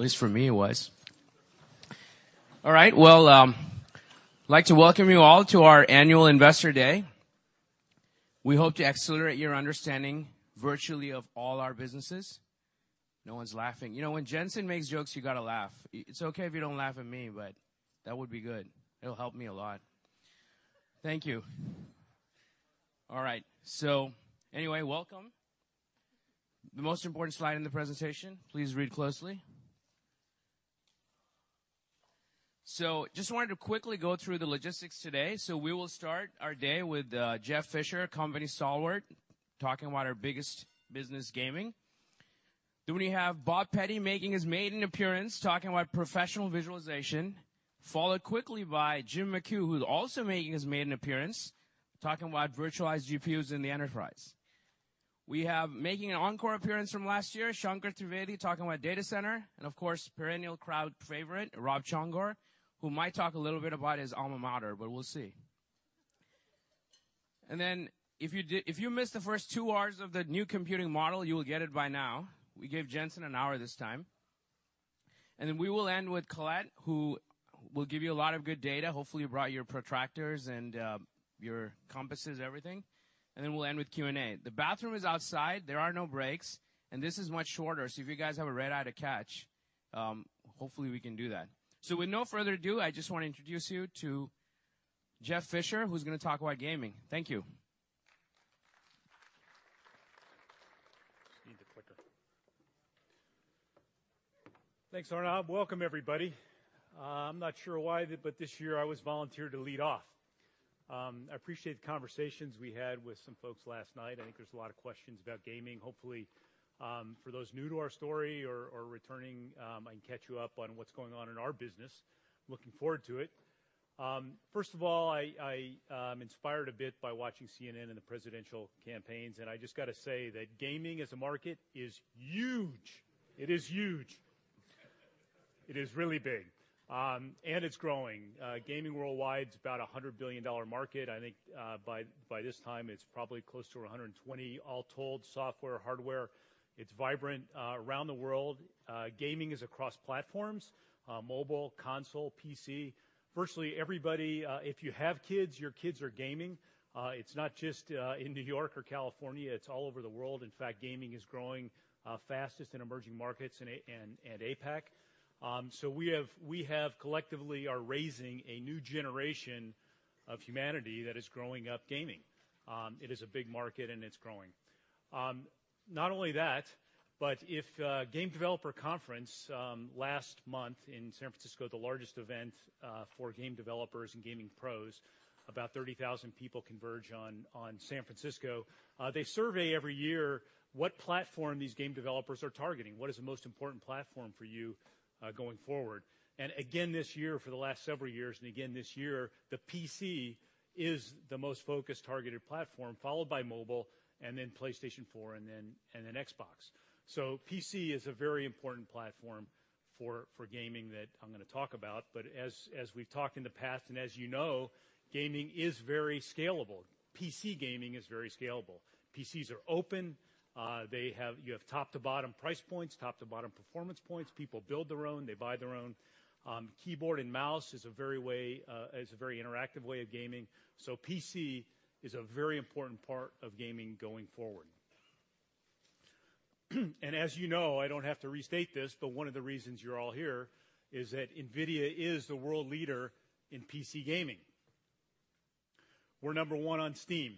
At least for me, it was. All right. I'd like to welcome you all to our Annual Investor Day. We hope to accelerate your understanding virtually of all our businesses. No one's laughing. When Jensen makes jokes, you got to laugh. It's okay if you don't laugh at me, but that would be good. It'll help me a lot. Thank you. All right. Anyway, welcome. The most important slide in the presentation, please read closely. Just wanted to quickly go through the logistics today. We will start our day with Jeff Fisher, company stalwart, talking about our biggest business, gaming. We have Bob Pette making his maiden appearance, talking about Professional Visualization, followed quickly by Jim McHugh, who's also making his maiden appearance, talking about virtualized GPUs in the enterprise. We have making an encore appearance from last year, Shanker Trivedi, talking about data center, and of course, perennial crowd favorite, Rob Csongor, who might talk a little bit about his alma mater, but we'll see. If you missed the first two hours of the new computing model, you will get it by now. We gave Jensen an hour this time. We will end with Colette, who will give you a lot of good data. Hopefully, you brought your protractors and your compasses, everything. We'll end with Q&A. The bathroom is outside. There are no breaks, and this is much shorter, so if you guys have a red-eye to catch, hopefully, we can do that. With no further ado, I just want to introduce you to Jeff Fisher, who's going to talk about gaming. Thank you. Just need the clicker. Thanks, Arnab. Welcome everybody. I'm not sure why, but this year I was volunteered to lead off. I appreciate the conversations we had with some folks last night. I think there's a lot of questions about gaming. Hopefully, for those new to our story or returning, I can catch you up on what's going on in our business. Looking forward to it. First of all, I'm inspired a bit by watching CNN and the presidential campaigns, I just got to say that gaming as a market is huge. It is huge. It is really big. It's growing. Gaming worldwide is about $100 billion market. I think, by this time, it's probably close to $120 billion all told, software, hardware. It's vibrant around the world. Gaming is across platforms, mobile, console, PC. Virtually everybody, if you have kids, your kids are gaming. It's not just in New York or California. It's all over the world. In fact, gaming is growing fastest in emerging markets and APAC. We have collectively are raising a new generation of humanity that is growing up gaming. It is a big market, and it's growing. Not only that, if Game Developers Conference last month in San Francisco, the largest event for game developers and gaming pros, about 30,000 people converge on San Francisco. They survey every year what platform these game developers are targeting. What is the most important platform for you going forward? Again, this year, for the last several years and again this year, the PC is the most focused, targeted platform, followed by mobile, and then PlayStation 4 and then Xbox. PC is a very important platform for gaming that I'm going to talk about. As we've talked in the past and as you know, gaming is very scalable. PC gaming is very scalable. PCs are open. You have top-to-bottom price points, top-to-bottom performance points. People build their own. They buy their own. Keyboard and mouse is a very interactive way of gaming. PC is a very important part of gaming going forward. As you know, I don't have to restate this, but one of the reasons you're all here is that NVIDIA is the world leader in PC gaming. We're number one on Steam.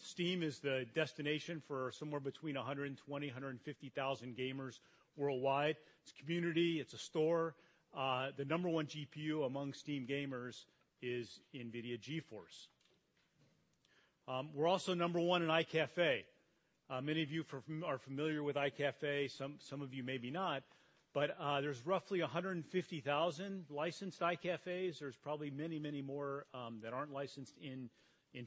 Steam is the destination for somewhere between 120,000-150,000 gamers worldwide. It's a community. It's a store. The number one GPU among Steam gamers is NVIDIA GeForce. We're also number one in iCafe. Many of you are familiar with iCafe, some of you maybe not, but there's roughly 150,000 licensed iCafes. There's probably many, many more that aren't licensed in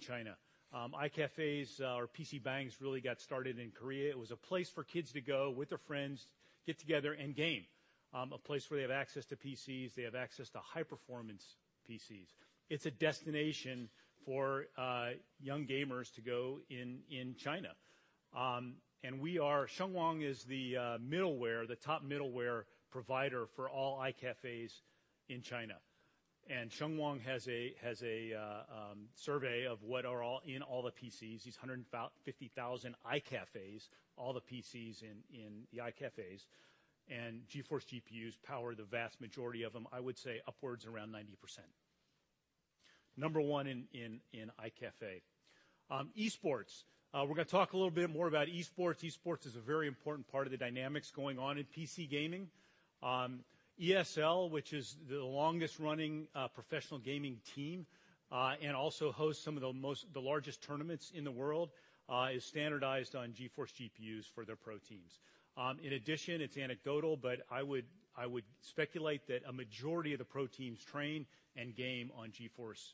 China. iCafes or PC bangs really got started in Korea. It was a place for kids to go with their friends, get together, and game. A place where they have access to PCs, they have access to high-performance PCs. It's a destination for young gamers to go in China. Shunwang is the top middleware provider for all iCafes in China. Shunwang has a survey of what are all in all the PCs, these 150,000 iCafes, all the PCs in the iCafes, and GeForce GPUs power the vast majority of them, I would say upwards around 90%. Number one in iCafe. Esports. We're going to talk a little bit more about esports. Esports is a very important part of the dynamics going on in PC gaming. ESL, which is the longest-running professional gaming team, and also hosts some of the largest tournaments in the world, is standardized on GeForce GPUs for their pro teams. In addition, it's anecdotal, but I would speculate that a majority of the pro teams train and game on GeForce GPUs.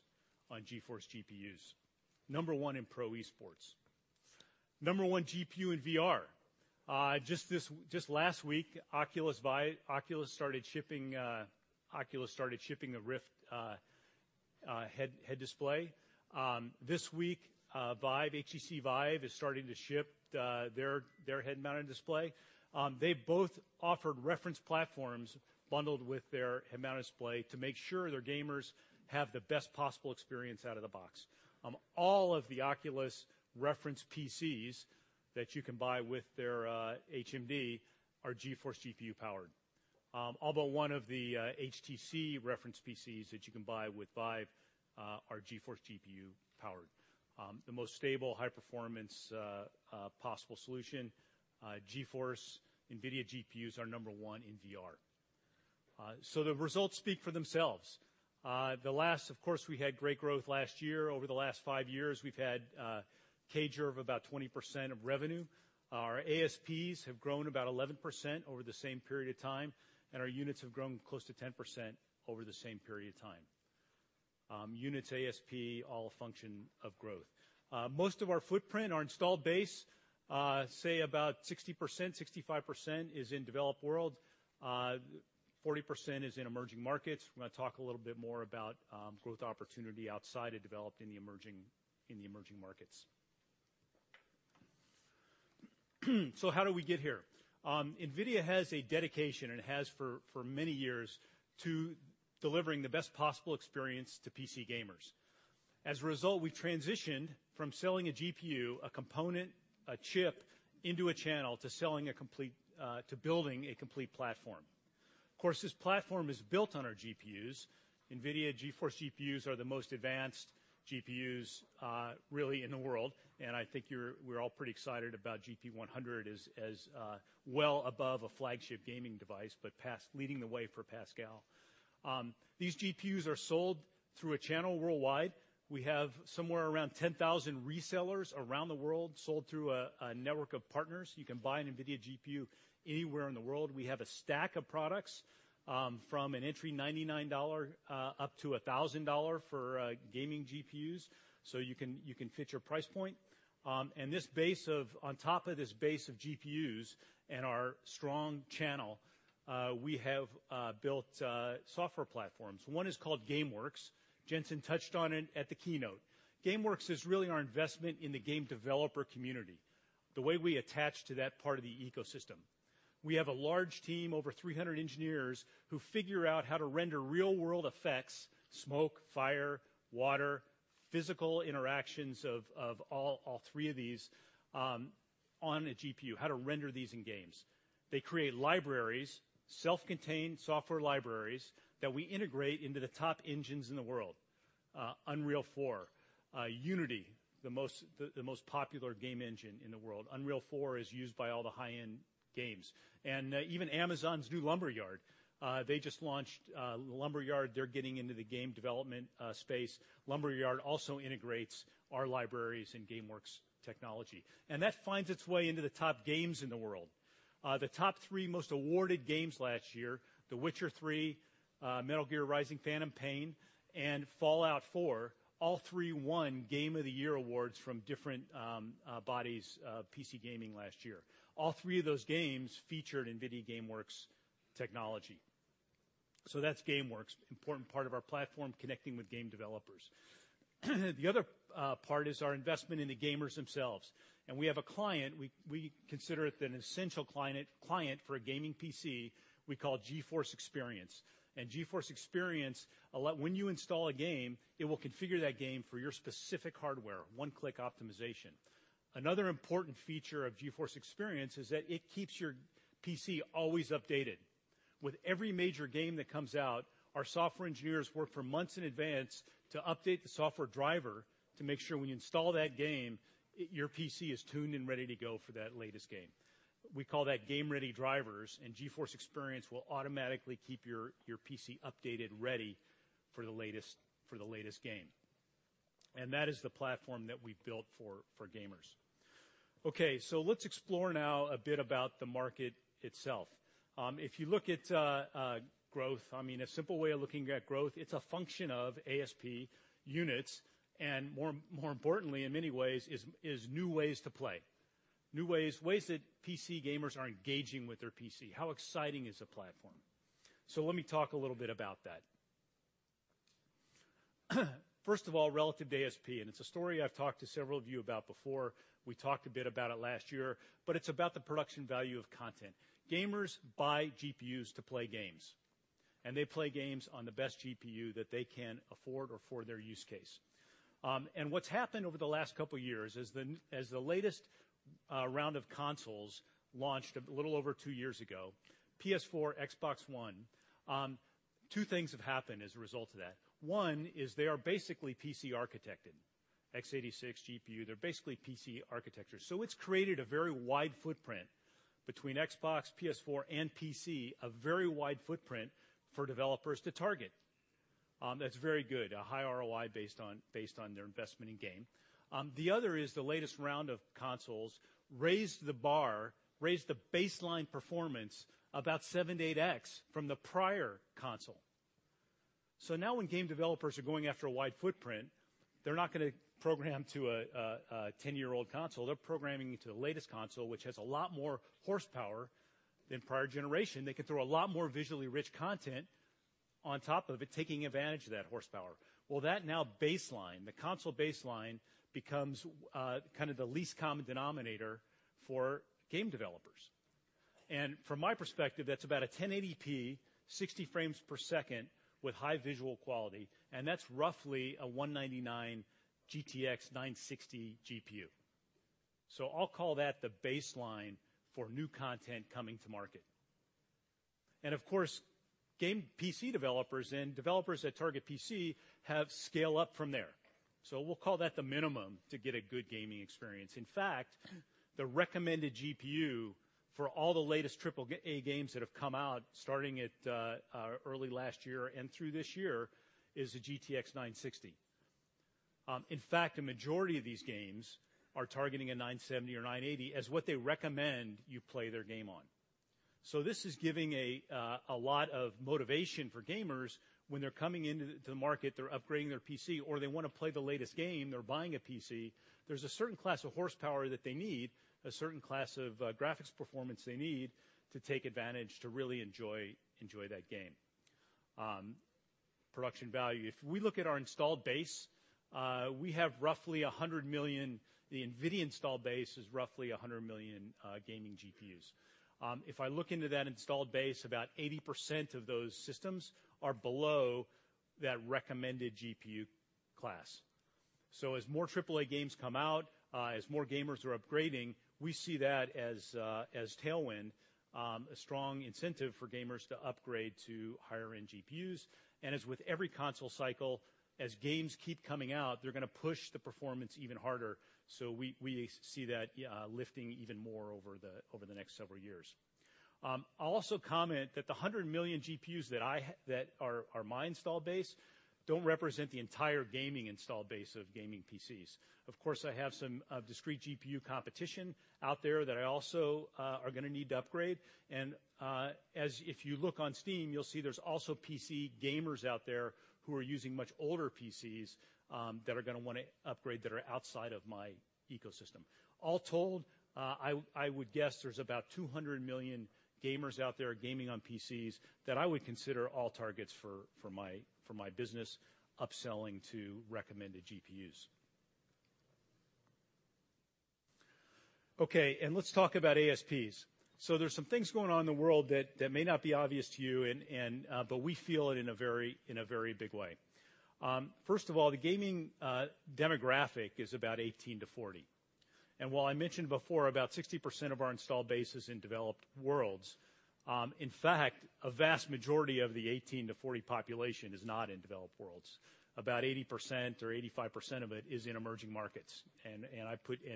Number one in pro esports. Number one GPU in VR. Just last week, Oculus started shipping the Rift head display. This week, HTC VIVE is starting to ship their head-mounted display. They both offered reference platforms bundled with their head-mounted display to make sure their gamers have the best possible experience out of the box. All of the Oculus reference PCs that you can buy with their HMD are GeForce GPU powered. Although one of the HTC reference PCs that you can buy with VIVE are GeForce GPU powered. The most stable high-performance possible solution, GeForce NVIDIA GPUs are number one in VR. The results speak for themselves. Of course, we had great growth last year. Over the last five years, we've had a CAGR of about 20% of revenue. Our ASPs have grown about 11% over the same period of time, and our units have grown close to 10% over the same period of time. Units, ASP, all a function of growth. Most of our footprint, our installed base, say about 60%-65% is in developed world. 40% is in emerging markets. We're going to talk a little bit more about growth opportunity outside of developed, in the emerging markets. How did we get here? NVIDIA has a dedication, and has for many years, to delivering the best possible experience to PC gamers. As a result, we've transitioned from selling a GPU, a component, a chip, into a channel, to building a complete platform. Of course, this platform is built on our GPUs. NVIDIA GeForce GPUs are the most advanced GPUs really in the world, and I think we're all pretty excited about GP100 as well above a flagship gaming device, but leading the way for Pascal. These GPUs are sold through a channel worldwide. We have somewhere around 10,000 resellers around the world sold through a network of partners. You can buy an NVIDIA GPU anywhere in the world. We have a stack of products, from an entry $99 up to $1,000 for gaming GPUs, so you can fit your price point. On top of this base of GPUs and our strong channel, we have built software platforms. One is called GameWorks. Jensen touched on it at the keynote. GameWorks is really our investment in the game developer community, the way we attach to that part of the ecosystem. We have a large team, over 300 engineers, who figure out how to render real-world effects, smoke, fire, water, physical interactions of all three of these on a GPU, how to render these in games. They create libraries, self-contained software libraries, that we integrate into the top engines in the world. Unreal 4, Unity, the most popular game engine in the world. Unreal 4 is used by all the high-end games. Even Amazon's new Lumberyard. They just launched Lumberyard. They're getting into the game development space. Lumberyard also integrates our libraries and GameWorks technology. That finds its way into the top games in the world. The top three most awarded games last year, "The Witcher 3," "Metal Gear Solid V: The Phantom Pain," and "Fallout 4," all three won Game of the Year awards from different bodies of PC gaming last year. All three of those games featured NVIDIA GameWorks technology. That's GameWorks, important part of our platform connecting with game developers. The other part is our investment in the gamers themselves. We have a client, we consider it an essential client for a gaming PC we call GeForce Experience. GeForce Experience, when you install a game, it will configure that game for your specific hardware, one-click optimization. Another important feature of GeForce Experience is that it keeps your PC always updated. With every major game that comes out, our software engineers work for months in advance to update the software driver to make sure when you install that game, your PC is tuned and ready to go for that latest game. We call that game-ready drivers. GeForce Experience will automatically keep your PC updated, ready for the latest game. That is the platform that we've built for gamers. Let's explore now a bit about the market itself. If you look at growth, a simple way of looking at growth, it's a function of ASP units. More importantly, in many ways, is new ways to play. Ways that PC gamers are engaging with their PC. How exciting is the platform? Let me talk a little bit about that. First of all, relative to ASP, it's a story I've talked to several of you about before. We talked a bit about it last year, but it's about the production value of content. Gamers buy GPUs to play games, and they play games on the best GPU that they can afford or for their use case. What's happened over the last couple of years, as the latest round of consoles launched a little over 2 years ago, PS4, Xbox One, two things have happened as a result of that. One is they are basically PC architected. x86 GPU, they're basically PC architecture. It's created a very wide footprint between Xbox, PS4, and PC, a very wide footprint for developers to target. That's very good. A high ROI based on their investment in game. The other is the latest round of consoles raised the bar, raised the baseline performance about 7-8x from the prior console. Now when game developers are going after a wide footprint, they're not going to program to a 10-year-old console. They're programming to the latest console, which has a lot more horsepower than prior generation. They can throw a lot more visually rich content on top of it, taking advantage of that horsepower. Well, that now baseline, the console baseline, becomes kind of the least common denominator for game developers. From my perspective, that's about a 1080p, 60 frames per second with high visual quality, and that's roughly a $199 GTX 960 GPU. I'll call that the baseline for new content coming to market. Of course, game PC developers and developers that target PC have scale up from there. We'll call that the minimum to get a good gaming experience. In fact, the recommended GPU for all the latest triple-A games that have come out starting at early last year and through this year is a GTX 960. In fact, a majority of these games are targeting a 970 or 980 as what they recommend you play their game on. This is giving a lot of motivation for gamers when they're coming into the market, they're upgrading their PC, or they want to play the latest game, they're buying a PC. There's a certain class of horsepower that they need, a certain class of graphics performance they need to take advantage to really enjoy that game. Production value. If we look at our installed base, we have roughly 100 million. The NVIDIA installed base is roughly 100 million gaming GPUs. If I look into that installed base, about 80% of those systems are below that recommended GPU class. As more triple-A games come out, as more gamers are upgrading, we see that as tailwind, a strong incentive for gamers to upgrade to higher-end GPUs. As with every console cycle, as games keep coming out, they're going to push the performance even harder. We see that lifting even more over the next several years. I'll also comment that the 100 million GPUs that are my install base don't represent the entire gaming install base of gaming PCs. Of course, I have some discrete GPU competition out there that also are going to need to upgrade, and if you look on Steam, you'll see there's also PC gamers out there who are using much older PCs that are going to want to upgrade that are outside of my ecosystem. All told, I would guess there's about 200 million gamers out there gaming on PCs that I would consider all targets for my business upselling to recommended GPUs. Okay, let's talk about ASPs. There's some things going on in the world that may not be obvious to you, but we feel it in a very big way. First of all, the gaming demographic is about 18 to 40. While I mentioned before, about 60% of our installed base is in developed worlds, in fact, a vast majority of the 18 to 40 population is not in developed worlds. About 80% or 85% of it is in emerging markets.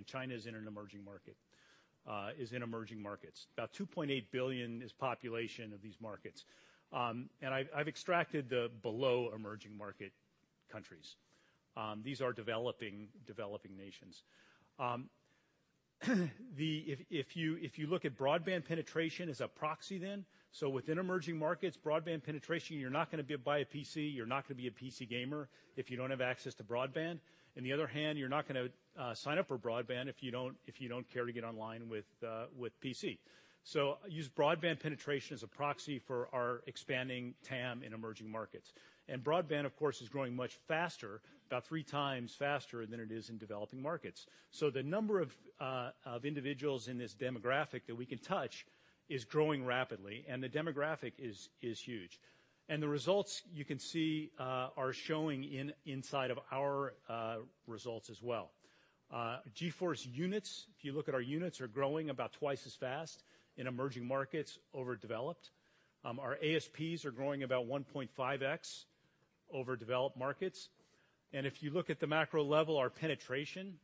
China's in an emerging market, is in emerging markets. About 2.8 billion is population of these markets. I've extracted the below emerging market countries. These are developing nations. If you look at broadband penetration as a proxy, within emerging markets, broadband penetration, you're not going to buy a PC, you're not going to be a PC gamer if you don't have access to broadband. On the other hand, you're not going to sign up for broadband if you don't care to get online with PC. Use broadband penetration as a proxy for our expanding TAM in emerging markets. Broadband, of course, is growing much faster, about 3 times faster than it is in developing markets. The number of individuals in this demographic that we can touch is growing rapidly, and the demographic is huge. The results you can see are showing inside of our results as well. GeForce units, if you look at our units, are growing about twice as fast in emerging markets over developed. Our ASPs are growing about 1.5X over developed markets. If you look at the macro level, our penetration,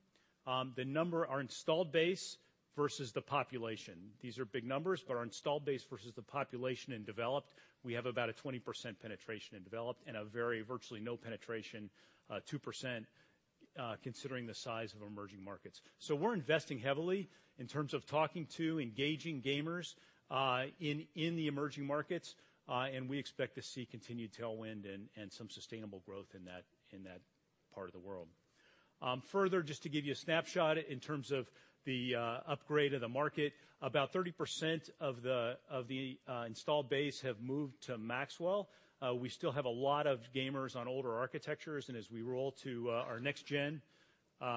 the number, our installed base versus the population. These are big numbers, but our installed base versus the population in developed, we have about a 20% penetration in developed and a very virtually no penetration, 2%, considering the size of emerging markets. We're investing heavily in terms of talking to, engaging gamers in the emerging markets, and we expect to see continued tailwind and some sustainable growth in that part of the world. Further, just to give you a snapshot in terms of the upgrade of the market, about 30% of the installed base have moved to Maxwell. We still have a lot of gamers on older architectures, and as we roll to our next gen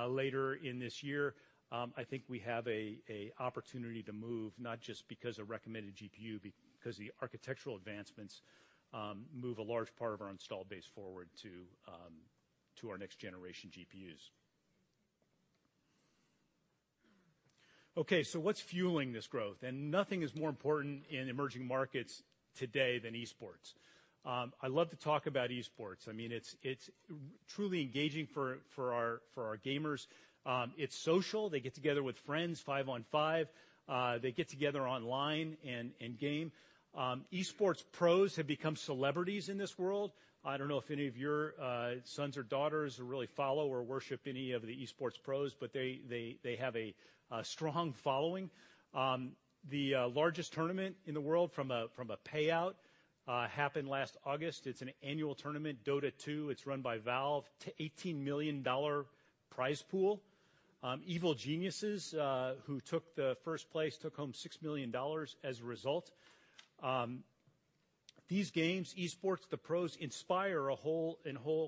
later in this year, I think we have an opportunity to move, not just because of recommended GPU, because the architectural advancements move a large part of our installed base forward to our next generation GPUs. Okay, what's fueling this growth? Nothing is more important in emerging markets today than esports. I love to talk about esports. It's truly engaging for our gamers. It's social. They get together with friends five on five. They get together online and game. Esports pros have become celebrities in this world. I don't know if any of your sons or daughters really follow or worship any of the esports pros, but they have a strong following. The largest tournament in the world from a payout happened last August. It's an annual tournament, Dota 2. It's run by Valve to $18 million prize pool. Evil Geniuses, who took the first place, took home $6 million as a result. These games, esports, the pros inspire a whole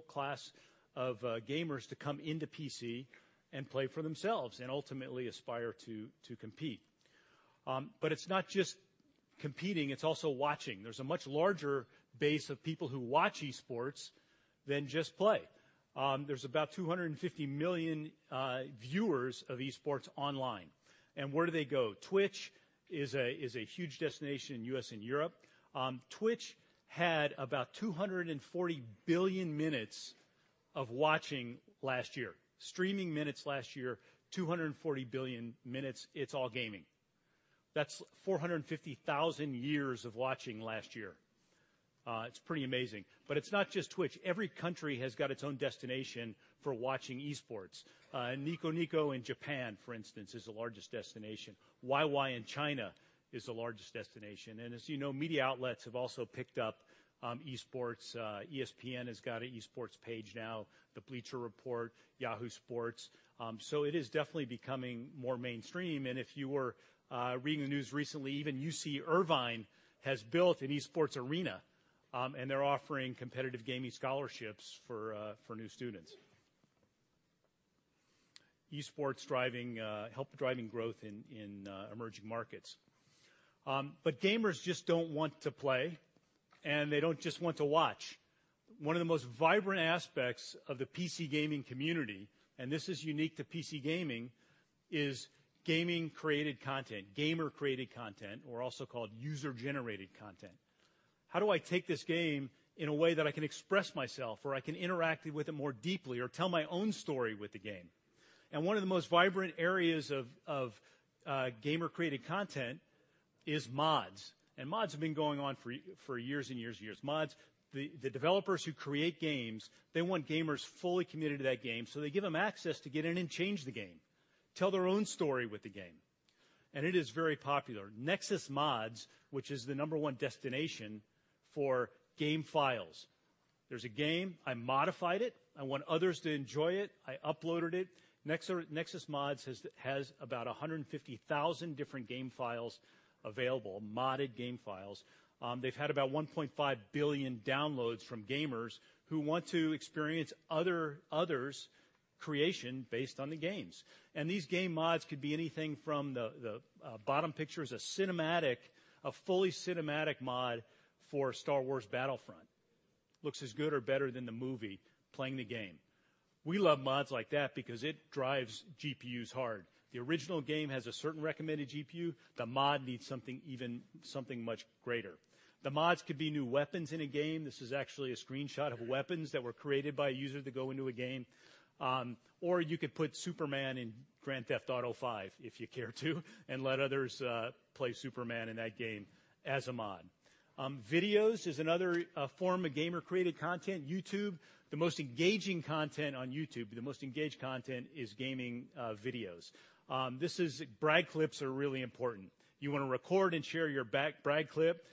class of gamers to come into PC and play for themselves, ultimately aspire to compete. It's not just competing, it's also watching. There's a much larger base of people who watch esports than just play. There's about 250 million viewers of esports online. Where do they go? Twitch is a huge destination in U.S. and Europe. Twitch had about 240 billion minutes of watching last year. Streaming minutes last year, 240 billion minutes, it's all gaming. That's 450,000 years of watching last year. It's pretty amazing. It's not just Twitch. Every country has got its own destination for watching esports. Niconico in Japan, for instance, is the largest destination. YY in China is the largest destination. As you know, media outlets have also picked up esports. ESPN has got an esports page now. The Bleacher Report, Yahoo Sports. It is definitely becoming more mainstream, and if you were reading the news recently, even UC Irvine has built an esports arena, and they're offering competitive gaming scholarships for new students. Esports help driving growth in emerging markets. Gamers just don't want to play, and they don't just want to watch. One of the most vibrant aspects of the PC gaming community, and this is unique to PC gaming, is gaming-created content, gamer-created content, or also called user-generated content. How do I take this game in a way that I can express myself, or I can interact with it more deeply, or tell my own story with the game? One of the most vibrant areas of gamer-created content is mods. Mods have been going on for years and years and years. Mods, the developers who create games, they want gamers fully committed to that game, so they give them access to get in and change the game, tell their own story with the game. It is very popular. Nexus Mods, which is the number one destination for game files. There's a game, I modified it, I want others to enjoy it, I uploaded it. Nexus Mods has about 150,000 different game files available, modded game files. They've had about 1.5 billion downloads from gamers who want to experience others' creation based on the games. These game mods could be anything from the bottom picture is a cinematic, a fully cinematic mod for Star Wars Battlefront. Looks as good or better than the movie playing the game. We love mods like that because it drives GPUs hard. The original game has a certain recommended GPU, the mod needs something much greater. The mods could be new weapons in a game. This is actually a screenshot of weapons that were created by a user to go into a game. You could put Superman in Grand Theft Auto V if you care to and let others play Superman in that game as a mod. Videos is another form of gamer-created content. YouTube, the most engaging content on YouTube, the most engaged content is gaming videos. Brag clips are really important. You want to record and share your brag clip.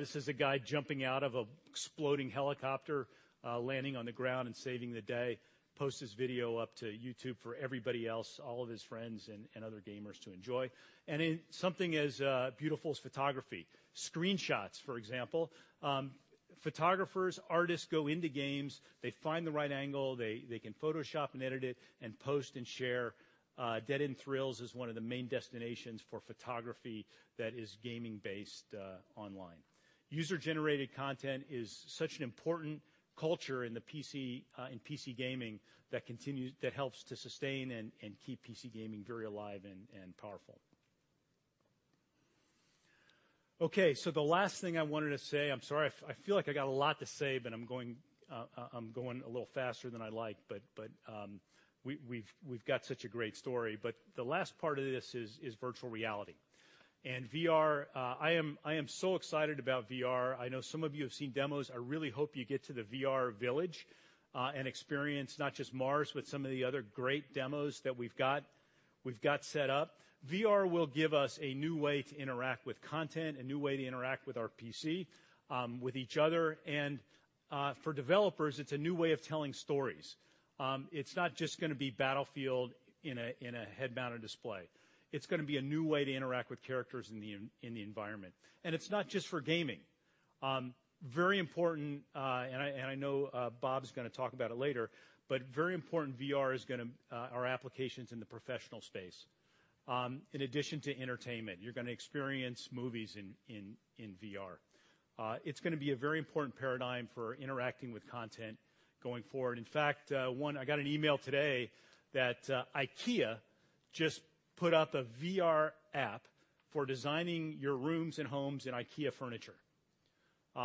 This is a guy jumping out of an exploding helicopter, landing on the ground and saving the day. Posts his video up to YouTube for everybody else, all of his friends and other gamers to enjoy. In something as beautiful as photography, screenshots, for example. Photographers, artists go into games. They find the right angle. They can Photoshop and edit it and post and share. Dead End Thrills is one of the main destinations for photography that is gaming-based online. User-generated content is such an important culture in PC gaming that helps to sustain and keep PC gaming very alive and powerful. The last thing I wanted to say, I'm sorry, I feel like I got a lot to say, but I'm going a little faster than I like, but we've got such a great story. The last part of this is virtual reality. VR, I am so excited about VR. I know some of you have seen demos. I really hope you get to the VR village, and experience not just Mars, but some of the other great demos that we've got set up. VR will give us a new way to interact with content, a new way to interact with our PC, with each other, and for developers, it's a new way of telling stories. It's not just going to be Battlefield in a head-mounted display. It's going to be a new way to interact with characters in the environment. It's not just for gaming. Very important, I know Bob's going to talk about it later, very important VR are applications in the professional space. In addition to entertainment, you're going to experience movies in VR. It's going to be a very important paradigm for interacting with content going forward. In fact, I got an email today that IKEA just put up a VR app for designing your rooms and homes in IKEA furniture.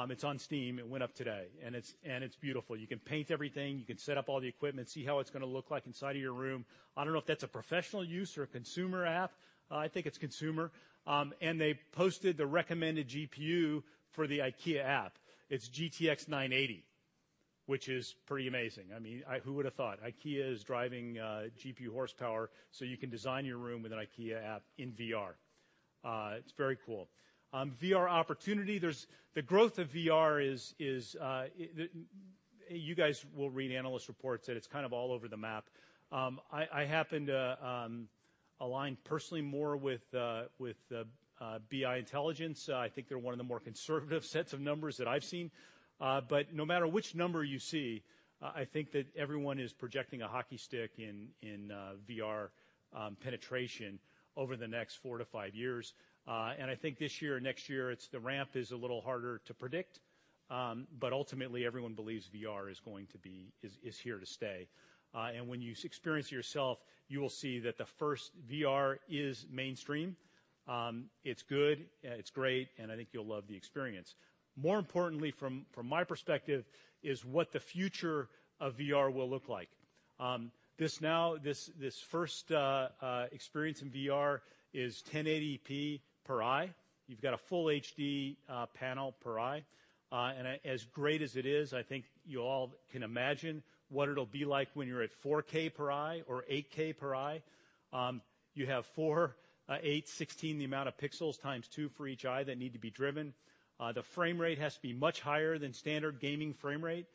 It's on Steam. It went up today, and it's beautiful. You can paint everything. You can set up all the equipment, see how it's going to look like inside of your room. I don't know if that's a professional use or a consumer app. I think it's consumer. They posted the recommended GPU for the IKEA app. It's GTX 980, which is pretty amazing. Who would've thought? IKEA is driving GPU horsepower so you can design your room with an IKEA app in VR. It's very cool. VR opportunity, the growth of VR. You guys will read analyst reports that it's kind of all over the map. I happen to align personally more with BI Intelligence. I think they're one of the more conservative sets of numbers that I've seen. No matter which number you see, I think that everyone is projecting a hockey stick in VR penetration over the next 4-5 years. I think this year or next year, the ramp is a little harder to predict. Ultimately, everyone believes VR is here to stay. When you experience it yourself, you will see that the first VR is mainstream. It's good, it's great, and I think you'll love the experience. More importantly, from my perspective, is what the future of VR will look like. This first experience in VR is 1080p per eye. You've got a full HD panel per eye. As great as it is, I think you all can imagine what it'll be like when you're at 4K per eye or 8K per eye. You have 4, 8, 16, the amount of pixels times 2 for each eye that need to be driven. The frame rate has to be much higher than standard gaming frame rate.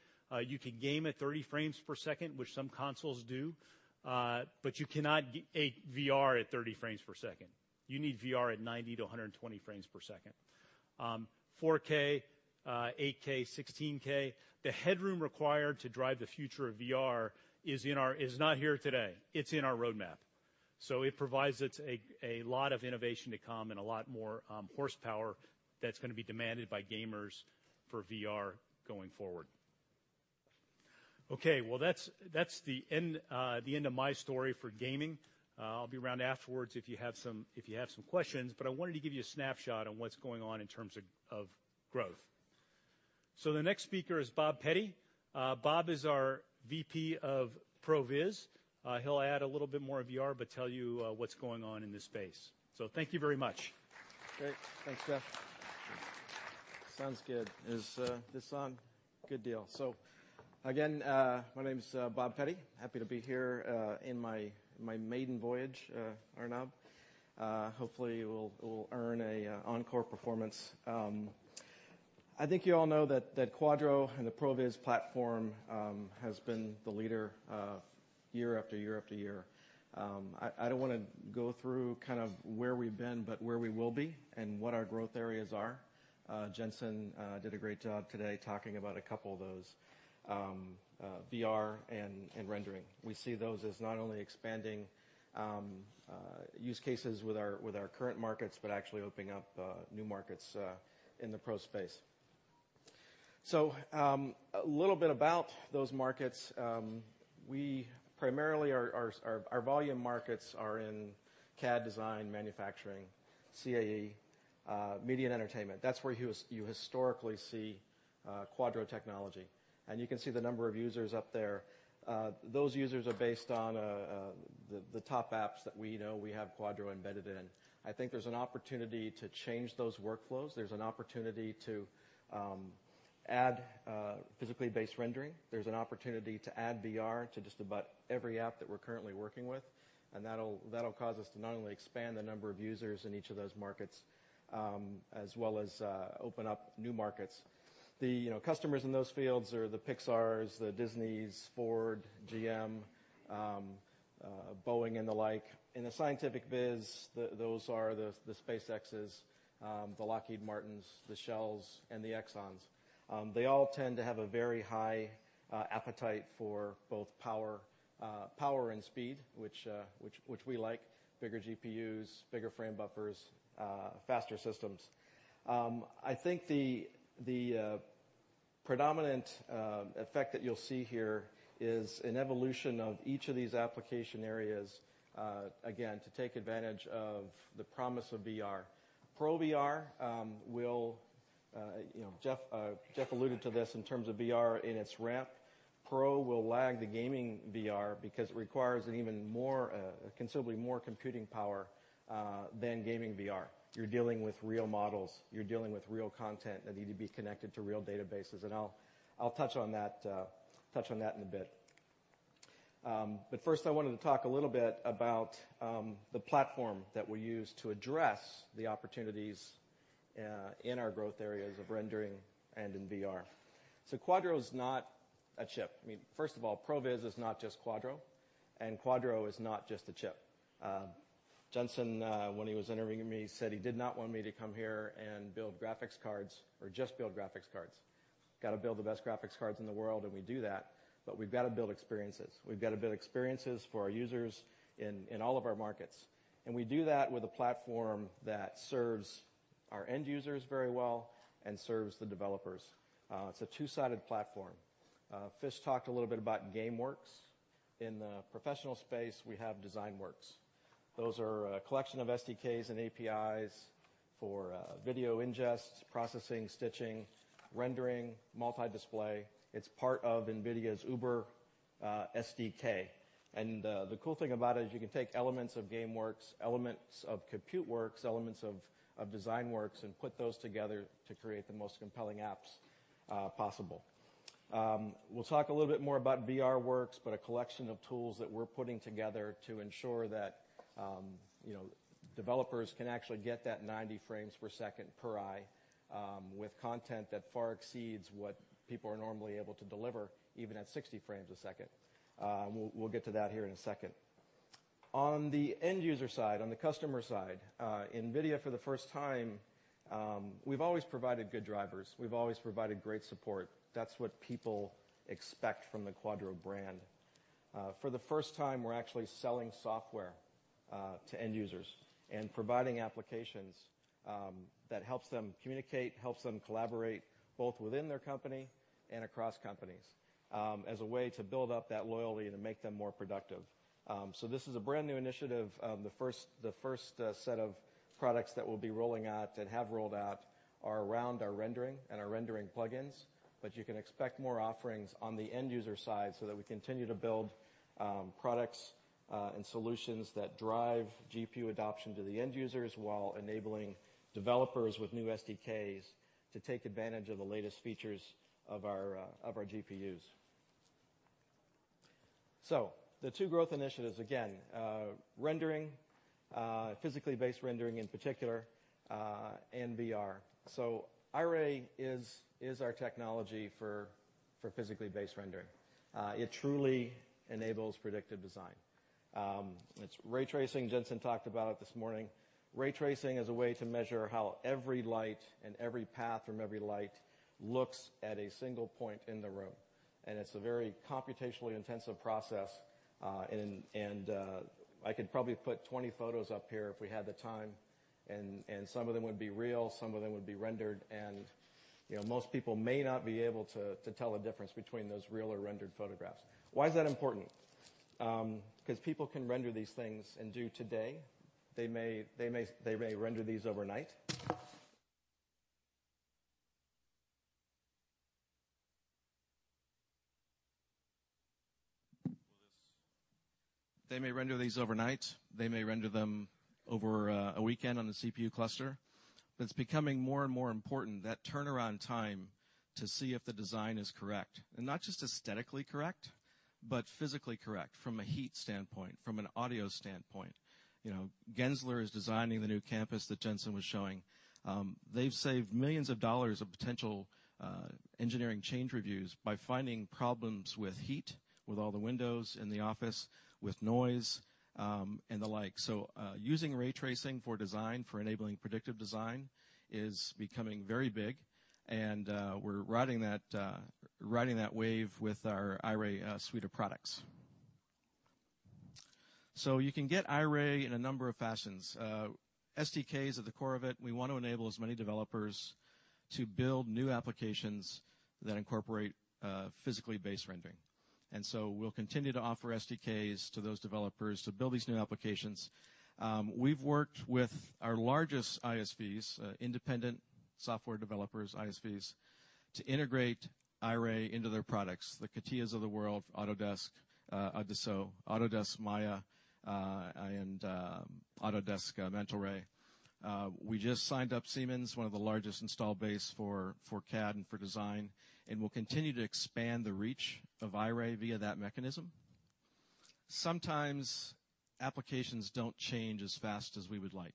You can game at 30 frames per second, which some consoles do, but you cannot VR at 30 frames per second. You need VR at 90 to 120 frames per second. 4K, 8K, 16K, the headroom required to drive the future of VR is not here today. It's in our roadmap. It provides us a lot of innovation to come and a lot more horsepower that's going to be demanded by gamers for VR going forward. That's the end of my story for gaming. I'll be around afterwards if you have some questions, but I wanted to give you a snapshot on what's going on in terms of growth. The next speaker is Bob Pette. Bob is our VP of Pro Viz. He'll add a little bit more VR, but tell you what's going on in this space. Thank you very much. Great. Thanks, Jeff. Sounds good. Is this on? Good deal. Again, my name's Bob Pette. Happy to be here in my maiden voyage, Arnab. Hopefully, we'll earn an encore performance. I think you all know that Quadro and the Pro Viz platform has been the leader year after year after year. I don't want to go through where we've been, but where we will be and what our growth areas are. Jensen did a great job today talking about a couple of those, VR and rendering. We see those as not only expanding use cases with our current markets, but actually opening up new markets in the pro space. A little bit about those markets. Primarily our volume markets are in CAD design, manufacturing, CAE, media, and entertainment. That's where you historically see Quadro technology, and you can see the number of users up there. Those users are based on the top apps that we know we have Quadro embedded in. I think there's an opportunity to change those workflows. There's an opportunity to add physically based rendering. There's an opportunity to add VR to just about every app that we're currently working with, and that'll cause us to not only expand the number of users in each of those markets, as well as open up new markets. The customers in those fields are the Pixars, the Disneys, Ford, GM, Boeing, and the like. In the scientific biz, those are the SpaceXs, the Lockheed Martins, the Shells, and the Exxons. They all tend to have a very high appetite for both power and speed, which we like. Bigger GPUs, bigger frame buffers, faster systems. I think the predominant effect that you'll see here is an evolution of each of these application areas, again, to take advantage of the promise of VR. Pro VR will lag the gaming VR because it requires considerably more computing power than gaming VR. You're dealing with real models. You're dealing with real content that need to be connected to real databases, and I'll touch on that in a bit. First, I wanted to talk a little bit about the platform that we use to address the opportunities in our growth areas of rendering and in VR. Quadro is not a chip. First of all, Pro Viz is not just Quadro, and Quadro is not just a chip. Jensen, when he was interviewing me, said he did not want me to come here and build graphics cards or just build graphics cards. We've got to build the best graphics cards in the world, and we do that, but we've got to build experiences. We've got to build experiences for our users in all of our markets, and we do that with a platform that serves our end users very well and serves the developers. It's a two-sided platform. Fish talked a little bit about GameWorks. In the professional space, we have DesignWorks. Those are a collection of SDKs and APIs for video ingest, processing, stitching, rendering, multi-display. It's part of NVIDIA's uber SDK. The cool thing about it is you can take elements of GameWorks, elements of ComputeWorks, elements of DesignWorks, and put those together to create the most compelling apps possible. We'll talk a little bit more about VRWorks, a collection of tools that we're putting together to ensure that developers can actually get that 90 frames per second per eye with content that far exceeds what people are normally able to deliver, even at 60 frames a second. We'll get to that here in a second. On the end-user side, on the customer side, NVIDIA for the first time, we've always provided good drivers. We've always provided great support. That's what people expect from the Quadro brand. For the first time, we're actually selling software to end users and providing applications that helps them communicate, helps them collaborate both within their company and across companies as a way to build up that loyalty and to make them more productive. This is a brand new initiative. The first set of products that we'll be rolling out and have rolled out are around our rendering and our rendering plugins, but you can expect more offerings on the end-user side so that we continue to build products and solutions that drive GPU adoption to the end users while enabling developers with new SDKs to take advantage of the latest features of our GPUs. The two growth initiatives, again, rendering, physically based rendering in particular, and VR. Iray is our technology for physically based rendering. It truly enables predictive design. It's ray tracing. Jensen talked about it this morning. Ray tracing is a way to measure how every light and every path from every light looks at a single point in the room, and it's a very computationally intensive process. I could probably put 20 photos up here if we had the time, some of them would be real, some of them would be rendered, and most people may not be able to tell the difference between those real or rendered photographs. Why is that important? People can render these things and do today. They may render these overnight. They may render these overnight. They may render them over a weekend on a CPU cluster. It's becoming more and more important, that turnaround time to see if the design is correct, and not just aesthetically correct, but physically correct from a heat standpoint, from an audio standpoint. Gensler is designing the new campus that Jensen was showing. They've saved millions of dollars of potential engineering change reviews by finding problems with heat, with all the windows in the office, with noise, and the like. Using ray tracing for design, for enabling predictive design is becoming very big, and we're riding that wave with our Iray suite of products. You can get Iray in a number of fashions. SDK is at the core of it. We want to enable as many developers to build new applications that incorporate physically based rendering. We'll continue to offer SDKs to those developers to build these new applications. We've worked with our largest ISVs, independent software developers, ISVs, to integrate Iray into their products, the CATIAs of the world, Autodesk Maya, and Autodesk Mental Ray. We just signed up Siemens, one of the largest install base for CAD and for design, and we'll continue to expand the reach of Iray via that mechanism. Sometimes applications don't change as fast as we would like.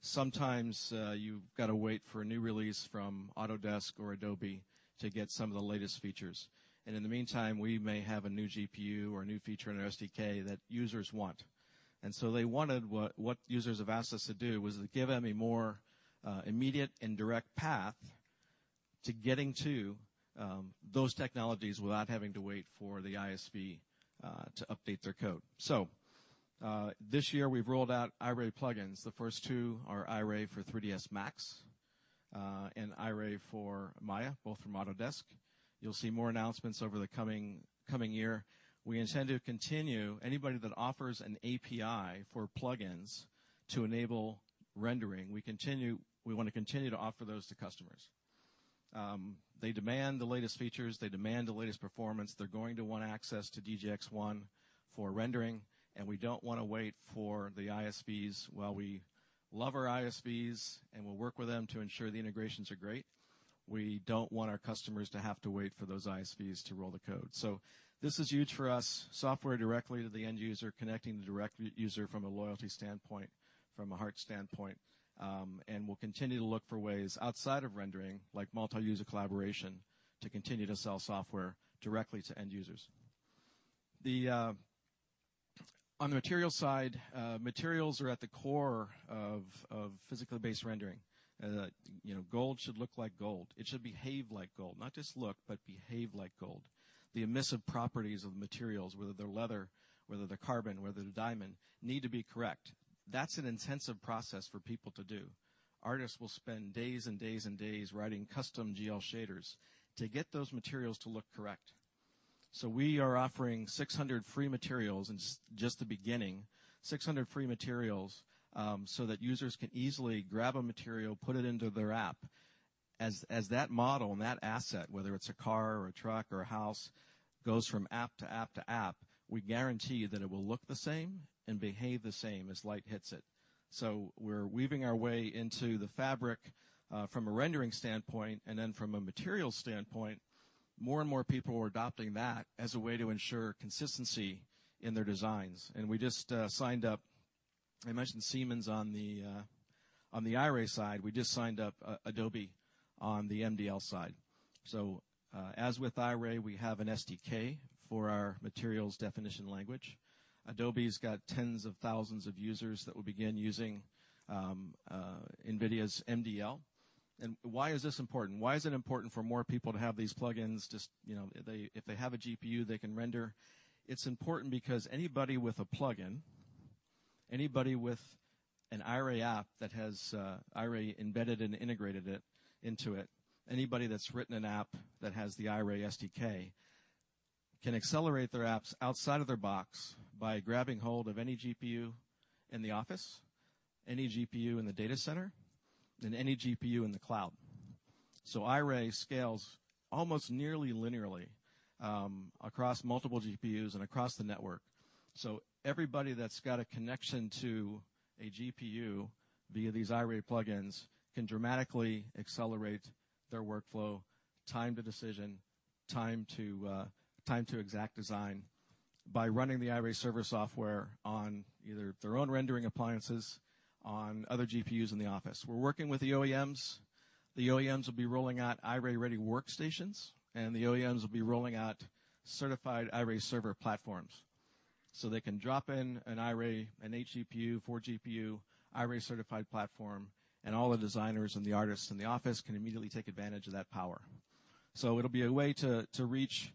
Sometimes you've got to wait for a new release from Autodesk or Adobe to get some of the latest features. In the meantime, we may have a new GPU or a new feature in our SDK that users want. What users have asked us to do was to give them a more immediate and direct path to getting to those technologies without having to wait for the ISV to update their code. This year, we've rolled out Iray plugins. The first two are Iray for 3ds Max and Iray for Maya, both from Autodesk. You'll see more announcements over the coming year. We intend to continue anybody that offers an API for plugins to enable rendering. We want to continue to offer those to customers. They demand the latest features. They demand the latest performance. They're going to want access to DGX-1 for rendering, we don't want to wait for the ISVs. While we love our ISVs and we'll work with them to ensure the integrations are great, we don't want our customers to have to wait for those ISVs to roll the code. This is huge for us, software directly to the end user, connecting the direct user from a loyalty standpoint, from a heart standpoint, and we'll continue to look for ways outside of rendering, like multi-user collaboration, to continue to sell software directly to end users. On the material side, materials are at the core of physically based rendering. Gold should look like gold. It should behave like gold, not just look, but behave like gold. The emissive properties of materials, whether they're leather, whether they're carbon, whether they're diamond, need to be correct. That's an intensive process for people to do. Artists will spend days and days and days writing custom GL shaders to get those materials to look correct. We are offering 600 free materials, and it's just the beginning, 600 free materials so that users can easily grab a material, put it into their app. As that model and that asset, whether it's a car or a truck or a house, goes from app to app to app, we guarantee that it will look the same and behave the same as light hits it. We're weaving our way into the fabric from a rendering standpoint, and then from a material standpoint, more and more people are adopting that as a way to ensure consistency in their designs. We just signed up, I mentioned Siemens on the Iray side, we just signed up Adobe on the MDL side. As with Iray, we have an SDK for our materials definition language. Adobe's got tens of thousands of users that will begin using NVIDIA's MDL. Why is this important? Why is it important for more people to have these plug-ins, just if they have a GPU they can render? It's important because anybody with a plug-in, anybody with an Iray app that has Iray embedded and integrated into it, anybody that's written an app that has the Iray SDK can accelerate their apps outside of their box by grabbing hold of any GPU in the office, any GPU in the data center, and any GPU in the cloud. Iray scales almost nearly linearly across multiple GPUs and across the network. Everybody that's got a connection to a GPU via these Iray plug-ins can dramatically accelerate their workflow, time to decision, time to exact design by running the Iray server software on either their own rendering appliances on other GPUs in the office. We're working with the OEMs. The OEMs will be rolling out Iray-ready workstations, and the OEMs will be rolling out certified Iray server platforms. They can drop in an Iray, an eight GPU, four GPU Iray certified platform, and all the designers and the artists in the office can immediately take advantage of that power. It'll be a way to reach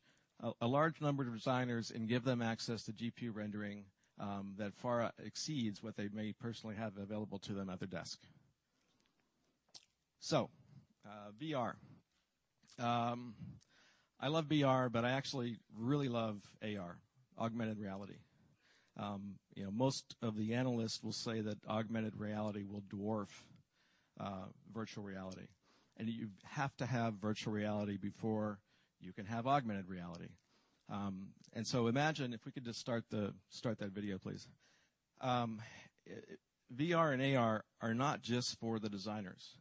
a large number of designers and give them access to GPU rendering that far exceeds what they may personally have available to them at their desk. VR. I love VR, but I actually really love AR, augmented reality. Most of the analysts will say that augmented reality will dwarf virtual reality, and you have to have virtual reality before you can have augmented reality. Imagine if we could just start that video, please. VR and AR are not just for the designers.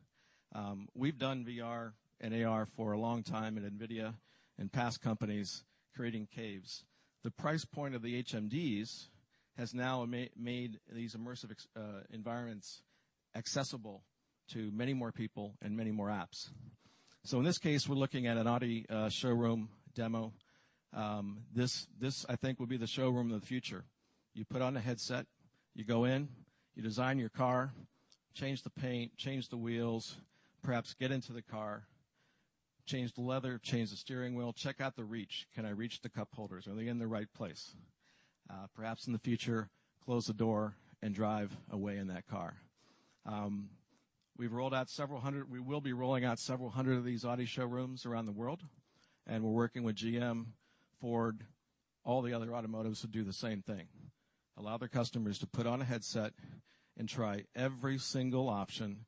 We've done VR and AR for a long time at NVIDIA and past companies creating caves. The price point of the HMDs has now made these immersive environments accessible to many more people and many more apps. In this case, we're looking at an Audi showroom demo. This, I think, will be the showroom of the future. You put on a headset, you go in, you design your car, change the paint, change the wheels, perhaps get into the car, change the leather, change the steering wheel, check out the reach. Can I reach the cup holders? Are they in the right place? Perhaps in the future, close the door and drive away in that car. We will be rolling out several hundred of these Audi showrooms around the world, we're working with GM, Ford, all the other automotives to do the same thing, allow their customers to put on a headset and try every single option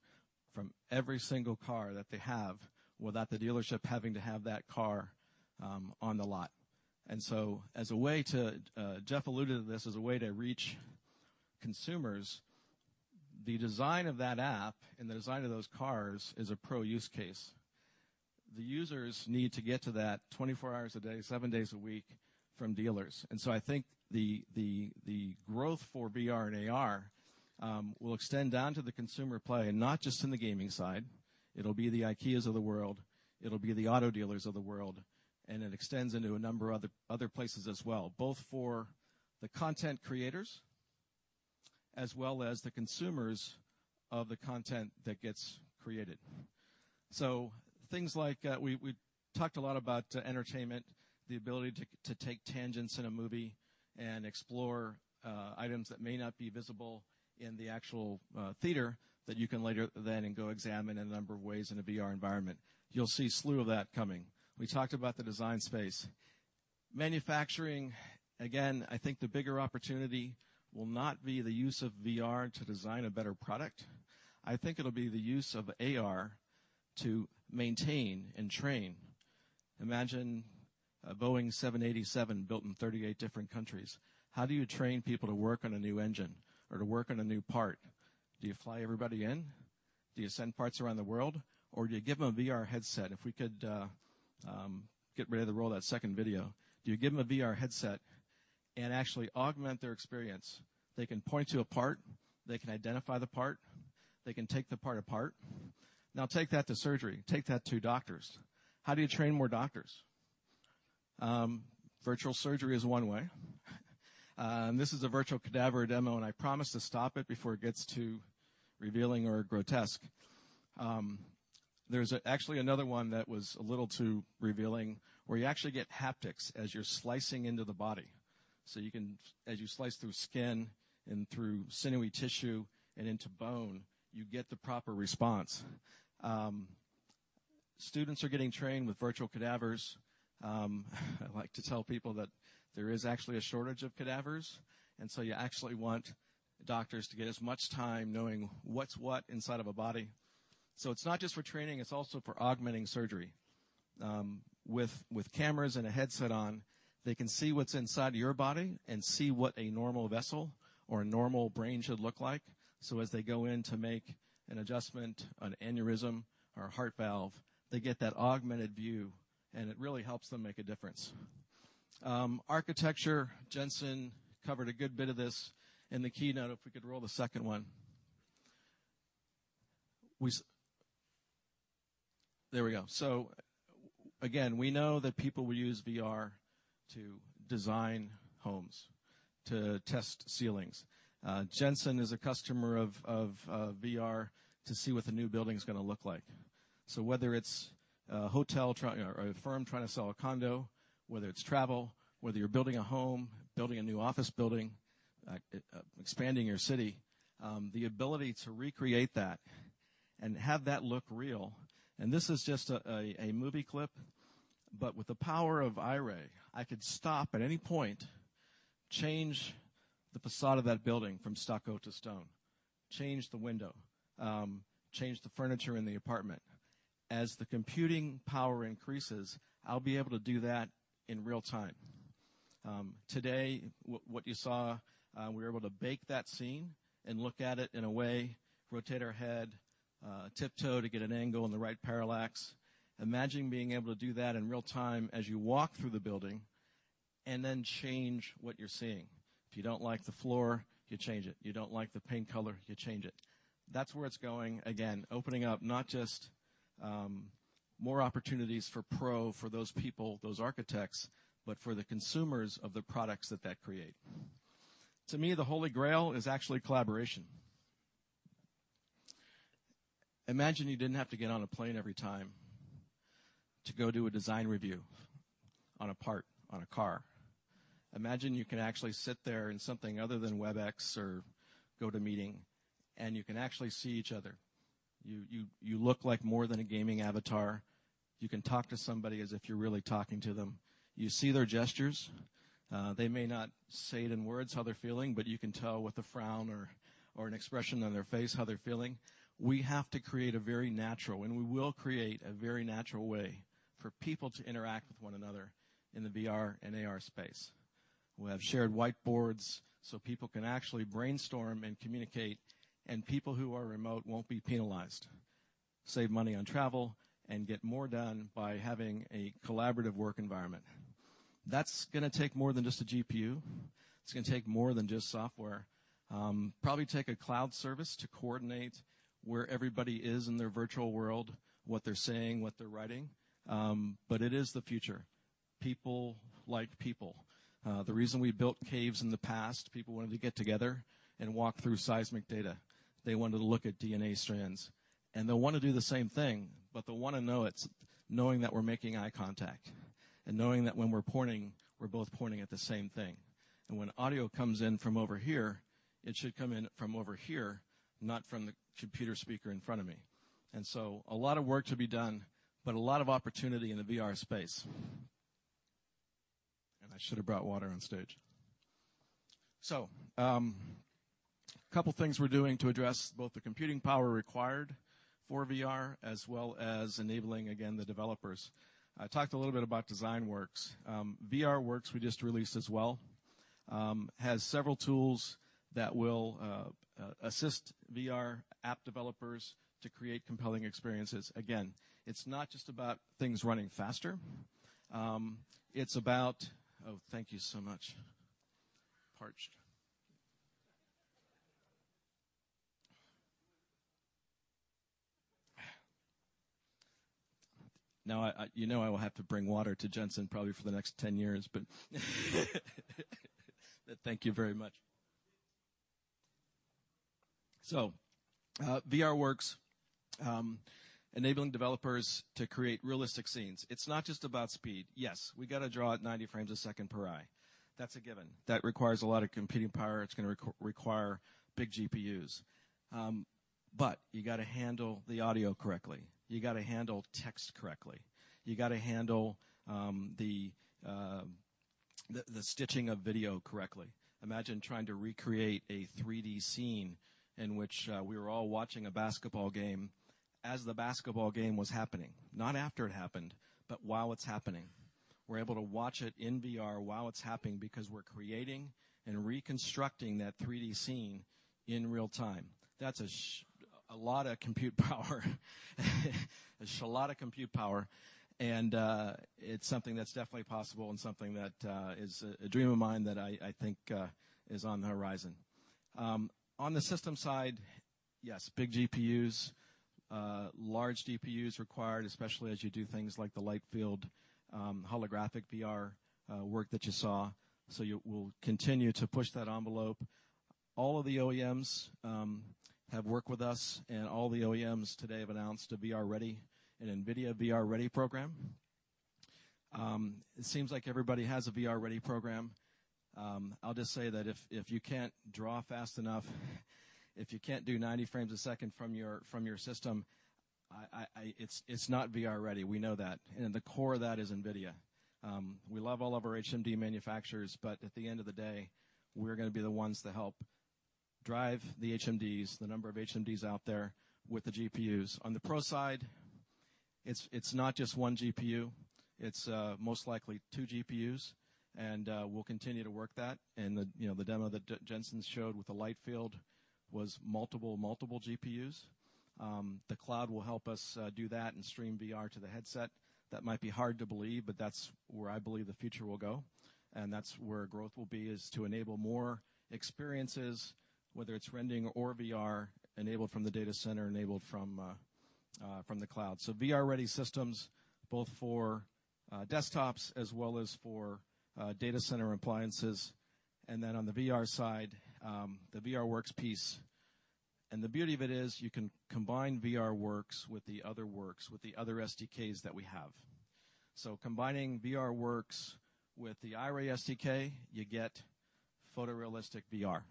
from every single car that they have without the dealership having to have that car on the lot. As a way to, Jeff alluded to this, as a way to reach consumers, the design of that app and the design of those cars is a pro-use case. The users need to get to that 24 hours a day, seven days a week from dealers. I think the growth for VR and AR will extend down to the consumer play, not just in the gaming side. It'll be the IKEAs of the world, it'll be the auto dealers of the world, it extends into a number of other places as well, both for the content creators as well as the consumers of the content that gets created. Things like we talked a lot about entertainment, the ability to take tangents in a movie and explore items that may not be visible in the actual theater that you can later then and go examine in a number of ways in a VR environment. You'll see a slew of that coming. We talked about the design space. Manufacturing, again, I think the bigger opportunity will not be the use of VR to design a better product. I think it'll be the use of AR to maintain and train. Imagine a Boeing 787 built in 38 different countries. How do you train people to work on a new engine or to work on a new part? Do you fly everybody in? Do you send parts around the world, do you give them a VR headset? If we could get ready to roll that second video. Do you give them a VR headset and actually augment their experience? They can point to a part. They can identify the part. They can take the part apart. Now take that to surgery. Take that to doctors. How do you train more doctors? Virtual surgery is one way. This is a virtual cadaver demo, I promise to stop it before it gets too revealing or grotesque. There's actually another one that was a little too revealing, where you actually get haptics as you're slicing into the body. You can, as you slice through skin and through sinewy tissue and into bone, you get the proper response. Students are getting trained with virtual cadavers. I like to tell people that there is actually a shortage of cadavers, you actually want doctors to get as much time knowing what's what inside of a body. It's not just for training, it's also for augmenting surgery. With cameras and a headset on, they can see what's inside your body and see what a normal vessel or a normal brain should look like. As they go in to make an adjustment on aneurysm or a heart valve, they get that augmented view, it really helps them make a difference. Architecture, Jensen covered a good bit of this in the keynote. If we could roll the second one. There we go. Again, we know that people will use VR to design homes, to test ceilings. Jensen is a customer of VR to see what the new building's going to look like. Whether it's a firm trying to sell a condo, whether it's travel, whether you're building a home, building a new office building, expanding your city, the ability to recreate that and have that look real. This is just a movie clip, but with the power of Iray, I could stop at any point, change the facade of that building from stucco to stone, change the window, change the furniture in the apartment. As the computing power increases, I'll be able to do that in real time. Today, what you saw, we were able to bake that scene and look at it in a way, rotate our head, tiptoe to get an angle and the right parallax. Imagine being able to do that in real time as you walk through the building and then change what you're seeing. If you don't like the floor, you change it. You don't like the paint color, you change it. That's where it's going. Again, opening up not just more opportunities for pro, for those people, those architects, but for the consumers of the products that that create. To me, the Holy Grail is actually collaboration. Imagine you didn't have to get on a plane every time to go do a design review on a part, on a car. Imagine you can actually sit there in something other than Webex or GoToMeeting, and you can actually see each other. You look like more than a gaming avatar. You can talk to somebody as if you're really talking to them. You see their gestures. They may not say it in words how they're feeling, but you can tell with a frown or an expression on their face how they're feeling. We have to create a very natural, and we will create a very natural way for people to interact with one another in the VR and AR space. We'll have shared whiteboards so people can actually brainstorm and communicate, and people who are remote won't be penalized, save money on travel, and get more done by having a collaborative work environment. That's going to take more than just a GPU. It's going to take more than just software. Probably take a cloud service to coordinate where everybody is in their virtual world, what they're saying, what they're writing. It is the future. People like people. The reason we built caves in the past, people wanted to get together and walk through seismic data. They wanted to look at DNA strands. They'll want to do the same thing, but they'll want to know it's knowing that we're making eye contact and knowing that when we're pointing, we're both pointing at the same thing. When audio comes in from over here, it should come in from over here, not from the computer speaker in front of me. A lot of work to be done, but a lot of opportunity in the VR space. I should have brought water on stage. Couple of things we're doing to address both the computing power required for VR as well as enabling, again, the developers. I talked a little bit about DesignWorks. VRWorks we just released as well. Has several tools that will assist VR app developers to create compelling experiences. Again, it's not just about things running faster. It's about Oh, thank you so much. Parched. Now, you know I will have to bring water to Jensen probably for the next 10 years, but thank you very much. VRWorks, enabling developers to create realistic scenes. It's not just about speed. Yes, we got to draw at 90 frames a second per eye. That's a given. That requires a lot of computing power. It's going to require big GPUs. You got to handle the audio correctly. You got to handle text correctly. You got to handle the stitching of video correctly. Imagine trying to recreate a 3D scene in which we were all watching a basketball game as the basketball game was happening, not after it happened, but while it's happening. We're able to watch it in VR while it's happening because we're creating and reconstructing that 3D scene in real time. That's a lot of compute power. It's a lot of compute power, and it's something that's definitely possible and something that is a dream of mine that I think is on the horizon. On the system side, yes, big GPUs, large GPUs required, especially as you do things like the light field holographic VR work that you saw. You will continue to push that envelope. All of the OEMs have worked with us, and all the OEMs today have announced a VR Ready, an NVIDIA VR Ready program. It seems like everybody has a VR Ready program. I'll just say that if you can't draw fast enough, if you can't do 90 frames a second from your system, it's not VR ready. We know that. The core of that is NVIDIA. We love all of our HMD manufacturers, at the end of the day, we're going to be the ones that help drive the HMDs, the number of HMDs out there with the GPUs. On the pro side It's not just one GPU, it's most likely two GPUs, and we'll continue to work that. The demo that Jensen showed with the light field was multiple GPUs. The cloud will help us do that and stream VR to the headset. That might be hard to believe, but that's where I believe the future will go, and that's where growth will be, is to enable more experiences, whether it's rendering or VR enabled from the data center, enabled from the cloud. VR-ready systems both for desktops as well as for data center appliances. On the VR side, the VRWorks piece. The beauty of it is you can combine VRWorks with the other works, with the other SDKs that we have. Combining VRWorks with the Iray SDK, you get photorealistic VR.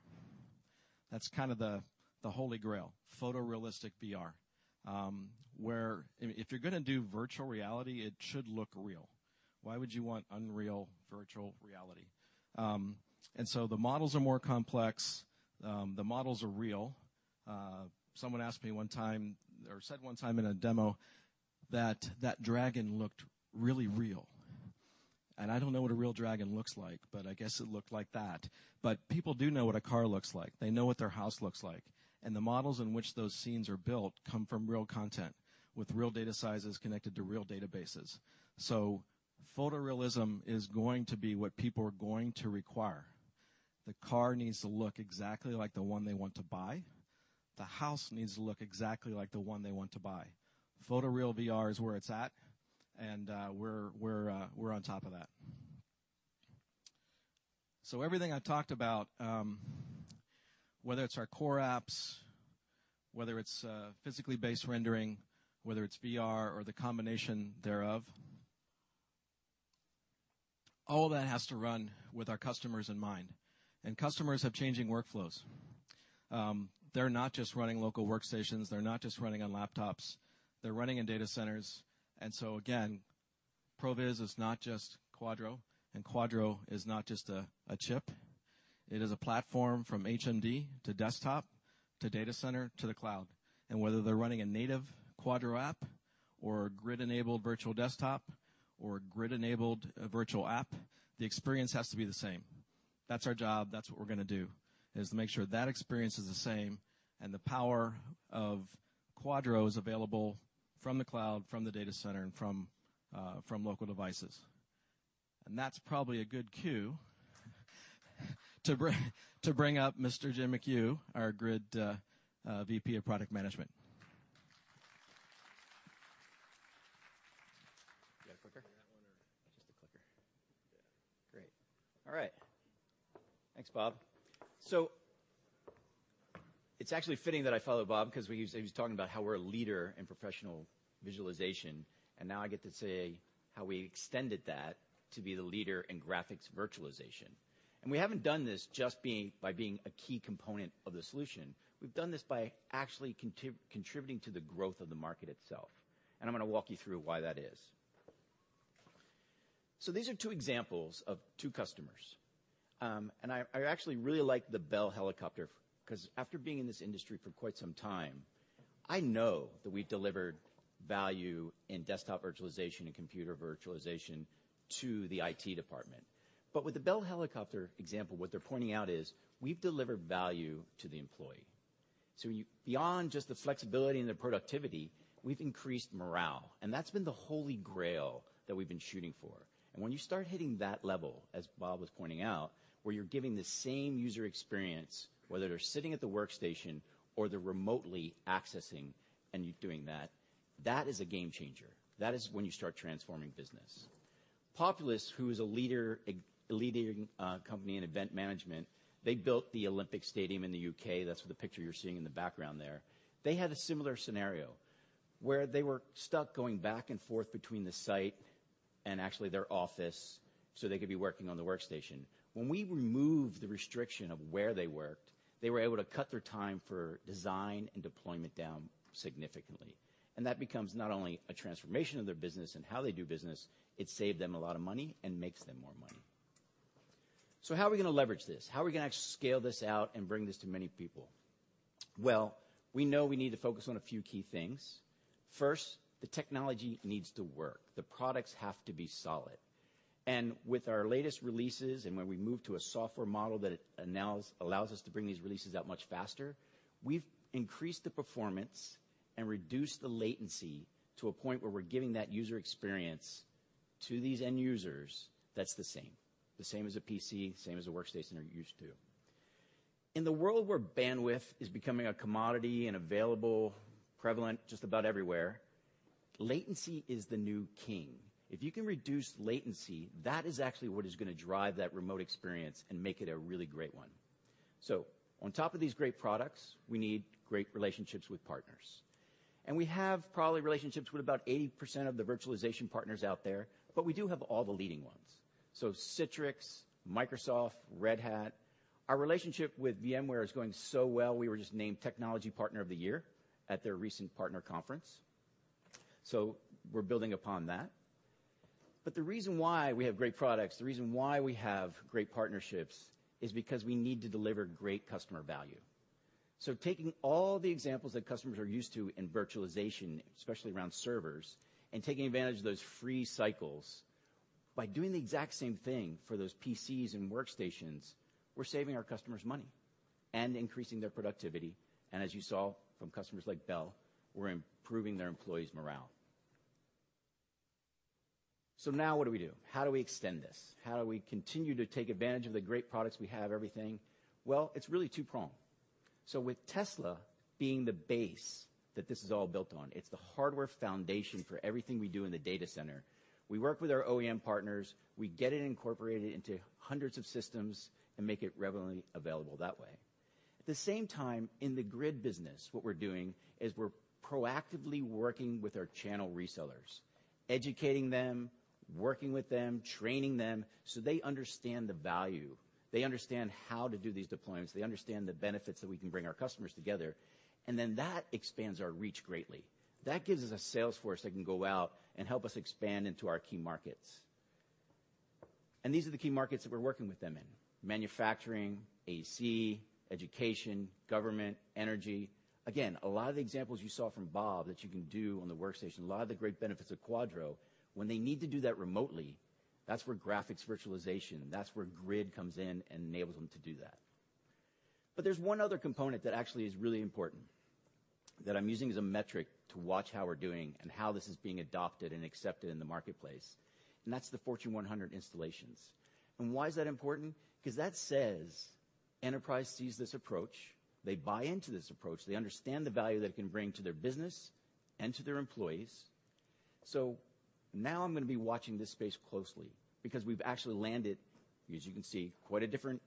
That's kind of the holy grail, photorealistic VR. If you're going to do virtual reality, it should look real. Why would you want unreal virtual reality? The models are more complex. The models are real. Someone asked me one time or said one time in a demo that that dragon looked really real. I don't know what a real dragon looks like, but I guess it looked like that. People do know what a car looks like. They know what their house looks like. The models in which those scenes are built come from real content with real data sizes connected to real databases. Photorealism is going to be what people are going to require. The car needs to look exactly like the one they want to buy. The house needs to look exactly like the one they want to buy. Photoreal VR is where it's at, and we're on top of that. Everything I've talked about, whether it's our core apps, whether it's physically based rendering, whether it's VR or the combination thereof, all that has to run with our customers in mind. Customers have changing workflows. They're not just running local workstations. They're not just running on laptops. They're running in data centers. Again, Pro Viz is not just Quadro, and Quadro is not just a chip. It is a platform from HMD to desktop, to data center, to the cloud. Whether they're running a native Quadro app or a GRID-enabled virtual desktop or a GRID-enabled virtual app, the experience has to be the same. That's our job. That's what we're going to do, is to make sure that experience is the same and the power of Quadro is available from the cloud, from the data center, and from local devices. That's probably a good cue to bring up Mr. Jim McHugh, our GRID VP of Product Management. All right. Thanks, Bob. It's actually fitting that I follow Bob because he was talking about how we're a leader in professional visualization, and now I get to say how we extended that to be the leader in graphics virtualization. We haven't done this just by being a key component of the solution. We've done this by actually contributing to the growth of the market itself. I'm going to walk you through why that is. These are two examples of two customers. I actually really like the Bell Helicopter because after being in this industry for quite some time, I know that we've delivered value in desktop virtualization and computer virtualization to the IT department. With the Bell Helicopter example, what they're pointing out is we've delivered value to the employee. Beyond just the flexibility and the productivity, we've increased morale, and that's been the holy grail that we've been shooting for. When you start hitting that level, as Bob was pointing out, where you're giving the same user experience, whether they're sitting at the workstation or they're remotely accessing, and you're doing that is a game changer. That is when you start transforming business. Populous, who is a leading company in event management, they built the Olympic Stadium in the U.K. That's the picture you're seeing in the background there. They had a similar scenario where they were stuck going back and forth between the site and actually their office so they could be working on the workstation. When we removed the restriction of where they worked, they were able to cut their time for design and deployment down significantly. That becomes not only a transformation of their business and how they do business, it saved them a lot of money and makes them more money. How are we going to leverage this? How are we going to actually scale this out and bring this to many people? We know we need to focus on a few key things. First, the technology needs to work. The products have to be solid. With our latest releases and when we move to a software model that allows us to bring these releases out much faster, we've increased the performance and reduced the latency to a point where we're giving that user experience to these end users that's the same. The same as a PC, same as a workstation are used to. In the world where bandwidth is becoming a commodity and available, prevalent just about everywhere, latency is the new king. If you can reduce latency, that is actually what is going to drive that remote experience and make it a really great one. On top of these great products, we need great relationships with partners. We have probably relationships with about 80% of the virtualization partners out there, but we do have all the leading ones. Citrix, Microsoft, Red Hat. Our relationship with VMware is going so well, we were just named Technology Partner of the Year at their recent partner conference. We're building upon that. The reason why we have great products, the reason why we have great partnerships is because we need to deliver great customer value. Taking all the examples that customers are used to in virtualization, especially around servers, and taking advantage of those free cycles, by doing the exact same thing for those PCs and workstations, we're saving our customers money and increasing their productivity. As you saw from customers like Bell Helicopter, we're improving their employees' morale. Now what do we do? How do we extend this? How do we continue to take advantage of the great products we have, everything? Well, it's really two-pronged. With Tesla being the base that this is all built on, it's the hardware foundation for everything we do in the data center. We work with our OEM partners. We get it incorporated into hundreds of systems and make it readily available that way. At the same time, in the GRID business, what we're doing is we're proactively working with our channel resellers, educating them, working with them, training them so they understand the value. They understand how to do these deployments. They understand the benefits that we can bring our customers together, then that expands our reach greatly. That gives us a sales force that can go out and help us expand into our key markets. These are the key markets that we're working with them in: manufacturing, AC, education, government, energy. Again, a lot of the examples you saw from Bob Pette that you can do on the workstation, a lot of the great benefits of Quadro, when they need to do that remotely, that's where graphics virtualization, that's where GRID comes in and enables them to do that. There's one other component that actually is really important, that I'm using as a metric to watch how we're doing and how this is being adopted and accepted in the marketplace, that's the Fortune 100 installations. Why is that important? That says Enterprise sees this approach. They buy into this approach. They understand the value that it can bring to their business and to their employees. Now I'm going to be watching this space closely because we've actually landed, as you can see, quite a different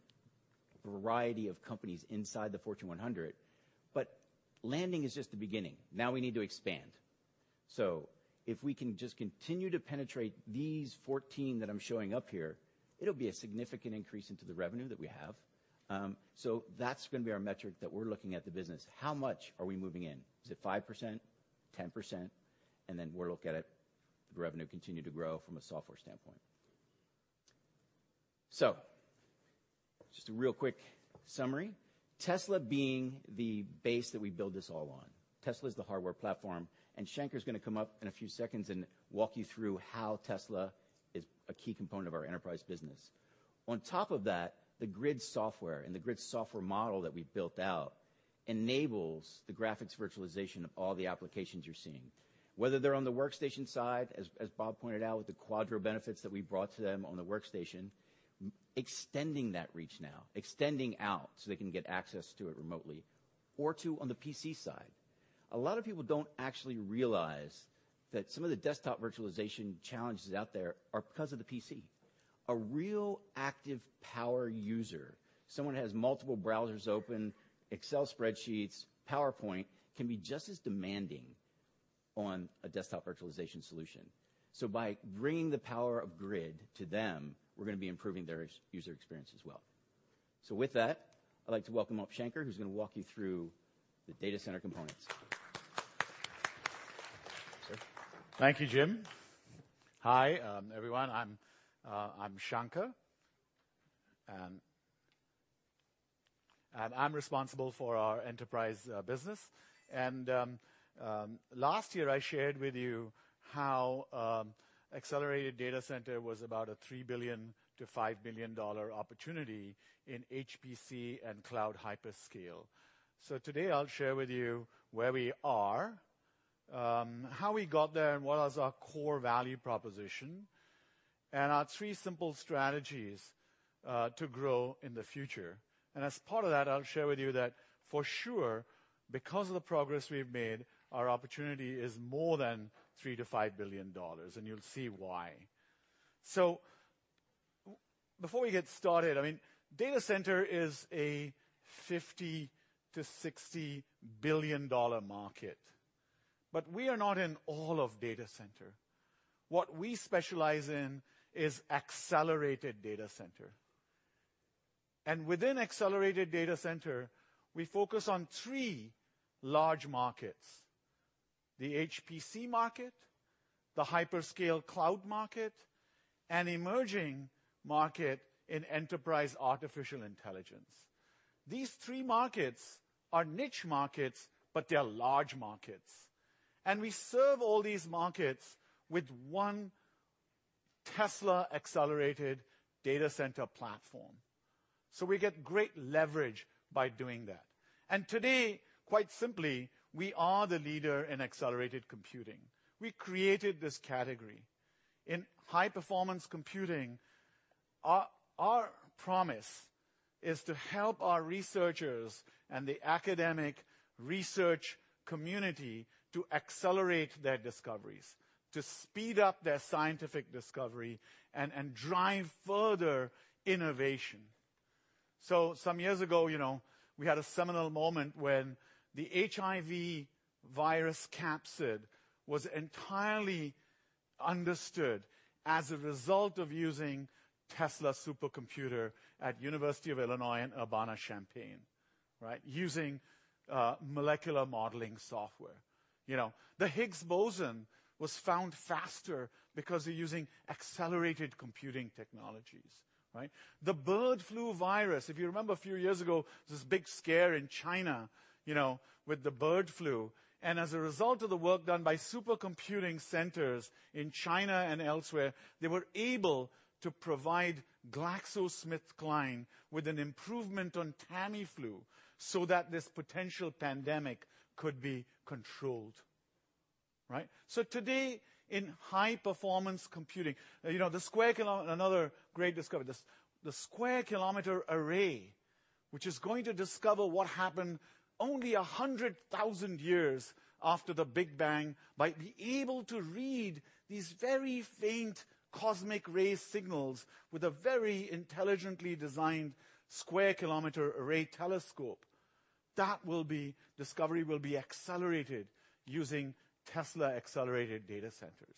variety of companies inside the Fortune 100. Landing is just the beginning. Now we need to expand. If we can just continue to penetrate these 14 that I'm showing up here, it'll be a significant increase into the revenue that we have. That's going to be our metric that we're looking at the business. How much are we moving in? Is it 5%? 10%? Then we'll look at it, the revenue continue to grow from a software standpoint. Just a real quick summary. Tesla being the base that we build this all on. Tesla is the hardware platform, and Shanker Trivedi is going to come up in a few seconds and walk you through how Tesla is a key component of our enterprise business. On top of that, the GRID software and the GRID software model that we've built out enables the graphics virtualization of all the applications you're seeing. Whether they're on the workstation side, as Bob pointed out with the Quadro benefits that we brought to them on the workstation, extending that reach now, extending out so they can get access to it remotely, or to on the PC side. A lot of people don't actually realize that some of the desktop virtualization challenges out there are because of the PC. A real active power user, someone who has multiple browsers open, Excel spreadsheets, PowerPoint, can be just as demanding on a desktop virtualization solution. By bringing the power of GRID to them, we're going to be improving their user experience as well. With that, I'd like to welcome up Shanker, who's going to walk you through the data center components. Sir. Thank you, Jim. Hi, everyone. I'm Shanker, and I'm responsible for our enterprise business. Last year, I shared with you how accelerated data center was about a $3 billion-$5 billion opportunity in HPC and cloud hyperscale. Today I'll share with you where we are, how we got there, and what is our core value proposition, and our three simple strategies to grow in the future. As part of that, I'll share with you that for sure, because of the progress we've made, our opportunity is more than $3 billion-$5 billion, and you'll see why. Before we get started, data center is a $50 billion-$60 billion market, but we are not in all of data center. What we specialize in is accelerated data center. Within accelerated data center, we focus on three large markets: the HPC market, the hyperscale cloud market, and emerging market in enterprise artificial intelligence. These three markets are niche markets, but they are large markets. We serve all these markets with one Tesla accelerated data center platform. We get great leverage by doing that. Today, quite simply, we are the leader in accelerated computing. We created this category. In high-performance computing, our promise is to help our researchers and the academic research community to accelerate their discoveries, to speed up their scientific discovery and drive further innovation. Some years ago, we had a seminal moment when the HIV virus capsid was entirely understood as a result of using Tesla supercomputer at University of Illinois at Urbana-Champaign. Right? Using molecular modeling software. The Higgs boson was found faster because of using accelerated computing technologies. Right? The bird flu virus, if you remember a few years ago, this big scare in China with the bird flu. As a result of the work done by super computing centers in China and elsewhere, they were able to provide GlaxoSmithKline with an improvement on Tamiflu so that this potential pandemic could be controlled. Right? Today in high-performance computing, the Square Kilometre Array, another great discovery, the Square Kilometre Array, which is going to discover what happened only 100,000 years after the Big Bang by being able to read these very faint cosmic ray signals with a very intelligently designed Square Kilometre Array telescope. That discovery will be accelerated using Tesla accelerated data centers.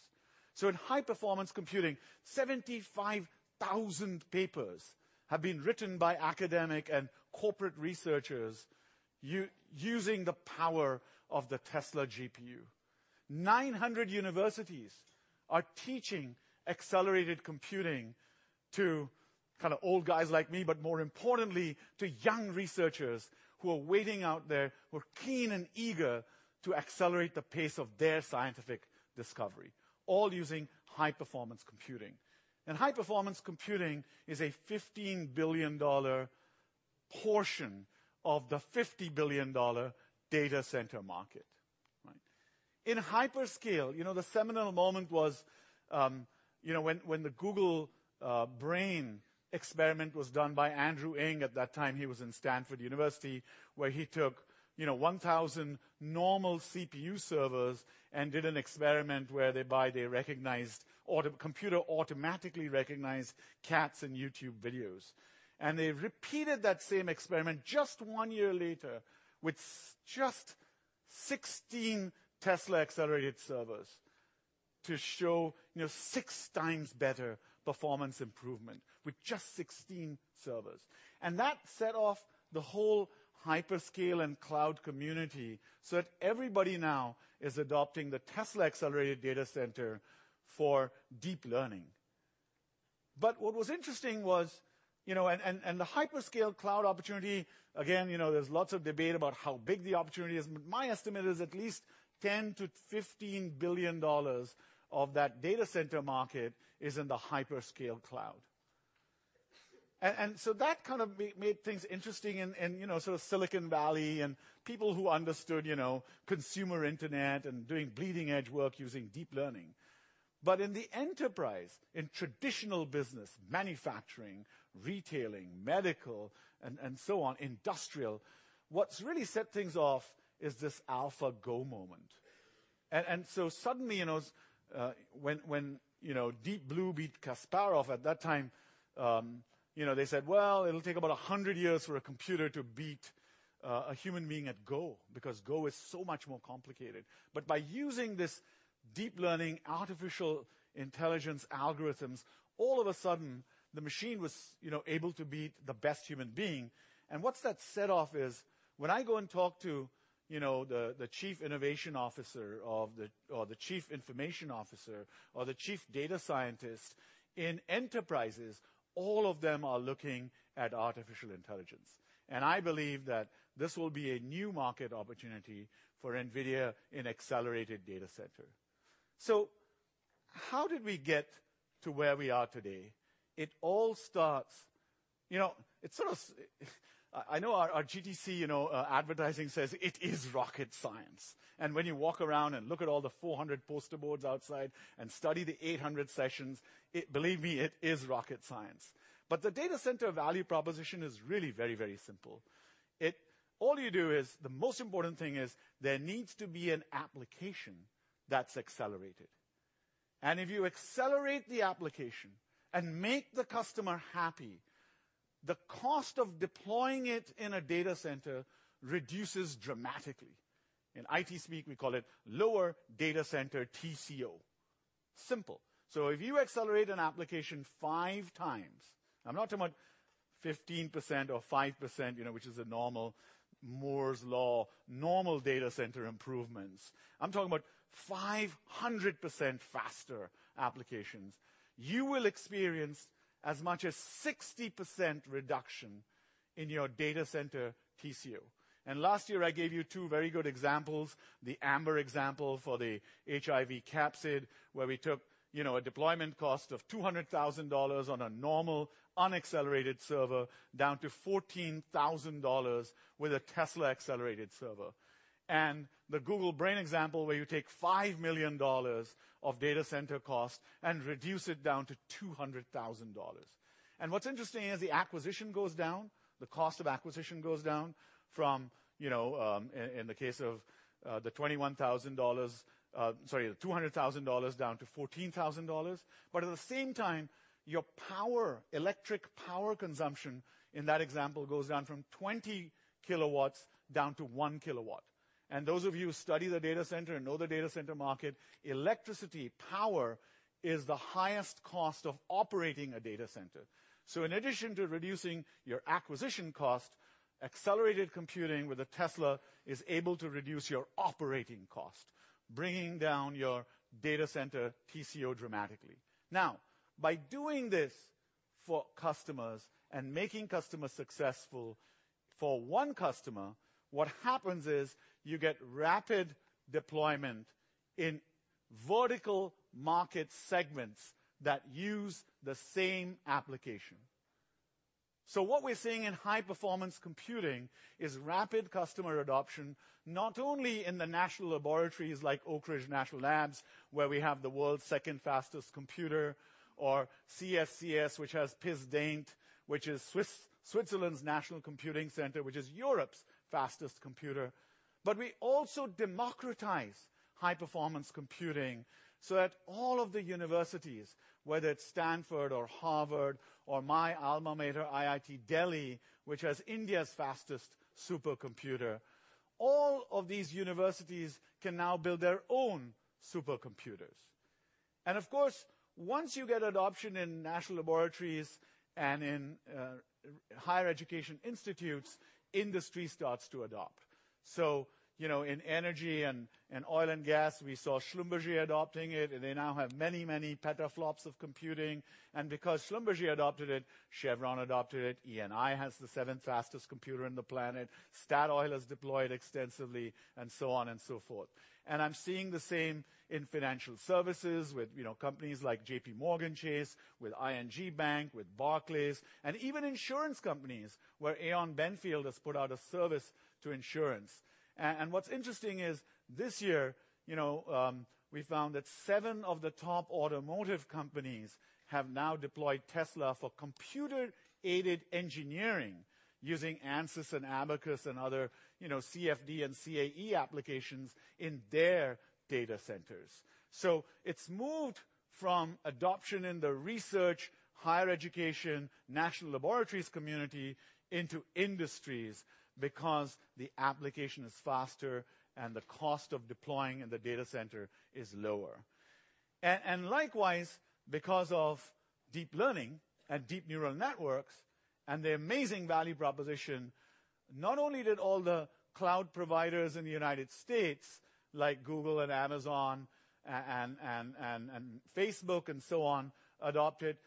In high-performance computing, 75,000 papers have been written by academic and corporate researchers using the power of the Tesla GPU. 900 universities are teaching accelerated computing to old guys like me, but more importantly, to young researchers who are waiting out there who are keen and eager to accelerate the pace of their scientific discovery, all using high-performance computing. High-performance computing is a $15 billion portion of the $50 billion data center market. Right? In hyperscale, the seminal moment was when the Google Brain experiment was done by Andrew Ng. At that time, he was in Stanford University, where he took 1,000 normal CPU servers and did an experiment whereby the computer automatically recognized cats in YouTube videos. They repeated that same experiment just one year later with just 16 Tesla accelerated servers to show six times better performance improvement with just 16 servers. That set off the whole hyperscale and cloud community so that everybody now is adopting the Tesla accelerated data center for deep learning. What was interesting was, the hyperscale cloud opportunity, again, there's lots of debate about how big the opportunity is, but my estimate is at least $10 billion-$15 billion of that data center market is in the hyperscale cloud. That made things interesting in Silicon Valley and people who understood consumer internet and doing bleeding-edge work using deep learning. In the enterprise, in traditional business, manufacturing, retailing, medical, and so on, industrial, what's really set things off is this AlphaGo moment. Suddenly, when Deep Blue beat Kasparov at that time, they said, well, it'll take about 100 years for a computer to beat a human being at Go, because Go is so much more complicated. By using these deep learning artificial intelligence algorithms, all of a sudden, the machine was able to beat the best human being. What that set off is when I go and talk to the Chief Innovation Officer or the Chief Information Officer or the Chief Data Scientist in enterprises, all of them are looking at artificial intelligence. I believe that this will be a new market opportunity for NVIDIA in accelerated data center. How did we get to where we are today? It all starts-- I know our GTC advertising says, "It is rocket science." When you walk around and look at all the 400 poster boards outside and study the 800 sessions, believe me, it is rocket science. The data center value proposition is really very, very simple. All you do is, the most important thing is there needs to be an application that's accelerated. If you accelerate the application and make the customer happy, the cost of deploying it in a data center reduces dramatically. In IT speak, we call it lower data center TCO. Simple. If you accelerate an application five times, I'm not talking about 15% or 5%, which is a normal Moore's law, normal data center improvements. I'm talking about 500% faster applications. You will experience as much as 60% reduction in your data center TCO. Last year, I gave you two very good examples. The AMBER example for the HIV capsid, where we took a deployment cost of $200,000 on a normal unaccelerated server down to $14,000 with a Tesla accelerated server. The Google Brain example, where you take $5 million of data center cost and reduce it down to $200,000. What's interesting is the acquisition goes down, the cost of acquisition goes down from, in the case of the $200,000 down to $14,000. At the same time, your power, electric power consumption in that example goes down from 20 kilowatts down to one kilowatt. Those of you who study the data center and know the data center market, electricity power is the highest cost of operating a data center. In addition to reducing your acquisition cost, accelerated computing with a Tesla is able to reduce your operating cost, bringing down your data center TCO dramatically. By doing this for customers and making customers successful, for one customer, what happens is you get rapid deployment in vertical market segments that use the same application. What we're seeing in high-performance computing is rapid customer adoption, not only in the national laboratories like Oak Ridge National Labs, where we have the world's second fastest computer, or CSCS, which has Piz Daint, which is Switzerland's national computing center, which is Europe's fastest computer. We also democratize high-performance computing so that all of the universities, whether it's Stanford or Harvard or my alma mater, IIT Delhi, which has India's fastest supercomputer, all of these universities can now build their own supercomputers. Of course, once you get adoption in national laboratories and in higher education institutes, industry starts to adopt. In energy and oil and gas, we saw Schlumberger adopting it, and they now have many, many petaFLOPS of computing. Because Schlumberger adopted it, Chevron adopted it. Eni has the seventh fastest computer in the planet. Statoil has deployed extensively, and so on and so forth. I'm seeing the same in financial services with companies like JPMorgan Chase, with ING Bank, with Barclays, and even insurance companies, where Aon Benfield has put out a service to insurance. What's interesting is this year, we found that seven of the top automotive companies have now deployed Tesla for computer-aided engineering using Ansys and Abaqus and other CFD and CAE applications in their data centers. It's moved from adoption in the research, higher education, national laboratories community into industries because the application is faster and the cost of deploying in the data center is lower. Likewise, because of deep learning and deep neural networks and their amazing value proposition, not only did all the cloud providers in the U.S., like Google and Amazon and Facebook and so on, adopt it,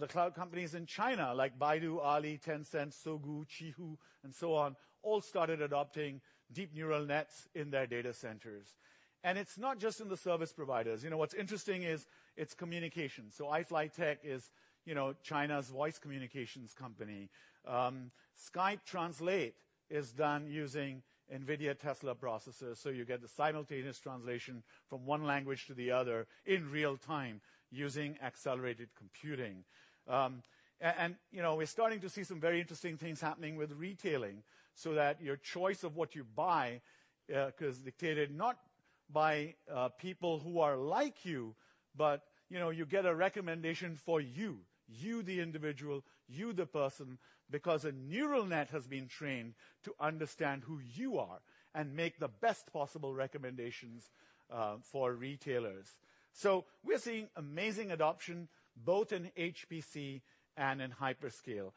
the cloud companies in China, like Baidu, Ali, Tencent, Sogou, Qihoo, and so on, all started adopting deep neural nets in their data centers. It's not just in the service providers. What's interesting is it's communication. iFLYTEK is China's voice communications company. Skype Translator is done using NVIDIA Tesla processors, so you get the simultaneous translation from one language to the other in real-time using accelerated computing. We're starting to see some very interesting things happening with retailing, so that your choice of what you buy is dictated not by people who are like you, but you get a recommendation for you. You, the individual, you, the person, because a neural net has been trained to understand who you are and make the best possible recommendations for retailers. We're seeing amazing adoption, both in HPC and in hyperscale.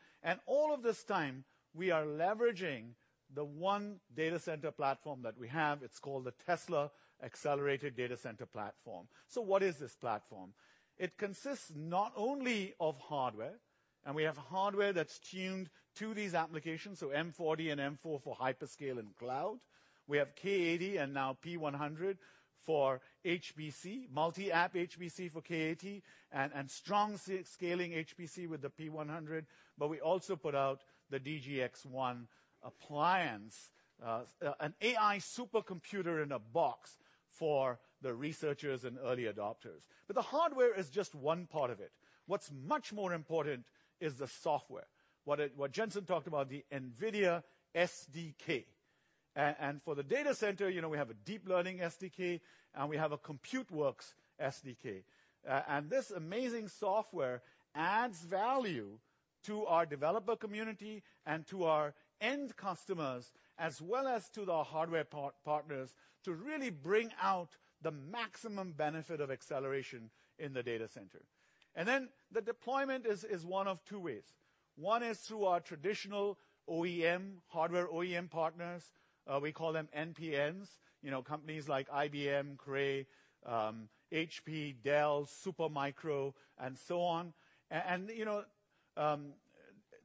All of this time, we are leveraging the one data center platform that we have. It's called the Tesla Accelerated Data Center platform. What is this platform? It consists not only of hardware, and we have hardware that's tuned to these applications, M40 and M4 for hyperscale and cloud. We have K80 and now P100 for HPC, multi-app HPC for K80, and strong scaling HPC with the P100. We also put out the DGX-1 appliance, an AI supercomputer in a box for the researchers and early adopters. The hardware is just one part of it. What's much more important is the software. What Jensen talked about, the NVIDIA SDK. For the data center, we have a deep learning SDK, and we have a ComputeWorks SDK. This amazing software adds value to our developer community and to our end customers, as well as to the hardware partners, to really bring out the maximum benefit of acceleration in the data center. The deployment is one of two ways. One is through our traditional OEM, hardware OEM partners. We call them NPNs. Companies like IBM, Cray, HP, Dell, Supermicro, and so on.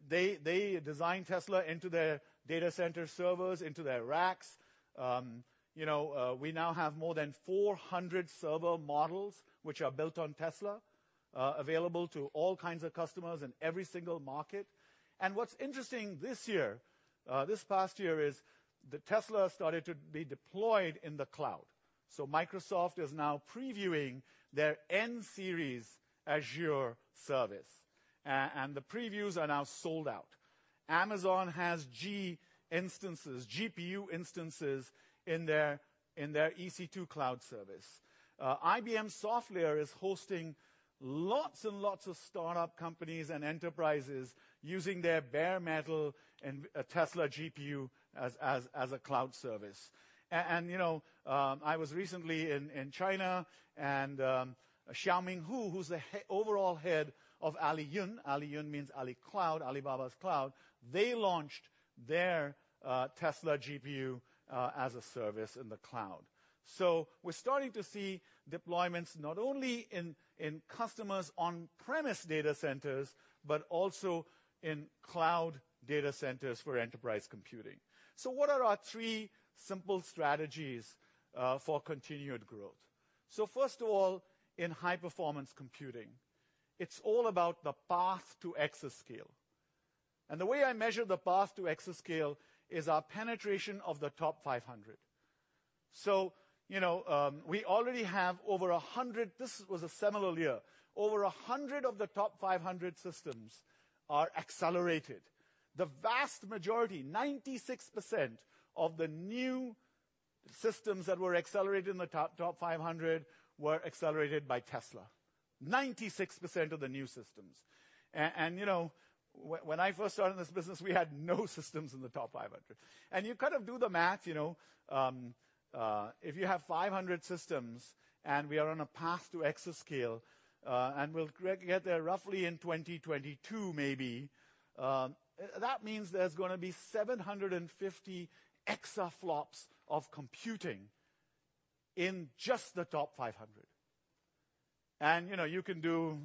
They design Tesla into their data center servers, into their racks. We now have more than 400 server models which are built on Tesla, available to all kinds of customers in every single market. What's interesting this past year is that Tesla started to be deployed in the cloud. Microsoft is now previewing their N-series Azure service. The previews are now sold out. Amazon has G instances, GPU instances in their EC2 cloud service. IBM SoftLayer is hosting lots and lots of startup companies and enterprises using their bare metal and a Tesla GPU as a cloud service. I was recently in China, and Xiaoming Hu, who's the overall head of Aliyun. Aliyun means Ali Cloud, Alibaba's cloud. They launched their Tesla GPU as a service in the cloud. We're starting to see deployments not only in customers' on-premise data centers, but also in cloud data centers for enterprise computing. What are our three simple strategies for continued growth? First of all, in high-performance computing, it's all about the path to exascale. The way I measure the path to exascale is our penetration of the TOP500. We already have over 100. This was a seminal year. Over 100 of the TOP500 systems are accelerated. The vast majority, 96% of the new systems that were accelerated in the TOP500 were accelerated by Tesla, 96% of the new systems. When I first started in this business, we had no systems in the TOP500. You do the math. If you have 500 systems and we are on a path to exascale, and we'll get there roughly in 2022, maybe, that means there's going to be 750 exaFLOPS of computing in just the TOP500. You can do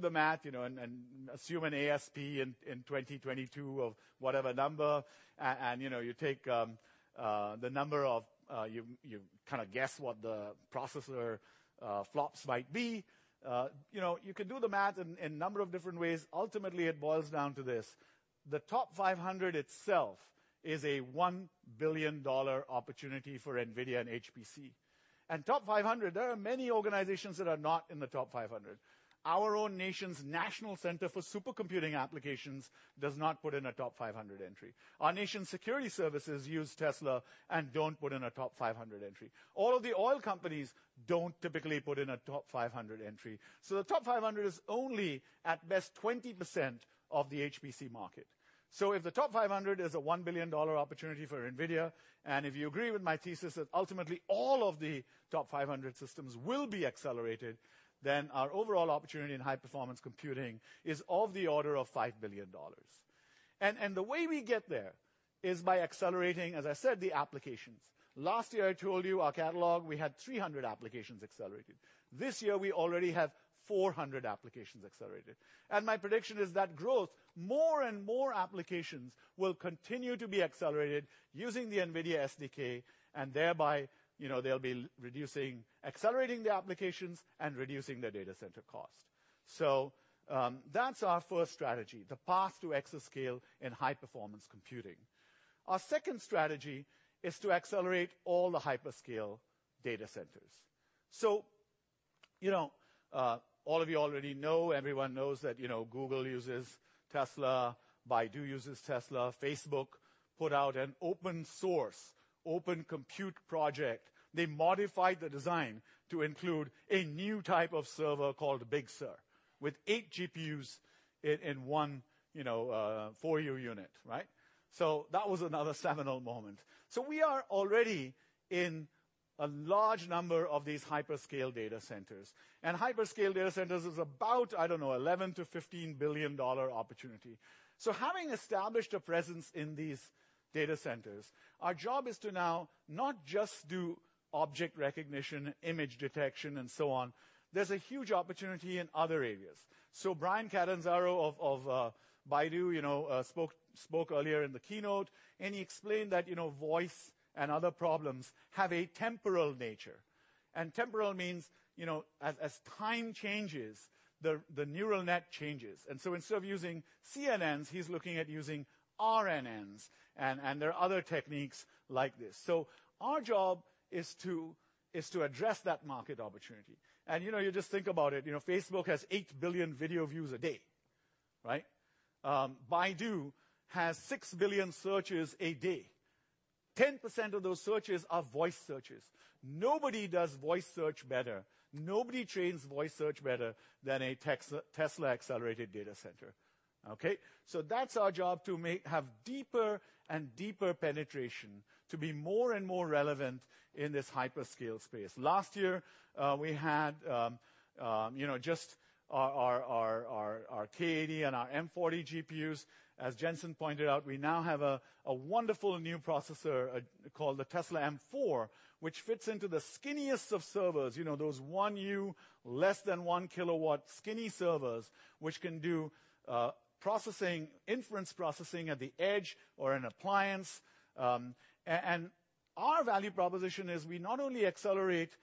the math, and assume an ASP in 2022 of whatever number, you take the number of, you guess what the processor FLOPS might be. You can do the math in a number of different ways. Ultimately, it boils down to this. The TOP500 itself is a $1 billion opportunity for NVIDIA and HPC. TOP500, there are many organizations that are not in the TOP500. Our own nation's National Center for Supercomputing Applications does not put in a TOP500 entry. Our nation's security services use Tesla and don't put in a TOP500 entry. All of the oil companies don't typically put in a TOP500 entry. The TOP500 is only at best 20% of the HPC market. If the TOP500 is a $1 billion opportunity for NVIDIA, and if you agree with my thesis that ultimately all of the TOP500 systems will be accelerated, then our overall opportunity in high-performance computing is of the order of $5 billion. The way we get there is by accelerating, as I said, the applications. Last year, I told you our catalog, we had 300 applications accelerated. This year, we already have 400 applications accelerated. My prediction is that growth, more and more applications will continue to be accelerated using the NVIDIA SDK. Thereby, they'll be accelerating the applications and reducing the data center cost. That's our first strategy, the path to exascale in high-performance computing. Our second strategy is to accelerate all the hyperscale data centers. All of you already know, everyone knows that Google uses Tesla, Baidu uses Tesla, Facebook put out an open source, Open Compute Project. They modified the design to include a new type of server called Big Sur, with eight GPUs in one 4U unit. Right? That was another seminal moment. We are already in a large number of these hyperscale data centers. Hyperscale data centers is about, I don't know, $11 billion-$15 billion opportunity. Having established a presence in these data centers, our job is to now not just do object recognition, image detection, and so on. There's a huge opportunity in other areas. Bryan Catanzaro of Baidu spoke earlier in the keynote, and he explained that voice and other problems have a temporal nature. Temporal means as time changes, the neural net changes. Instead of using CNNs, he's looking at using RNNs, and there are other techniques like this. Our job is to address that market opportunity. You just think about it. Facebook has 8 billion video views a day. Right? Baidu has 6 billion searches a day. 10% of those searches are voice searches. Nobody does voice search better. Nobody trains voice search better than a Tesla-accelerated data center. Okay? That's our job to have deeper and deeper penetration, to be more and more relevant in this hyperscale space. Last year, we had just our K80 and our M40 GPUs. As Jensen pointed out, we now have a wonderful new processor called the Tesla M4, which fits into the skinniest of servers. Those 1U, less than 1 kilowatt skinny servers, which can do inference processing at the edge or an appliance. Our value proposition is we not only accelerate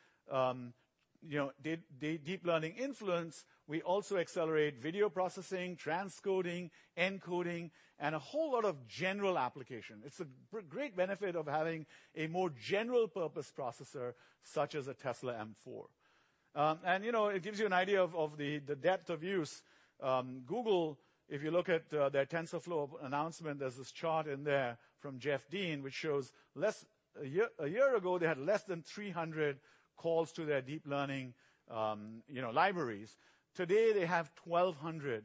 deep learning inference, we also accelerate video processing, transcoding, encoding, and a whole lot of general application. It's a great benefit of having a more general-purpose processor such as a Tesla M4. It gives you an idea of the depth of use. Google, if you look at their TensorFlow announcement, there's this chart in there from Jeff Dean, which shows a year ago, they had less than 300 calls to their deep learning libraries. Today, they have 1,200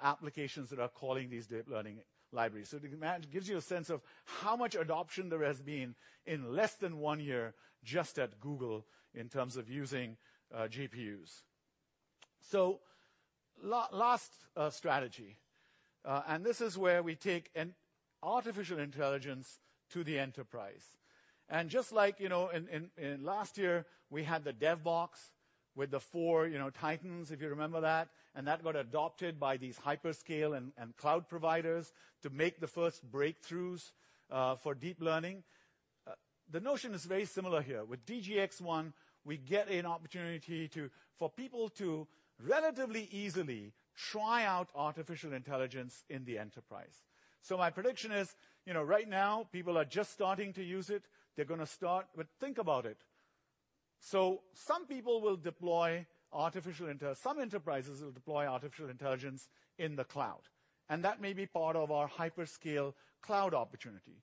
applications that are calling these deep learning libraries. You can imagine, it gives you a sense of how much adoption there has been in less than one year just at Google in terms of using GPUs. Last strategy, and this is where we take an artificial intelligence to the enterprise. Just like in last year, we had the dev box with the four Titans, if you remember that. That got adopted by these hyperscale and cloud providers to make the first breakthroughs for deep learning. The notion is very similar here. With DGX-1, we get an opportunity for people to relatively easily try out artificial intelligence in the enterprise. My prediction is, right now, people are just starting to use it. They're going to start, think about it. Some enterprises will deploy artificial intelligence in the cloud, and that may be part of our hyperscale cloud opportunity.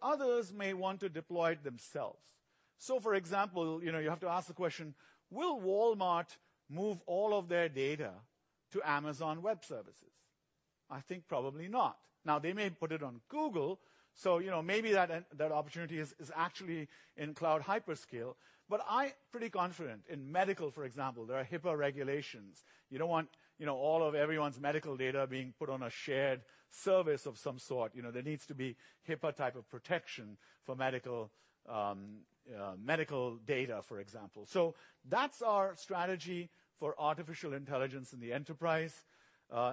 Others may want to deploy it themselves. For example, you have to ask the question, will Walmart move all of their data to Amazon Web Services? I think probably not. Now, they may put it on Google, so maybe that opportunity is actually in cloud hyperscale, but I'm pretty confident. In medical, for example, there are HIPAA regulations. You don't want all of everyone's medical data being put on a shared service of some sort. There needs to be HIPAA type of protection for medical data, for example. That's our strategy for artificial intelligence in the enterprise.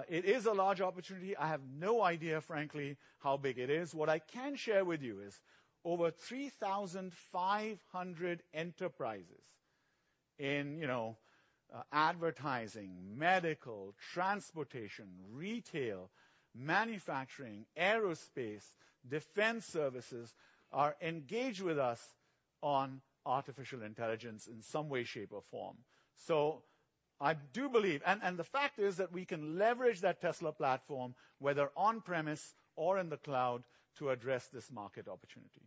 It is a large opportunity. I have no idea, frankly, how big it is. What I can share with you is over 3,500 enterprises in advertising, medical, transportation, retail, manufacturing, aerospace, defense services, are engaged with us on artificial intelligence in some way, shape, or form. I do believe, the fact is that we can leverage that Tesla platform, whether on-premise or in the cloud, to address this market opportunity.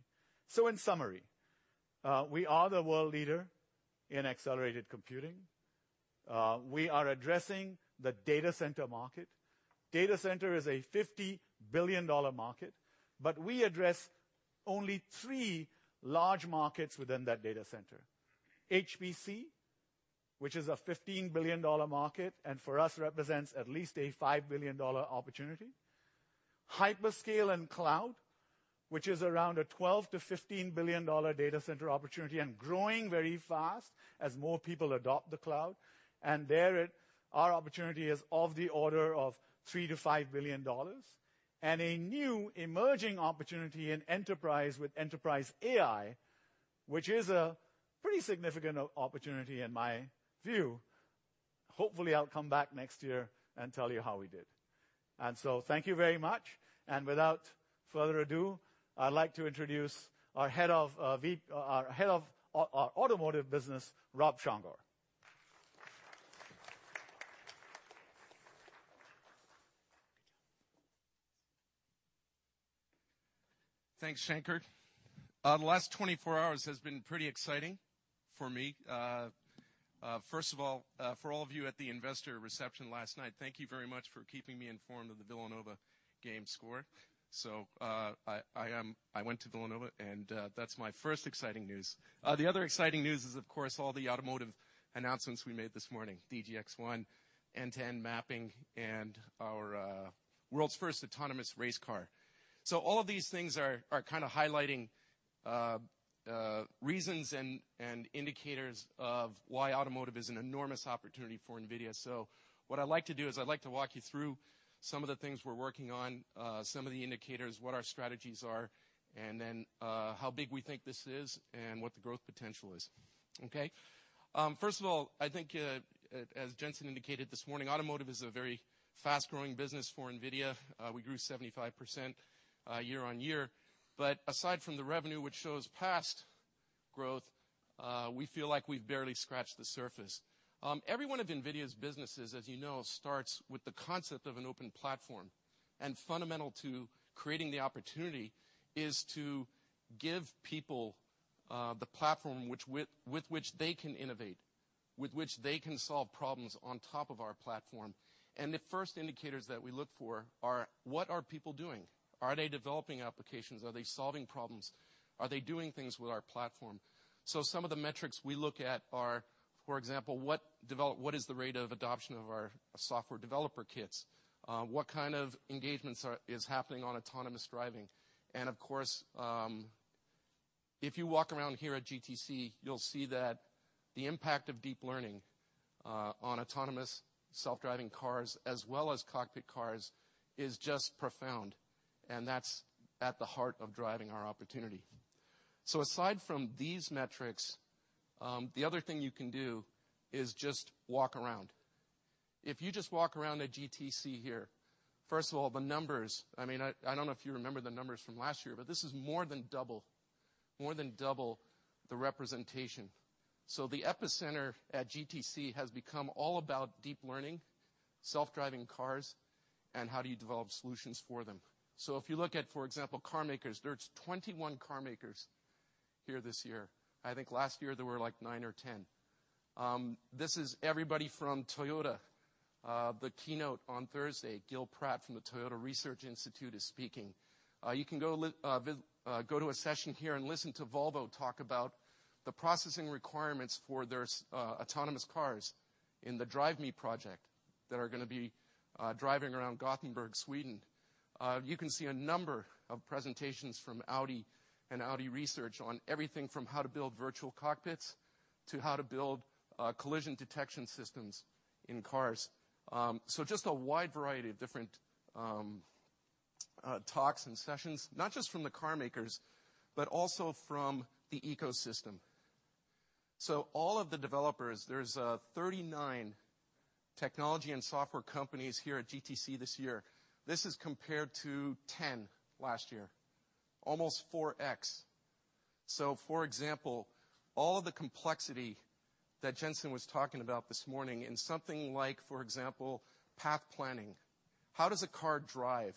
In summary, we are the world leader in accelerated computing. We are addressing the data center market. Data center is a $50 billion market, but we address only three large markets within that data center. HPC, which is a $15 billion market, and for us, represents at least a $5 billion opportunity. Hyperscale and cloud, which is around a $12 billion-$15 billion data center opportunity and growing very fast as more people adopt the cloud. There, our opportunity is of the order of $3 billion-$5 billion. A new emerging opportunity in enterprise with enterprise AI, which is a pretty significant opportunity in my view. Hopefully, I'll come back next year and tell you how we did. Thank you very much. Without further ado, I'd like to introduce our head of our automotive business, Rob Csongor. Thanks, Shanker. The last 24 hours has been pretty exciting for me. First of all, for all of you at the investor reception last night, thank you very much for keeping me informed of the Villanova game score. I went to Villanova, and that's my first exciting news. The other exciting news is, of course, all the automotive announcements we made this morning, DGX-1, end-to-end mapping, and our world's first autonomous race car. All of these things are highlighting reasons and indicators of why automotive is an enormous opportunity for NVIDIA. What I'd like to do is, I'd like to walk you through some of the things we're working on, some of the indicators, what our strategies are, and then how big we think this is, and what the growth potential is. Okay? First of all, I think as Jensen indicated this morning, automotive is a very fast-growing business for NVIDIA. We grew 75% year-on-year. Aside from the revenue, which shows past growth, we feel like we've barely scratched the surface. Every one of NVIDIA's businesses, as you know, starts with the concept of an open platform. Fundamental to creating the opportunity is to give people the platform with which they can innovate, with which they can solve problems on top of our platform. The first indicators that we look for are, what are people doing? Are they developing applications? Are they solving problems? Are they doing things with our platform? Some of the metrics we look at are, for example, what is the rate of adoption of our software developer kits? What kind of engagements is happening on autonomous driving? Of course, if you walk around here at GTC, you'll see that the impact of deep learning on autonomous self-driving cars as well as cockpit cars is just profound, and that's at the heart of driving our opportunity. Aside from these metrics, the other thing you can do is just walk around. If you just walk around at GTC here, first of all, the numbers. I don't know if you remember the numbers from last year, but this is more than double the representation. The epicenter at GTC has become all about deep learning, self-driving cars, and how do you develop solutions for them. If you look at, for example, car makers, there's 21 car makers here this year. I think last year there were nine or 10. This is everybody from Toyota. The keynote on Thursday, Gill Pratt from the Toyota Research Institute is speaking. You can go to a session here and listen to Volvo talk about the processing requirements for their autonomous cars in the Drive Me project that are going to be driving around Gothenburg, Sweden. You can see a number of presentations from Audi and Audi Research on everything from how to build virtual cockpits, to how to build collision detection systems in cars. Just a wide variety of different talks and sessions, not just from the car makers, but also from the ecosystem. All of the developers, there's 39 technology and software companies here at GTC this year. This is compared to 10 last year, almost 4x. For example, all of the complexity that Jensen was talking about this morning in something like, for example, path planning. How does a car drive?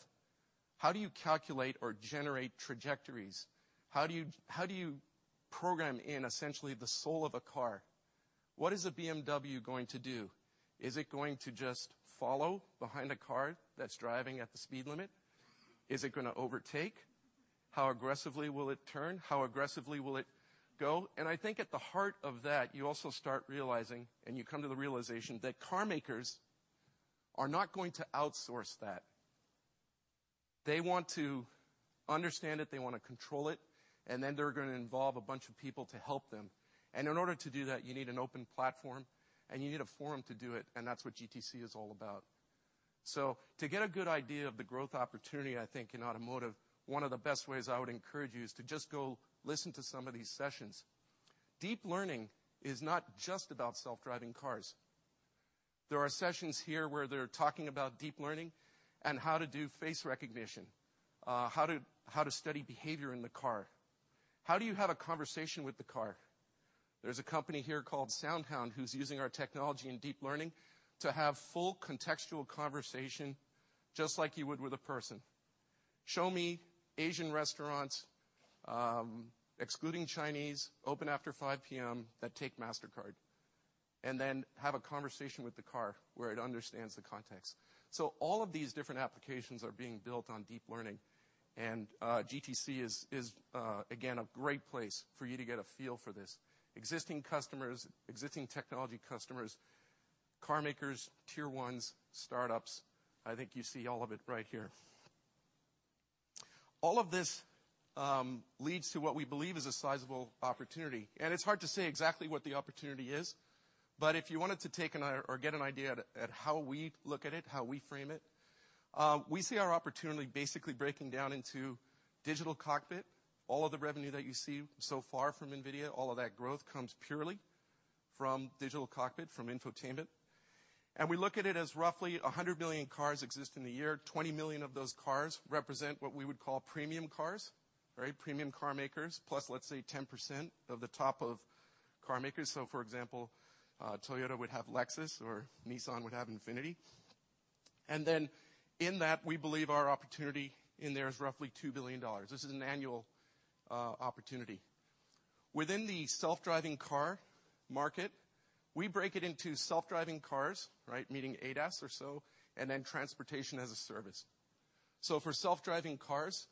How do you calculate or generate trajectories? How do you program in essentially the soul of a car? What is a BMW going to do? Is it going to just follow behind a car that's driving at the speed limit? Is it going to overtake? How aggressively will it turn? How aggressively will it go? I think at the heart of that, you also start realizing, and you come to the realization that car makers are not going to outsource that. They want to understand it, they want to control it, and then they're going to involve a bunch of people to help them. In order to do that, you need an open platform and you need a forum to do it, and that's what GTC is all about. To get a good idea of the growth opportunity, I think in automotive, one of the best ways I would encourage you is to just go listen to some of these sessions. Deep learning is not just about self-driving cars. There are sessions here where they're talking about deep learning and how to do face recognition, how to study behavior in the car. How do you have a conversation with the car? There's a company here called SoundHound who's using our technology in deep learning to have full contextual conversation just like you would with a person. Show me Asian restaurants, excluding Chinese, open after 5:00 P.M. that take MasterCard, and then have a conversation with the car where it understands the context. All of these different applications are being built on deep learning, and GTC is again, a great place for you to get a feel for this. Existing technology customers, car makers, tier ones, startups, I think you see all of it right here. All of this leads to what we believe is a sizable opportunity, and it's hard to say exactly what the opportunity is, but if you wanted to take or get an idea at how we look at it, how we frame it, we see our opportunity basically breaking down into digital cockpit. All of the revenue that you see so far from NVIDIA, all of that growth comes purely from digital cockpit, from infotainment. We look at it as roughly 100 million cars exist in the year. 20 million of those cars represent what we would call premium cars. Premium car makers, plus let's say 10% of the top of car makers. For example, Toyota would have Lexus or Nissan would have Infiniti. Then in that, we believe our opportunity in there is roughly $2 billion. This is an annual opportunity. Within the self-driving car market, we break it into self-driving cars, meaning ADAS or so, and then transportation as a service. For self-driving cars,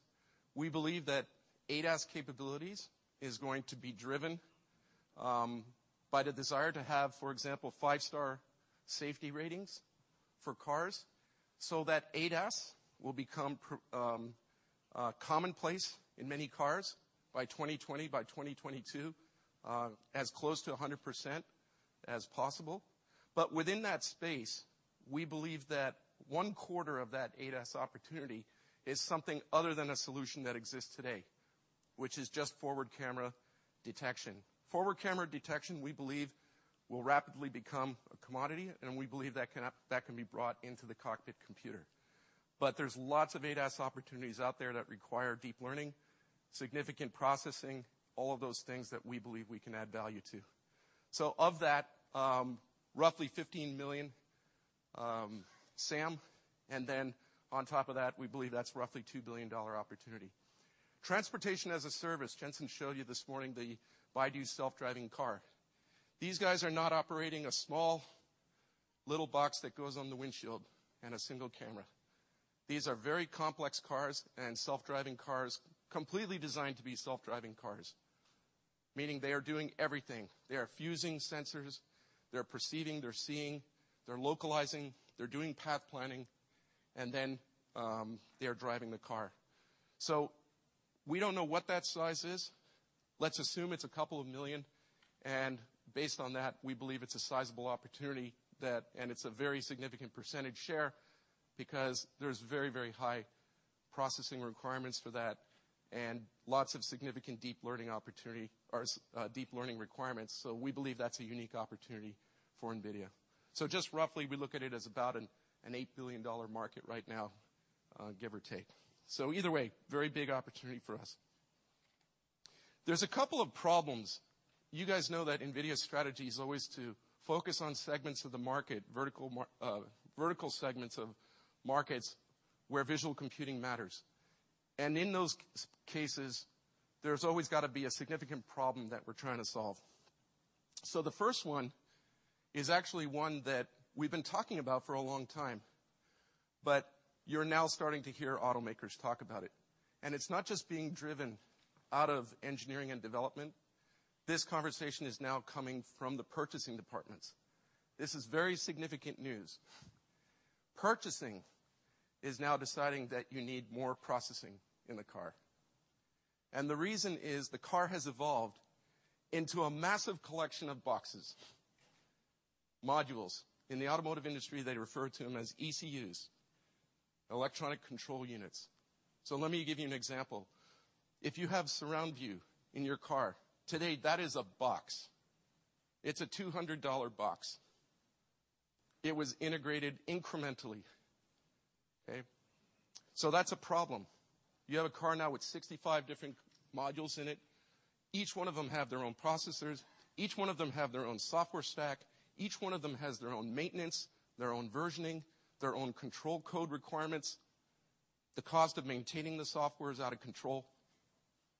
we believe that ADAS capabilities is going to be driven by the desire to have, for example, 5-star safety ratings for cars, so that ADAS will become commonplace in many cars by 2020, by 2022, as close to 100% as possible. Within that space, we believe that one-quarter of that ADAS opportunity is something other than a solution that exists today, which is just forward camera detection. Forward camera detection, we believe, will rapidly become a commodity, and we believe that can be brought into the cockpit computer. There's lots of ADAS opportunities out there that require deep learning, significant processing, all of those things that we believe we can add value to. Of that, roughly 15 million SAM, and then on top of that, we believe that's roughly a $2 billion opportunity. Transportation as a service, Jensen showed you this morning the Baidu self-driving car. These guys are not operating a small little box that goes on the windshield and a single camera. These are very complex cars and self-driving cars completely designed to be self-driving cars, meaning they are doing everything. They are fusing sensors, they're perceiving, they're seeing, they're localizing, they're doing path planning, and then they are driving the car. We don't know what that size is. Let's assume it's a couple of million, and based on that, we believe it's a sizable opportunity and it's a very significant percentage share because there's very high processing requirements for that, and lots of significant deep learning requirements. We believe that's a unique opportunity for NVIDIA. Just roughly, we look at it as about an $8 billion market right now, give or take. Either way, very big opportunity for us. There's a couple of problems. You guys know that NVIDIA's strategy is always to focus on segments of the market, vertical segments of markets where visual computing matters. In those cases, there's always got to be a significant problem that we're trying to solve. The first one is actually one that we've been talking about for a long time, but you're now starting to hear automakers talk about it. It's not just being driven out of engineering and development. This conversation is now coming from the purchasing departments. This is very significant news. Purchasing is now deciding that you need more processing in the car. The reason is the car has evolved into a massive collection of boxes, modules. In the automotive industry, they refer to them as ECUs, electronic control units. Let me give you an example. If you have surround view in your car, today, that is a box. It's a $200 box. It was integrated incrementally. Okay? That's a problem. You have a car now with 65 different modules in it. Each one of them have their own processors. Each one of them have their own software stack. Each one of them has their own maintenance, their own versioning, their own control code requirements. The cost of maintaining the software is out of control.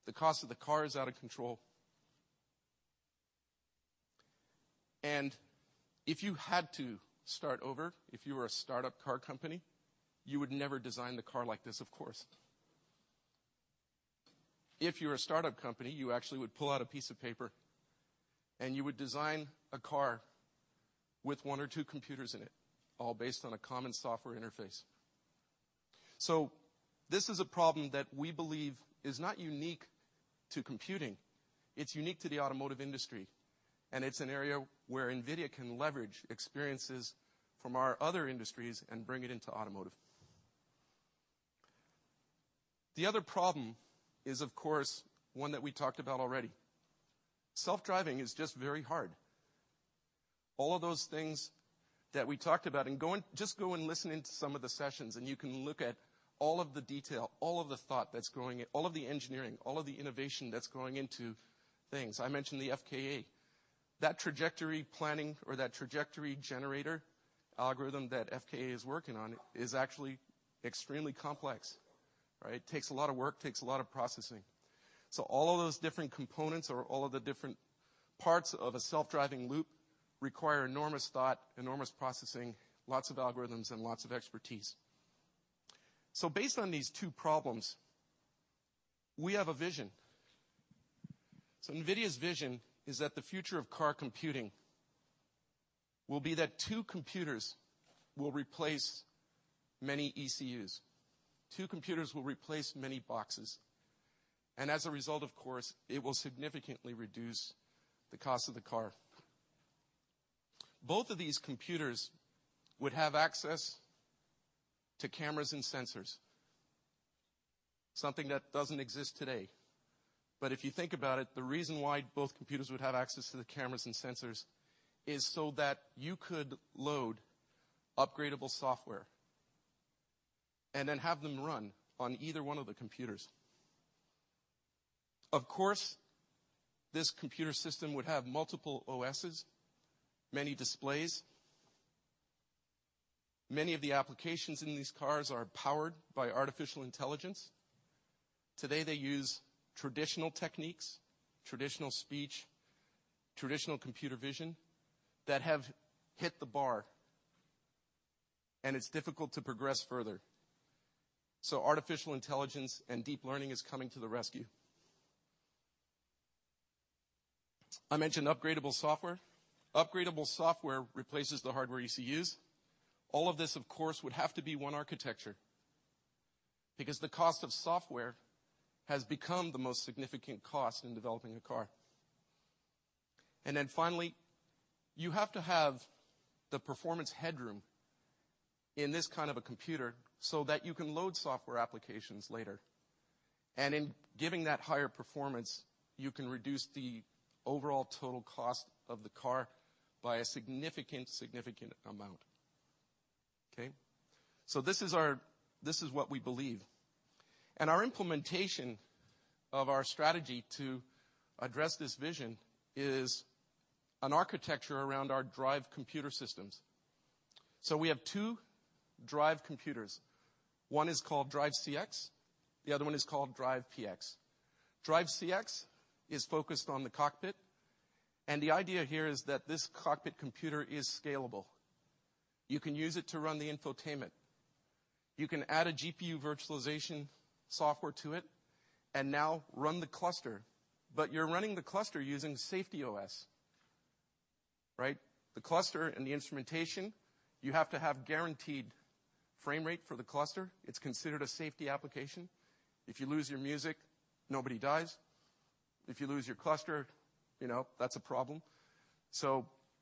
The cost of the car is out of control. If you had to start over, if you were a startup car company, you would never design the car like this, of course. If you're a startup company, you actually would pull out a piece of paper, and you would design a car with one or two computers in it, all based on a common software interface. This is a problem that we believe is not unique to computing. It's unique to the automotive industry, and it's an area where NVIDIA can leverage experiences from our other industries and bring it into automotive. The other problem is, of course, one that we talked about already. Self-driving is just very hard. All of those things that we talked about. Just go and listen into some of the sessions, and you can look at all of the detail, all of the thought that's going in, all of the engineering, all of the innovation that's going into things. I mentioned the FKA. That trajectory planning or that trajectory generator algorithm that FKA is working on is actually extremely complex. Right. It takes a lot of work, takes a lot of processing. All of those different components or all of the different parts of a self-driving loop require enormous thought, enormous processing, lots of algorithms, and lots of expertise. Based on these two problems, we have a vision. NVIDIA's vision is that the future of car computing will be that two computers will replace many ECUs. Two computers will replace many boxes. As a result, of course, it will significantly reduce the cost of the car. Both of these computers would have access to cameras and sensors, something that doesn't exist today. If you think about it, the reason why both computers would have access to the cameras and sensors is so that you could load upgradable software and then have them run on either one of the computers. Of course, this computer system would have multiple OSs, many displays. Many of the applications in these cars are powered by artificial intelligence. Today, they use traditional techniques, traditional speech, traditional computer vision that have hit the bar, and it's difficult to progress further. Artificial intelligence and deep learning is coming to the rescue. I mentioned upgradable software. Upgradable software replaces the hardware ECUs. All of this, of course, would have to be one architecture because the cost of software has become the most significant cost in developing a car. Finally, you have to have the performance headroom in this kind of a computer so that you can load software applications later. In giving that higher performance, you can reduce the overall total cost of the car by a significant amount. Okay. This is what we believe. Our implementation of our strategy to address this vision is an architecture around our drive computer systems. We have two drive computers. One is called Drive CX, the other one is called Drive PX. Drive CX is focused on the cockpit, and the idea here is that this cockpit computer is scalable. You can use it to run the infotainment. You can add a GPU virtualization software to it and now run the cluster. You're running the cluster using safety OS. Right. The cluster and the instrumentation, you have to have guaranteed frame rate for the cluster. It's considered a safety application. If you lose your music, nobody dies. If you lose your cluster, that's a problem.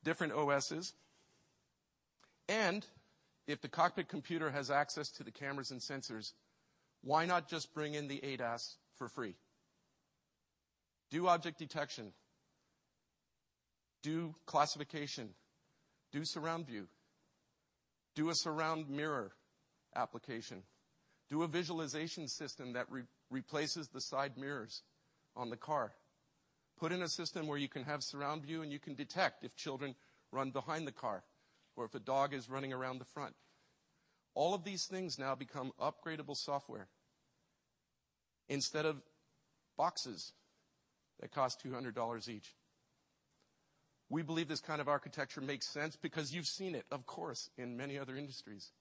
Different OSs. If the cockpit computer has access to the cameras and sensors, why not just bring in the ADAS for free? Do object detection, do classification, do surround view, do a surround mirror application, do a visualization system that replaces the side mirrors on the car. Put in a system where you can have surround view, and you can detect if children run behind the car or if a dog is running around the front. All of these things now become upgradable software instead of boxes that cost $200 each. We believe this kind of architecture makes sense because you've seen it, of course, in many other industries.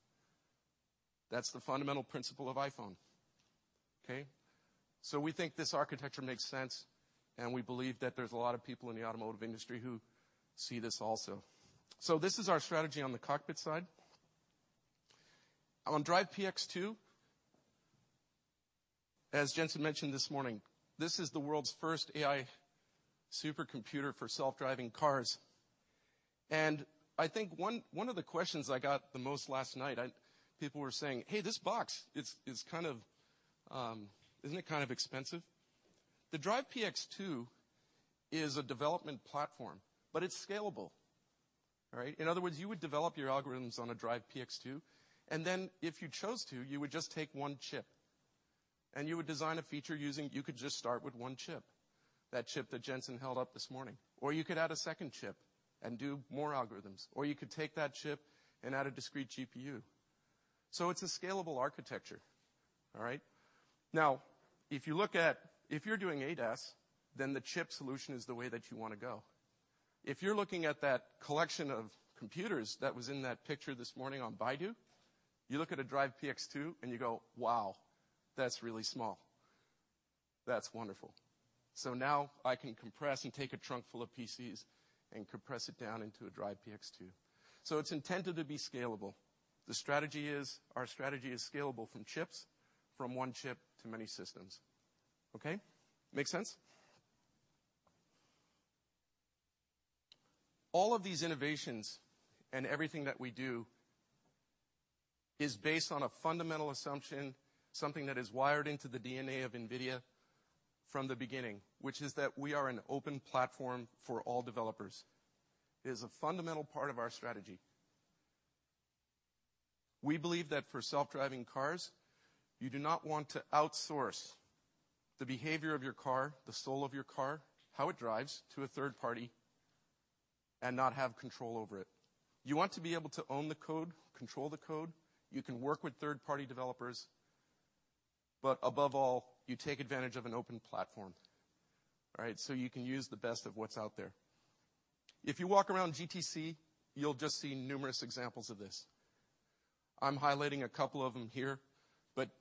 That's the fundamental principle of iPhone. Okay? We think this architecture makes sense, and we believe that there's a lot of people in the automotive industry who see this also. This is our strategy on the cockpit side. On Drive PX2, as Jensen mentioned this morning, this is the world's first AI supercomputer for self-driving cars. I think one of the questions I got the most last night, people were saying, "Hey, this box, isn't it kind of expensive?" The Drive PX2 is a development platform, but it's scalable. All right? In other words, you would develop your algorithms on a Drive PX2. If you chose to, you would just take one chip, that chip that Jensen held up this morning. You could add a second chip and do more algorithms. You could take that chip and add a discrete GPU. It's a scalable architecture. All right? If you're doing ADAS, the chip solution is the way that you want to go. If you're looking at that collection of computers that was in that picture this morning on Baidu, you look at a Drive PX2 and you go, "Wow, that's really small. That's wonderful." Now I can compress and take a trunk full of PCs and compress it down into a Drive PX2. It's intended to be scalable. Our strategy is scalable from chips, from one chip to many systems. Okay? Make sense? All of these innovations and everything that we do is based on a fundamental assumption, something that is wired into the DNA of NVIDIA from the beginning, which is that we are an open platform for all developers. It is a fundamental part of our strategy. We believe that for self-driving cars, you do not want to outsource the behavior of your car, the soul of your car, how it drives, to a third party and not have control over it. You want to be able to own the code, control the code. You can work with third-party developers. Above all, you take advantage of an open platform. All right? You can use the best of what's out there. If you walk around GTC, you'll just see numerous examples of this. I'm highlighting a couple of them here.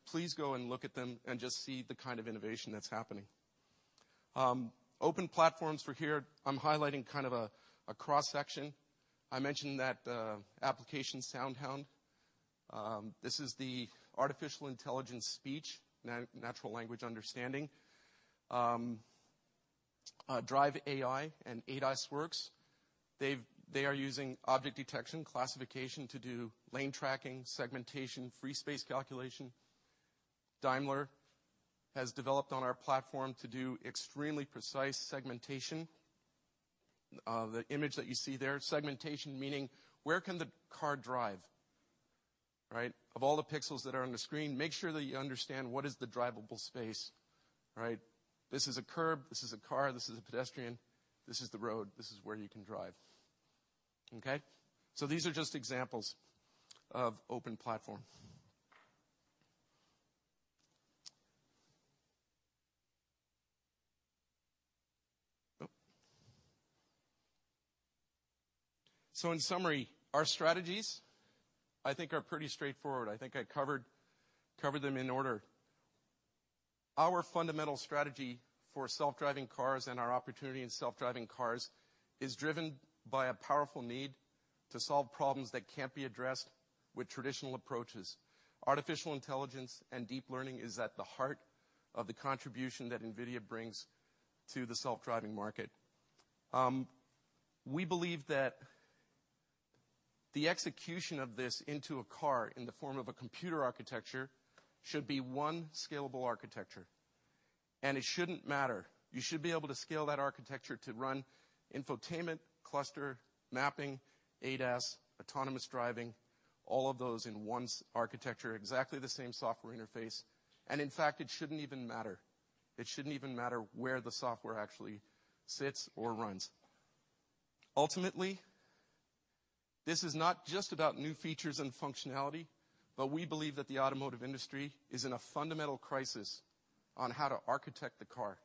Please go and look at them and just see the kind of innovation that's happening. Open platforms for here, I'm highlighting kind of a cross-section. I mentioned that application, SoundHound. This is the artificial intelligence speech, natural language understanding. Drive.ai and AdasWorks. They are using object detection classification to do lane tracking, segmentation, free space calculation. Daimler has developed on our platform to do extremely precise segmentation. The image that you see there, segmentation meaning where can the car drive, right? Of all the pixels that are on the screen, make sure that you understand what is the drivable space. All right? This is a curb, this is a car, this is a pedestrian, this is the road. This is where you can drive. Okay? These are just examples of open platform. In summary, our strategies, I think, are pretty straightforward. I think I covered them in order. Our fundamental strategy for self-driving cars and our opportunity in self-driving cars is driven by a powerful need to solve problems that can't be addressed with traditional approaches. Artificial intelligence and deep learning is at the heart of the contribution that NVIDIA brings to the self-driving market. We believe that the execution of this into a car in the form of a computer architecture should be one scalable architecture. It shouldn't matter. You should be able to scale that architecture to run infotainment, cluster, mapping, ADAS, autonomous driving, all of those in one architecture, exactly the same software interface. In fact, it shouldn't even matter. It shouldn't even matter where the software actually sits or runs. Ultimately, this is not just about new features and functionality, we believe that the automotive industry is in a fundamental crisis on how to architect the car.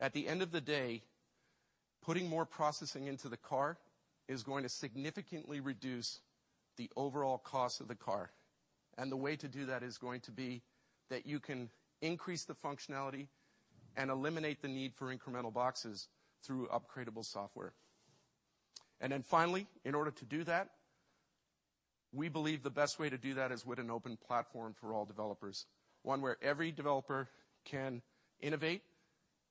At the end of the day, putting more processing into the car is going to significantly reduce the overall cost of the car, the way to do that is going to be that you can increase the functionality and eliminate the need for incremental boxes through upgradable software. Finally, in order to do that, we believe the best way to do that is with an open platform for all developers. One where every developer can innovate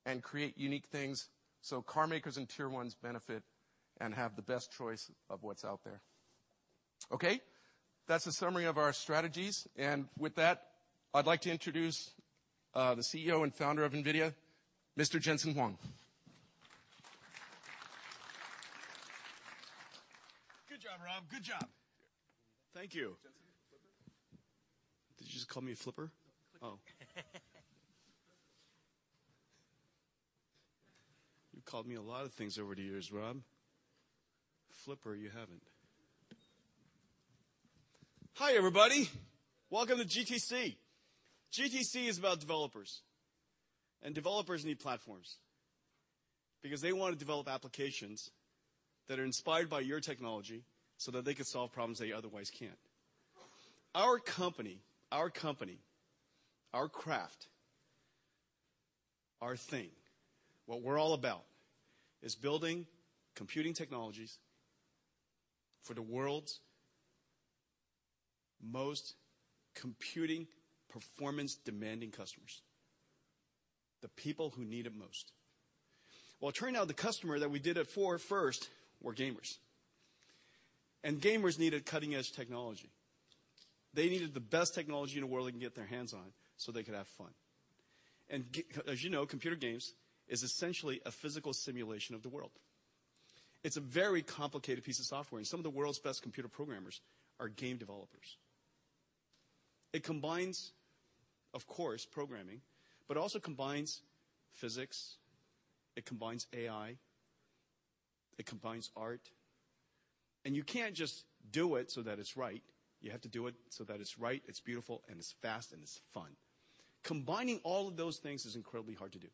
and create unique things, car makers and tier ones benefit and have the best choice of what's out there. Okay, that's a summary of our strategies. With that, I'd like to introduce, the CEO and founder of NVIDIA, Mr. Jensen Huang. Good job, Rob. Good job. Thank you. Jensen, flipper. Did you just call me a flipper? Flipper. Oh. You've called me a lot of things over the years, Rob. Flipper, you haven't. Hi, everybody. Welcome to GTC. GTC is about developers need platforms because they want to develop applications that are inspired by your technology so that they could solve problems they otherwise can't. Our company, our craft, our thing, what we're all about is building computing technologies for the world's most computing performance demanding customers, the people who need it most. Well, it turned out the customer that we did it for first were gamers needed cutting-edge technology. They needed the best technology in the world they can get their hands on so they could have fun. As you know, computer games is essentially a physical simulation of the world. It's a very complicated piece of software, some of the world's best computer programmers are game developers. It combines, of course, programming, also combines physics. It combines AI. It combines art, you can't just do it so that it's right. You have to do it so that it's right, it's beautiful, it's fast, it's fun. Combining all of those things is incredibly hard to do.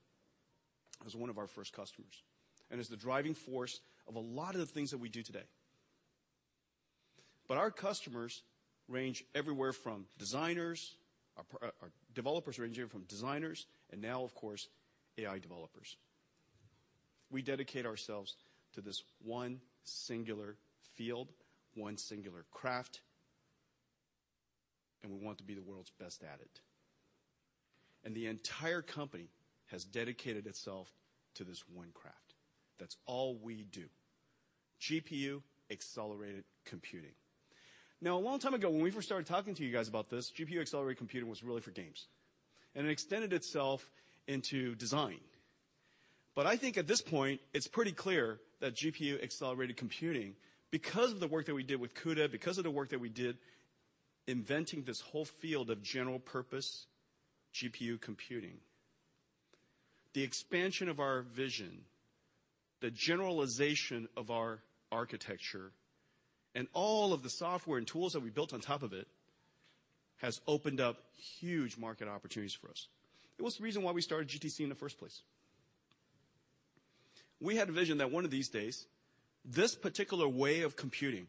It was one of our first customers, and it's the driving force of a lot of the things that we do today. Our developers range from designers and now, of course, AI developers. We dedicate ourselves to this one singular field, one singular craft, and we want to be the world's best at it. The entire company has dedicated itself to this one craft. That's all we do, GPU-accelerated computing. A long time ago, when we first started talking to you guys about this, GPU-accelerated computing was really for games, and it extended itself into design. I think at this point, it's pretty clear that GPU-accelerated computing, because of the work that we did with CUDA, because of the work that we did inventing this whole field of general purpose GPU computing, the expansion of our vision, the generalization of our architecture, and all of the software and tools that we built on top of it has opened up huge market opportunities for us. It was the reason why we started GTC in the first place. We had a vision that one of these days, this particular way of computing,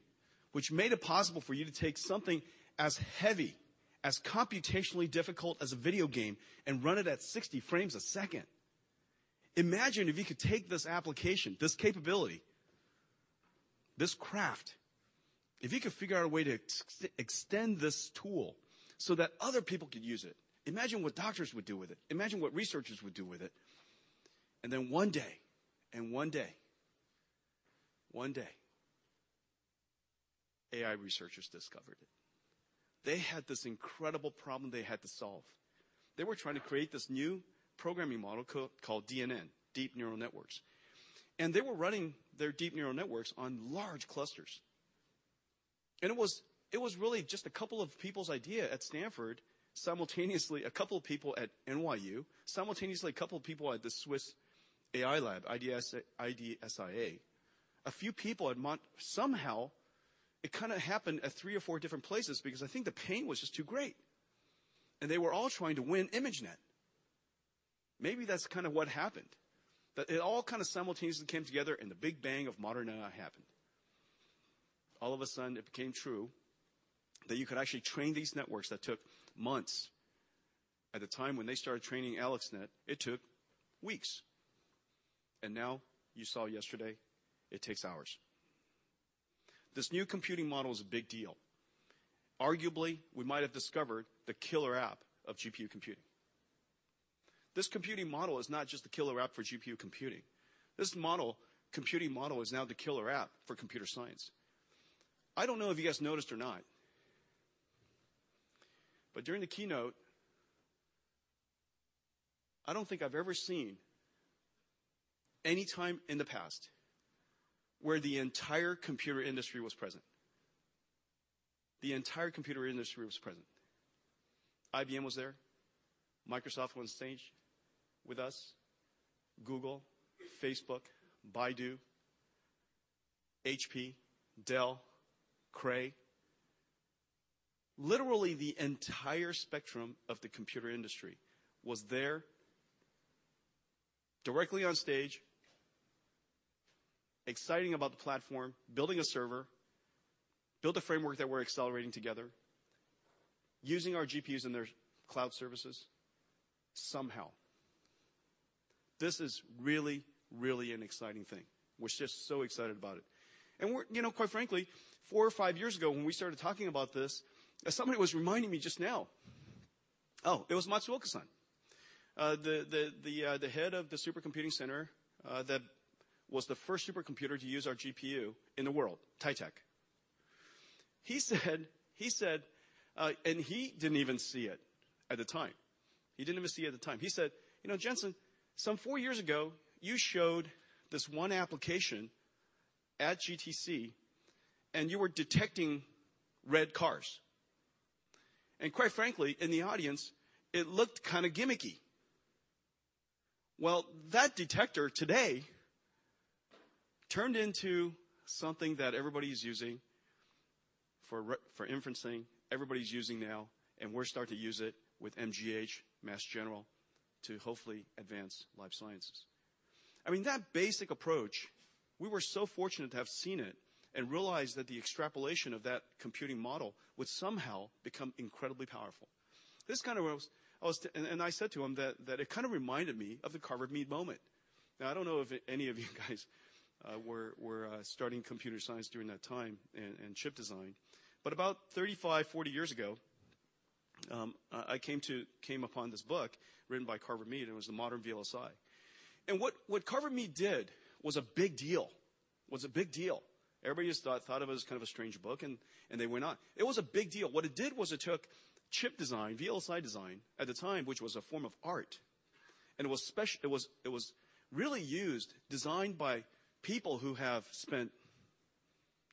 which made it possible for you to take something as heavy, as computationally difficult as a video game and run it at 60 frames a second. Imagine if you could take this application, this capability, this craft, if you could figure out a way to extend this tool so that other people could use it. Imagine what doctors would do with it. Imagine what researchers would do with it. One day, AI researchers discovered it. They had this incredible problem they had to solve. They were trying to create this new programming model called DNN, deep neural networks. They were running their deep neural networks on large clusters. It was really just a couple of people's idea at Stanford, simultaneously, a couple of people at NYU, simultaneously, a couple of people at the Swiss AI lab, IDSIA. Somehow, it happened at three or four different places because I think the pain was just too great, and they were all trying to win ImageNet. Maybe that's what happened. That it all simultaneously came together and the Big Bang of modern AI happened. All of a sudden, it became true that you could actually train these networks that took months. At the time when they started training AlexNet, it took weeks, now you saw yesterday, it takes hours. This new computing model is a big deal. Arguably, we might have discovered the killer app of GPU computing. This computing model is not just the killer app for GPU computing. This computing model is now the killer app for computer science. I don't know if you guys noticed or not, during the keynote, I don't think I've ever seen any time in the past where the entire computer industry was present. The entire computer industry was present. IBM was there. Microsoft was on stage with us. Google, Facebook, Baidu, HP, Dell, Cray. Literally, the entire spectrum of the computer industry was there directly on stage, excited about the platform, building a server, build a framework that we're accelerating together, using our GPUs and their cloud services somehow. This is really, really an exciting thing. We're just so excited about it. Quite frankly, four or five years ago when we started talking about this, as somebody was reminding me just now. Oh, it was Matsuoka-san, the head of the supercomputing center that was the first supercomputer to use our GPU in the world, Titech. He didn't even see it at the time. He said, "Jensen, some four years ago, you showed this one application at GTC, and you were detecting red cars. Quite frankly, in the audience, it looked kind of gimmicky." Well, that detector today turned into something that everybody's using for inferencing, everybody's using now, and we're starting to use it with MGH, Mass General, to hopefully advance life sciences. I mean, that basic approach, we were so fortunate to have seen it and realized that the extrapolation of that computing model would somehow become incredibly powerful. I said to him that it kind of reminded me of the Carver Mead moment. I don't know if any of you guys were starting computer science during that time and chip design, but about 35, 40 years ago, I came upon this book written by Carver Mead, and it was the Modern VLSI. What Carver Mead did was a big deal. Everybody just thought of it as kind of a strange book, and they went on. It was a big deal. What it did was it took chip design, VLSI design, at the time, which was a form of art, and it was really used, designed by people who have spent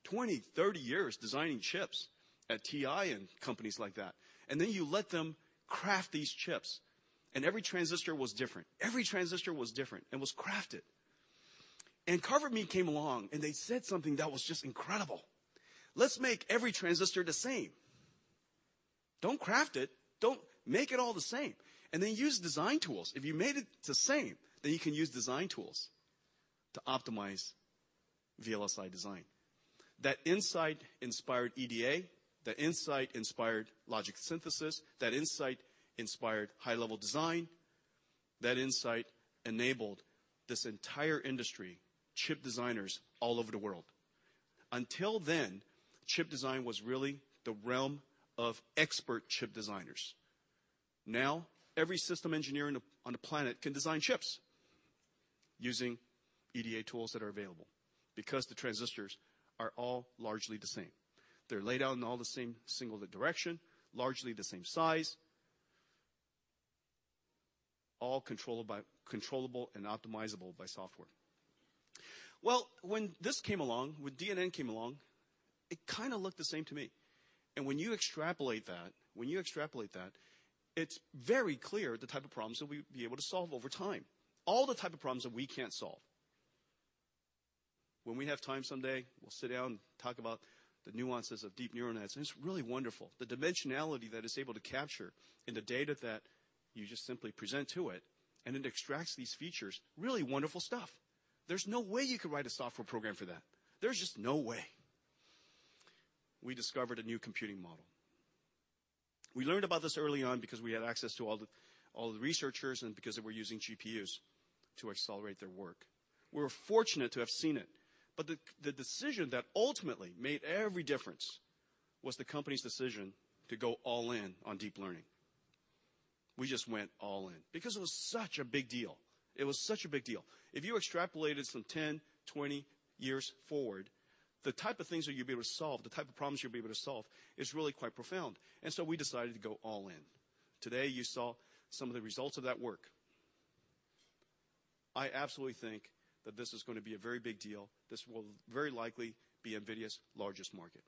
20, 30 years designing chips at Texas Instruments and companies like that. Then you let them craft these chips, and every transistor was different. Every transistor was different and was crafted. Carver Mead came along, and they said something that was just incredible. "Let's make every transistor the same. Don't craft it. Make it all the same." Then use design tools. If you made it the same, then you can use design tools to optimize VLSI design. That insight inspired EDA. That insight inspired logic synthesis. That insight inspired high-level design. That insight enabled this entire industry, chip designers all over the world. Until then, chip design was really the realm of expert chip designers. Every system engineer on the planet can design chips using EDA tools that are available because the transistors are all largely the same. They're laid out in all the same single direction, largely the same size, all controllable and optimizable by software. Well, when this came along, when DNN came along, it kind of looked the same to me. When you extrapolate that, it's very clear the type of problems that we'd be able to solve over time, all the type of problems that we can't solve. When we have time someday, we'll sit down and talk about the nuances of deep neural nets, and it's really wonderful. The dimensionality that it's able to capture and the data that you just simply present to it, and it extracts these features, really wonderful stuff. There's no way you could write a software program for that. There's just no way. We discovered a new computing model. We learned about this early on because we had access to all the researchers and because they were using GPUs to accelerate their work. We were fortunate to have seen it, but the decision that ultimately made every difference was the company's decision to go all in on deep learning. We just went all in because it was such a big deal. It was such a big deal. If you extrapolated some 10, 20 years forward, the type of things that you'd be able to solve, the type of problems you'll be able to solve is really quite profound. We decided to go all in. Today, you saw some of the results of that work. I absolutely think that this is going to be a very big deal. This will very likely be NVIDIA's largest market.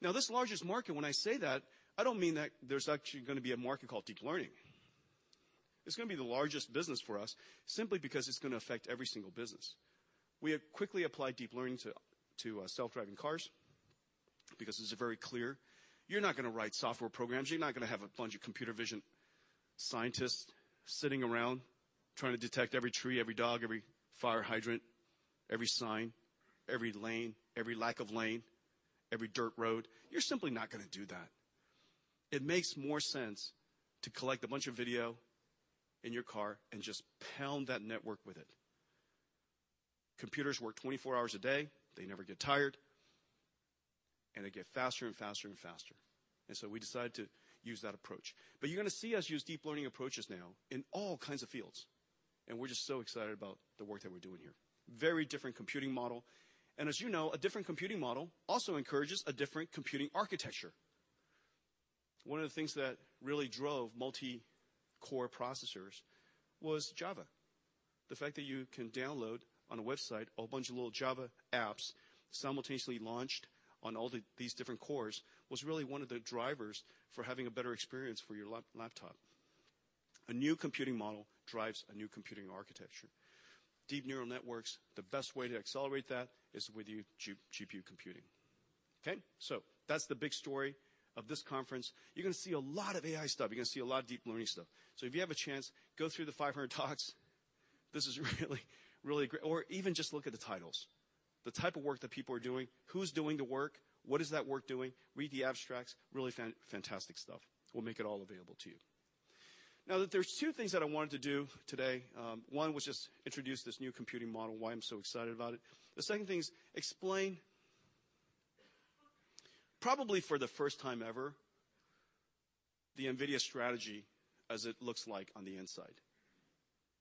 This largest market, when I say that, I don't mean that there's actually going to be a market called deep learning. It's going to be the largest business for us simply because it's going to affect every single business. We have quickly applied deep learning to self-driving cars because it's very clear you're not going to write software programs. You're not going to have a bunch of computer vision scientists sitting around trying to detect every tree, every dog, every fire hydrant, every sign, every lane, every lack of lane, every dirt road. You're simply not going to do that. It makes more sense to collect a bunch of video in your car and just pound that network with it. Computers work 24 hours a day. They never get tired, and they get faster and faster and faster. We decided to use that approach. You're going to see us use deep learning approaches now in all kinds of fields, and we're just so excited about the work that we're doing here. Very different computing model. As you know, a different computing model also encourages a different computing architecture. One of the things that really drove multi-core processors was Java. The fact that you can download on a website a bunch of little Java apps simultaneously launched on all these different cores was really one of the drivers for having a better experience for your laptop. A new computing model drives a new computing architecture. Deep neural networks, the best way to accelerate that is with GPU computing. Okay? That's the big story of this conference. You're going to see a lot of AI stuff. You're going to see a lot of deep learning stuff. If you have a chance, go through the 500 talks. This is really, really great. Even just look at the titles. The type of work that people are doing, who's doing the work, what is that work doing? Read the abstracts. Really fantastic stuff. We'll make it all available to you. There's two things that I wanted to do today. One was just introduce this new computing model, why I'm so excited about it. The second thing is explain, probably for the first time ever, the NVIDIA strategy as it looks like on the inside.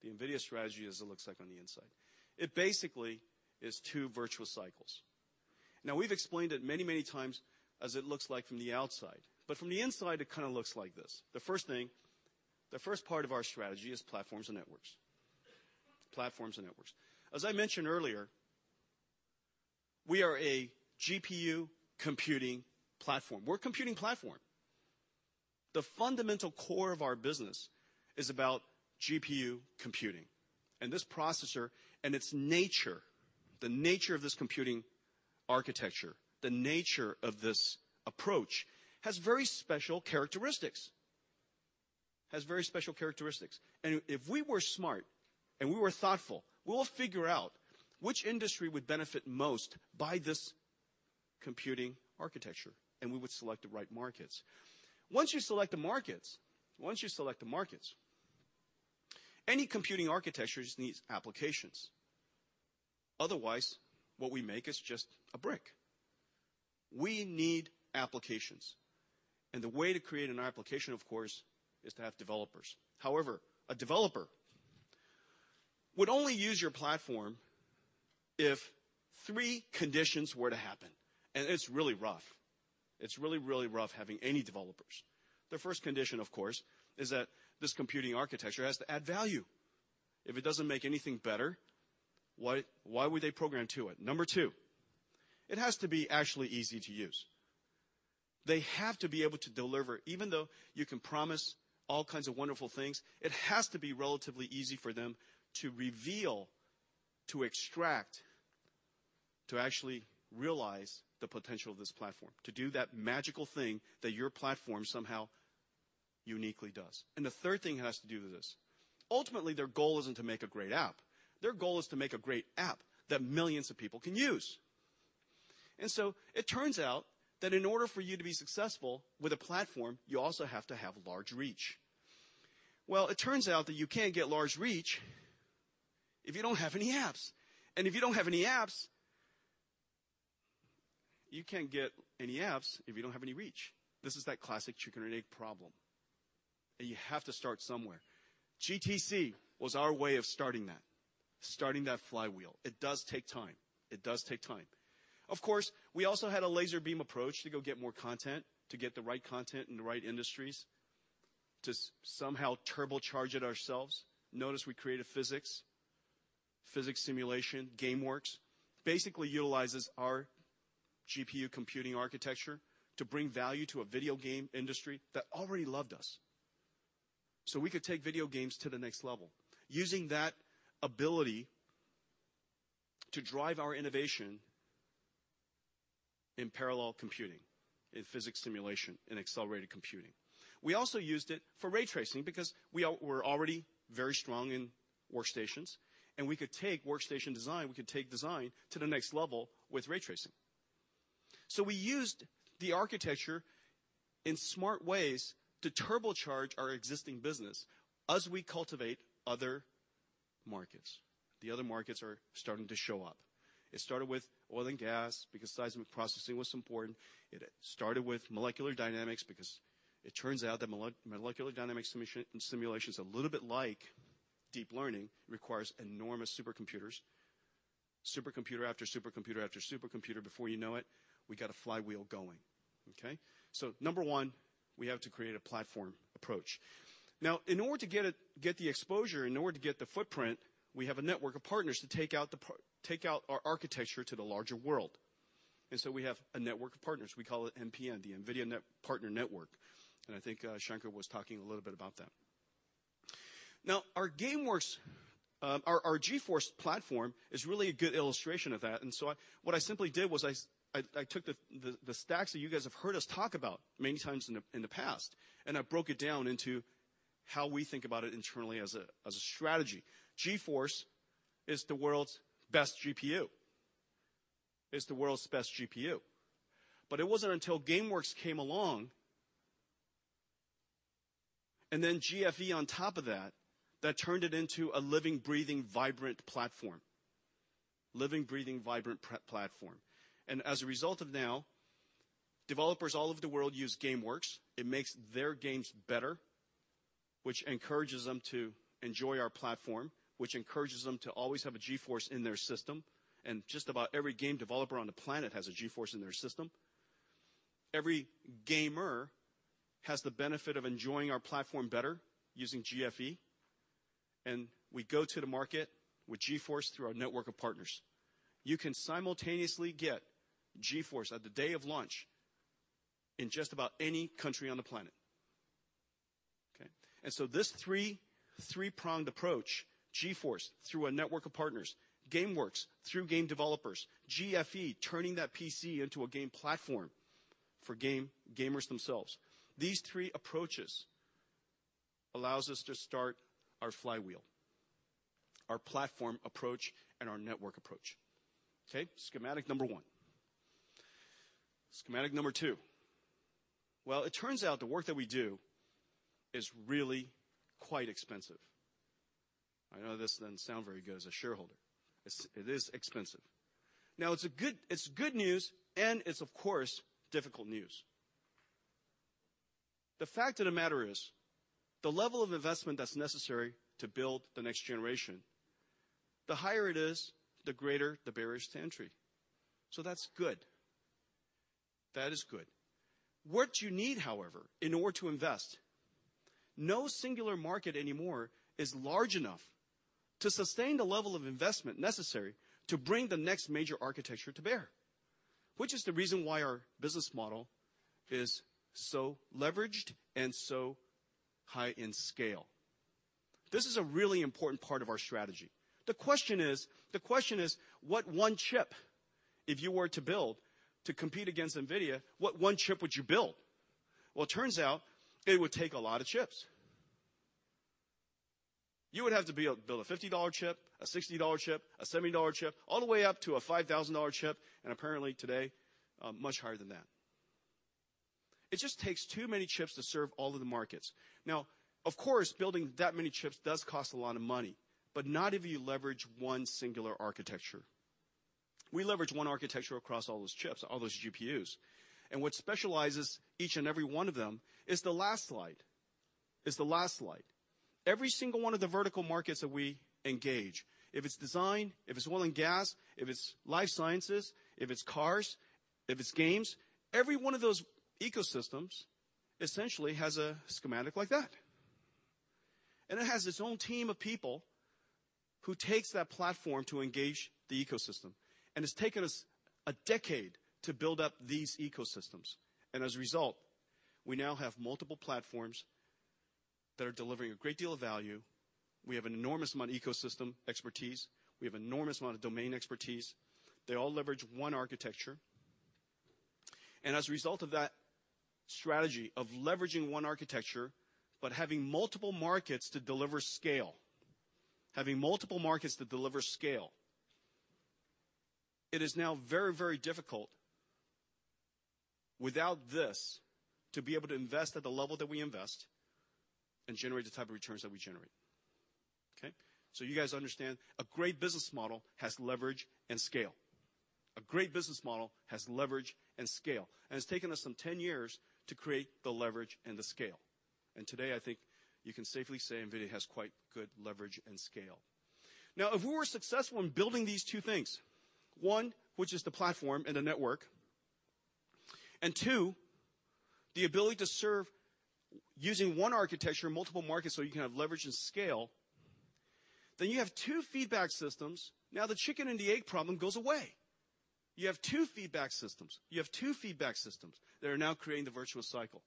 The NVIDIA strategy as it looks like on the inside. It basically is two virtual cycles. We've explained it many, many times as it looks like from the outside, but from the inside, it kind of looks like this. The first thing, the first part of our strategy is platforms and networks. Platforms and networks. As I mentioned earlier, we are a GPU computing platform. We're a computing platform. The fundamental core of our business is about GPU computing and this processor and its nature, the nature of this computing architecture, the nature of this approach has very special characteristics. Has very special characteristics. If we were smart and we were thoughtful, we'll figure out which industry would benefit most by this computing architecture, and we would select the right markets. Once you select the markets, any computing architecture needs applications. Otherwise, what we make is just a brick. We need applications. The way to create an application, of course, is to have developers. However, a developer would only use your platform if three conditions were to happen. It's really rough. It's really rough having any developers. The first condition, of course, is that this computing architecture has to add value. If it doesn't make anything better, why would they program to it? Number 2, it has to be actually easy to use. They have to be able to deliver. Even though you can promise all kinds of wonderful things, it has to be relatively easy for them to reveal, to extract, to actually realize the potential of this platform, to do that magical thing that your platform somehow uniquely does. The third thing has to do with this. Ultimately, their goal isn't to make a great app. Their goal is to make a great app that millions of people can use. It turns out that in order for you to be successful with a platform, you also have to have large reach. It turns out that you can't get large reach if you don't have any apps. If you don't have any apps, you can't get any apps if you don't have any reach. This is that classic chicken or an egg problem, and you have to start somewhere. GTC was our way of starting that flywheel. It does take time. Of course, we also had a laser beam approach to go get more content, to get the right content in the right industries, to somehow turbocharge it ourselves. Notice we created physics simulation, GameWorks. Basically utilizes our GPU computing architecture to bring value to a video game industry that already loved us. We could take video games to the next level. Using that ability to drive our innovation in parallel computing, in physics simulation, in accelerated computing. We also used it for ray tracing because we were already very strong in workstations, and we could take workstation design, we could take design to the next level with ray tracing. We used the architecture in smart ways to turbocharge our existing business as we cultivate other markets. The other markets are starting to show up. It started with oil and gas because seismic processing was important. It started with molecular dynamics because it turns out that molecular dynamics simulation is a little bit like deep learning. It requires enormous supercomputers. Supercomputer after supercomputer after supercomputer, before you know it, we got a flywheel going. Okay? Number 1, we have to create a platform approach. Now, in order to get the exposure, in order to get the footprint, we have a network of partners to take out our architecture to the larger world. We have a network of partners. We call it NPN, the NVIDIA Partner Network, and I think Shanker was talking a little bit about that. Our GameWorks, our GeForce platform is really a good illustration of that. What I simply did was I took the stacks that you guys have heard us talk about many times in the past, and I broke it down into how we think about it internally as a strategy. GeForce is the world's best GPU. It's the world's best GPU. It wasn't until GameWorks came along and then GFE on top of that turned it into a living, breathing, vibrant platform. Developers all over the world use GameWorks. It makes their games better, which encourages them to enjoy our platform, which encourages them to always have a GeForce in their system. Just about every game developer on the planet has a GeForce in their system. Every gamer has the benefit of enjoying our platform better using GFE. We go to the market with GeForce through our network of partners. You can simultaneously get GeForce at the day of launch in just about any country on the planet. Okay? This three-pronged approach, GeForce through a network of partners, GameWorks through game developers, GFE turning that PC into a game platform for gamers themselves. These three approaches allows us to start our flywheel, our platform approach, and our network approach. Okay? Schematic number one. Schematic number two. It turns out the work that we do is really quite expensive. I know this doesn't sound very good as a shareholder. It is expensive. It's good news, and it's, of course, difficult news. The fact of the matter is, the level of investment that's necessary to build the next generation, the higher it is, the greater the barriers to entry. That's good. That is good. What you need, however, in order to invest, no singular market anymore is large enough to sustain the level of investment necessary to bring the next major architecture to bear. This is the reason why our business model is so leveraged and so high in scale. This is a really important part of our strategy. The question is, what one chip, if you were to build to compete against NVIDIA, what one chip would you build? It turns out it would take a lot of chips. You would have to build a $50 chip, a $60 chip, a $70 chip, all the way up to a $5,000 chip, and apparently today, much higher than that. It just takes too many chips to serve all of the markets. Of course, building that many chips does cost a lot of money, but not if you leverage one singular architecture. We leverage one architecture across all those chips, all those GPUs. What specializes each and every one of them is the last slide. Every single one of the vertical markets that we engage, if it's design, if it's oil and gas, if it's life sciences, if it's cars, if it's games, every one of those ecosystems essentially has a schematic like that. It has its own team of people who takes that platform to engage the ecosystem. It's taken us a decade to build up these ecosystems. As a result, we now have multiple platforms that are delivering a great deal of value. We have an enormous amount of ecosystem expertise. We have enormous amount of domain expertise. They all leverage one architecture. As a result of that strategy of leveraging one architecture, but having multiple markets to deliver scale, it is now very difficult without this to be able to invest at the level that we invest and generate the type of returns that we generate. Okay? You guys understand a great business model has leverage and scale. A great business model has leverage and scale. It's taken us some 10 years to create the leverage and the scale. Today, I think you can safely say NVIDIA has quite good leverage and scale. If we were successful in building these two things, one, which is the platform and the network, and two, the ability to serve using one architecture in multiple markets so you can have leverage and scale, you have two feedback systems. The chicken and the egg problem goes away. You have two feedback systems. You have two feedback systems that are now creating the virtuous cycle.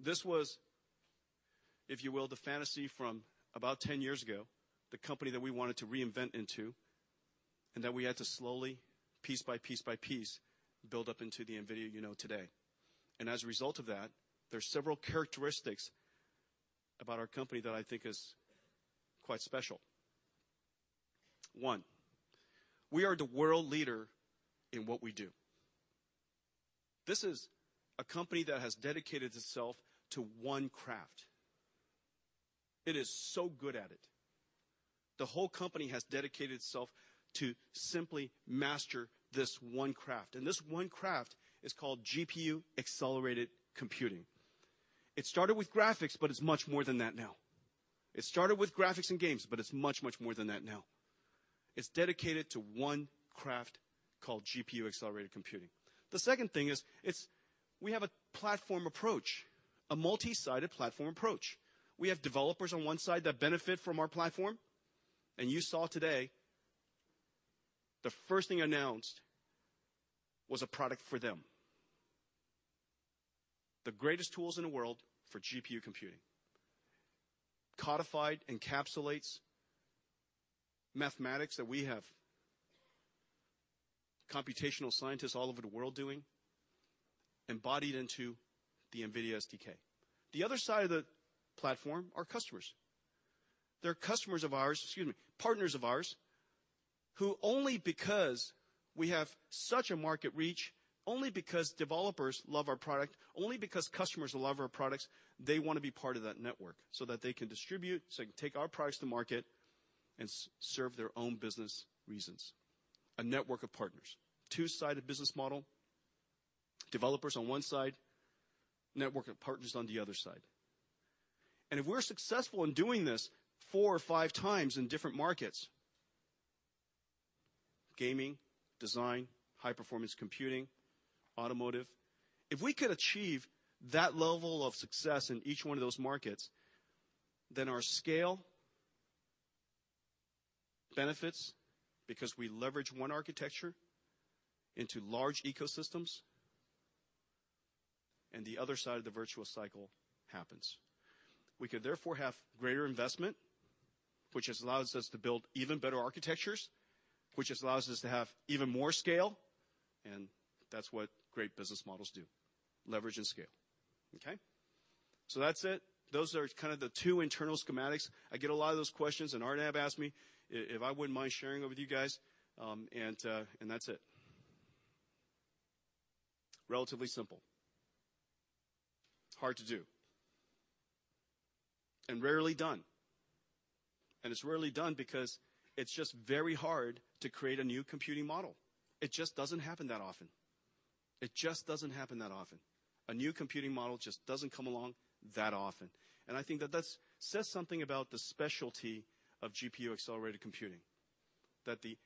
This was, if you will, the fantasy from about 10 years ago, the company that we wanted to reinvent into, and that we had to slowly, piece by piece by piece, build up into the NVIDIA you know today. As a result of that, there's several characteristics about our company that I think is quite special. One, we are the world leader in what we do. This is a company that has dedicated itself to one craft. It is so good at it. The whole company has dedicated itself to simply master this one craft. This one craft is called GPU-accelerated computing. It started with graphics, but it's much more than that now. It started with graphics and games, but it's much, much more than that now. It's dedicated to one craft called GPU-accelerated computing. The second thing is, we have a platform approach, a multi-sided platform approach. We have developers on one side that benefit from our platform. You saw today the first thing announced was a product for them. The greatest tools in the world for GPU computing. Codified, encapsulates mathematics that we have computational scientists all over the world doing embodied into the NVIDIA SDK. The other side of the platform are customers. They're customers of ours, excuse me, partners of ours, who only because we have such a market reach, only because developers love our product, only because customers love our products, they want to be part of that network so that they can distribute, so they can take our products to market and serve their own business reasons. A network of partners. Two-sided business model. Developers on one side, network of partners on the other side. If we're successful in doing this four or five times in different markets, gaming, design, high-performance computing, automotive, if we could achieve that level of success in each one of those markets, our scale benefits because we leverage one architecture into large ecosystems, and the other side of the virtual cycle happens. We could therefore have greater investment, which has allowed us to build even better architectures, which has allowed us to have even more scale. That's what great business models do, leverage and scale. Okay? That's it. Those are kind of the two internal schematics. I get a lot of those questions, and Arnab asked me if I wouldn't mind sharing it with you guys, and that's it. Relatively simple. Hard to do. Rarely done. It's rarely done because it's just very hard to create a new computing model. It just doesn't happen that often. It just doesn't happen that often. A new computing model just doesn't come along that often. I think that says something about the specialty of GPU-accelerated computing. That the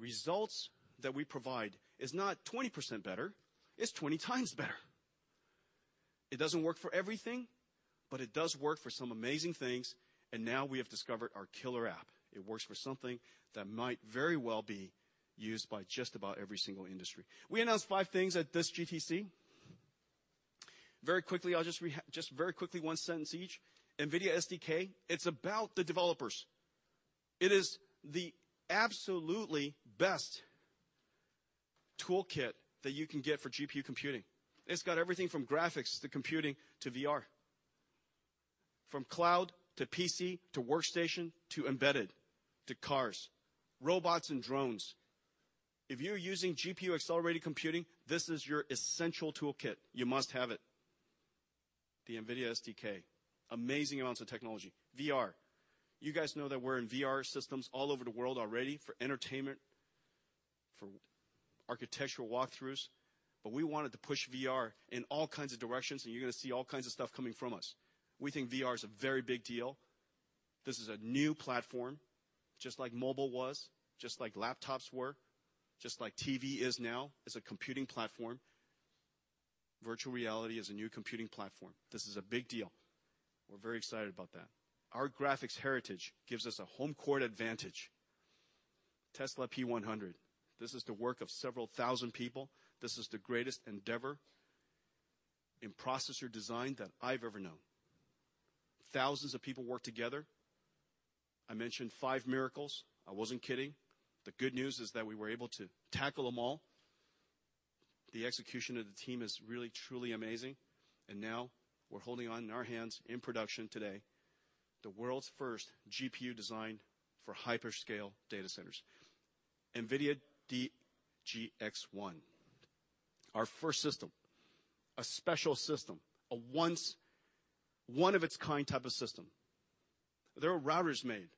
results that we provide is not 20% better, it's 20 times better. It doesn't work for everything, but it does work for some amazing things, and now we have discovered our killer app. It works for something that might very well be used by just about every single industry. We announced five things at this GTC. Very quickly, I'll just very quickly, one sentence each. NVIDIA SDK, it's about the developers. It is the absolutely best toolkit that you can get for GPU computing. It's got everything from graphics to computing to VR, from cloud to PC to workstation to embedded to cars, robots, and drones. If you're using GPU-accelerated computing, this is your essential toolkit. You must have it. The NVIDIA SDK, amazing amounts of technology. VR. You guys know that we're in VR systems all over the world already for entertainment, for architectural walkthroughs. We wanted to push VR in all kinds of directions, and you're going to see all kinds of stuff coming from us. We think VR is a very big deal. This is a new platform, just like mobile was, just like laptops were, just like TV is now. It's a computing platform. Virtual reality is a new computing platform. This is a big deal. We're very excited about that. Our graphics heritage gives us a home-court advantage. Tesla P100. This is the work of several thousand people. This is the greatest endeavor in processor design that I've ever known. Thousands of people worked together. I mentioned five miracles. I wasn't kidding. The good news is that we were able to tackle them all. The execution of the team is really truly amazing. Now we're holding on in our hands, in production today, the world's first GPU designed for hyperscale data centers. NVIDIA DGX-1, our first system. A special system. A one-of-its-kind type of system. There are routers made.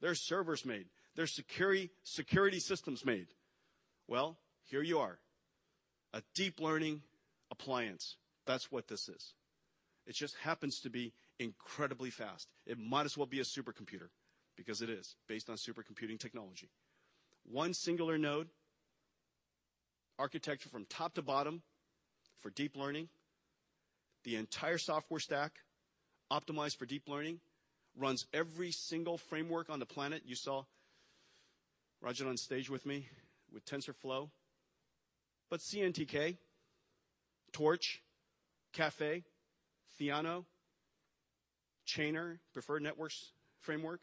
There are servers made. There are security systems made. Well, here you are. A deep learning appliance. That's what this is. It just happens to be incredibly fast. It might as well be a supercomputer because it is, based on supercomputing technology. One singular node, architecture from top to bottom for deep learning. The entire software stack optimized for deep learning, runs every single framework on the planet. You saw Rajat on stage with me with TensorFlow. CNTK, Torch, Caffe, Theano, Chainer, Preferred Networks framework,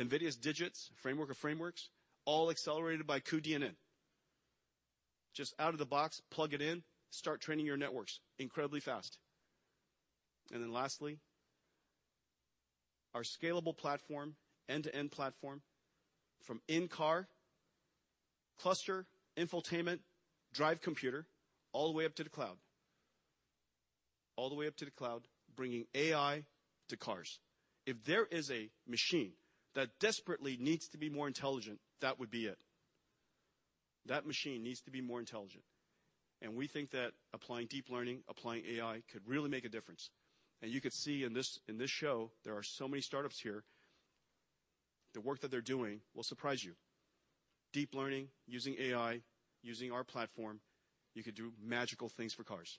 NVIDIA's DIGITS, framework of frameworks, all accelerated by cuDNN. Just out of the box, plug it in, start training your networks incredibly fast. Lastly, our scalable platform, end-to-end platform, from in-car, cluster, infotainment, drive computer, all the way up to the cloud. All the way up to the cloud, bringing AI to cars. If there is a machine that desperately needs to be more intelligent, that would be it. That machine needs to be more intelligent. We think that applying deep learning, applying AI, could really make a difference. You could see in this show, there are so many startups here. The work that they're doing will surprise you. Deep learning, using AI, using our platform, you could do magical things for cars.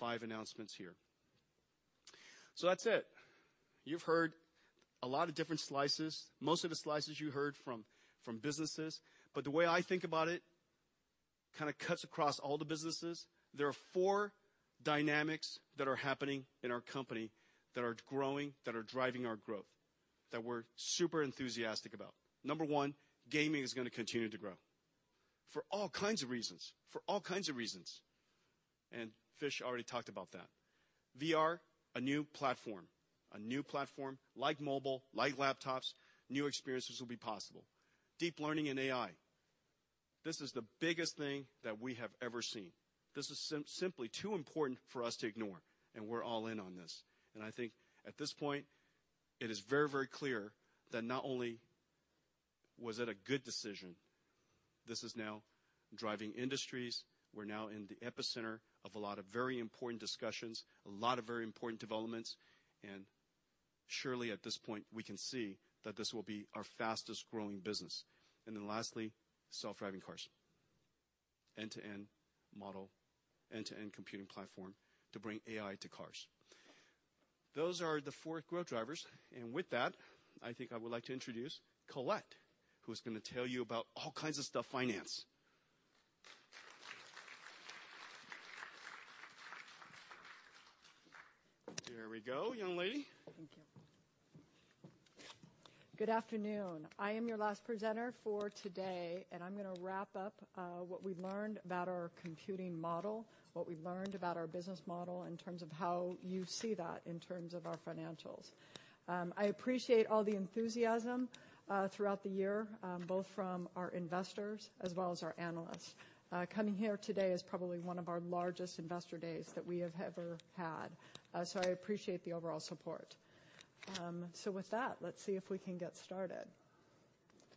Five announcements here. That's it. You've heard a lot of different slices. Most of the slices you heard from businesses. The way I think about it, kind of cuts across all the businesses. There are four dynamics that are happening in our company that are growing, that are driving our growth, that we're super enthusiastic about. Number one, gaming is going to continue to grow for all kinds of reasons. For all kinds of reasons. Fish already talked about that. VR, a new platform. A new platform like mobile, like laptops, new experiences will be possible. Deep learning and AI. This is the biggest thing that we have ever seen. This is simply too important for us to ignore, and we're all in on this. I think at this point, it is very, very clear that not only was it a good decision, this is now driving industries. We're now in the epicenter of a lot of very important discussions, a lot of very important developments, and surely at this point, we can see that this will be our fastest-growing business. Lastly, self-driving cars. End-to-end model, end-to-end computing platform to bring AI to cars. Those are the four growth drivers. With that, I think I would like to introduce Colette, who's going to tell you about all kinds of stuff finance. Here we go, young lady. Thank you. Good afternoon. I am your last presenter for today. I'm going to wrap up what we've learned about our computing model, what we've learned about our business model in terms of how you see that in terms of our financials. I appreciate all the enthusiasm throughout the year, both from our investors as well as our analysts. Coming here today is probably one of our largest investor days that we have ever had. I appreciate the overall support. With that, let's see if we can get started.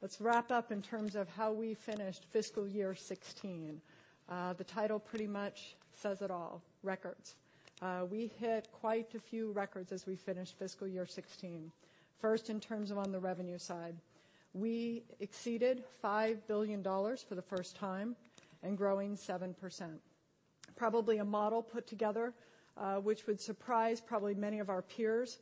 Let's wrap up in terms of how we finished fiscal year 2016. The title pretty much says it all, Records. We hit quite a few records as we finished fiscal year 2016. First, in terms of on the revenue side. We exceeded $5 billion for the first time and growing 7%. Probably a model put together, which would surprise probably many of our peers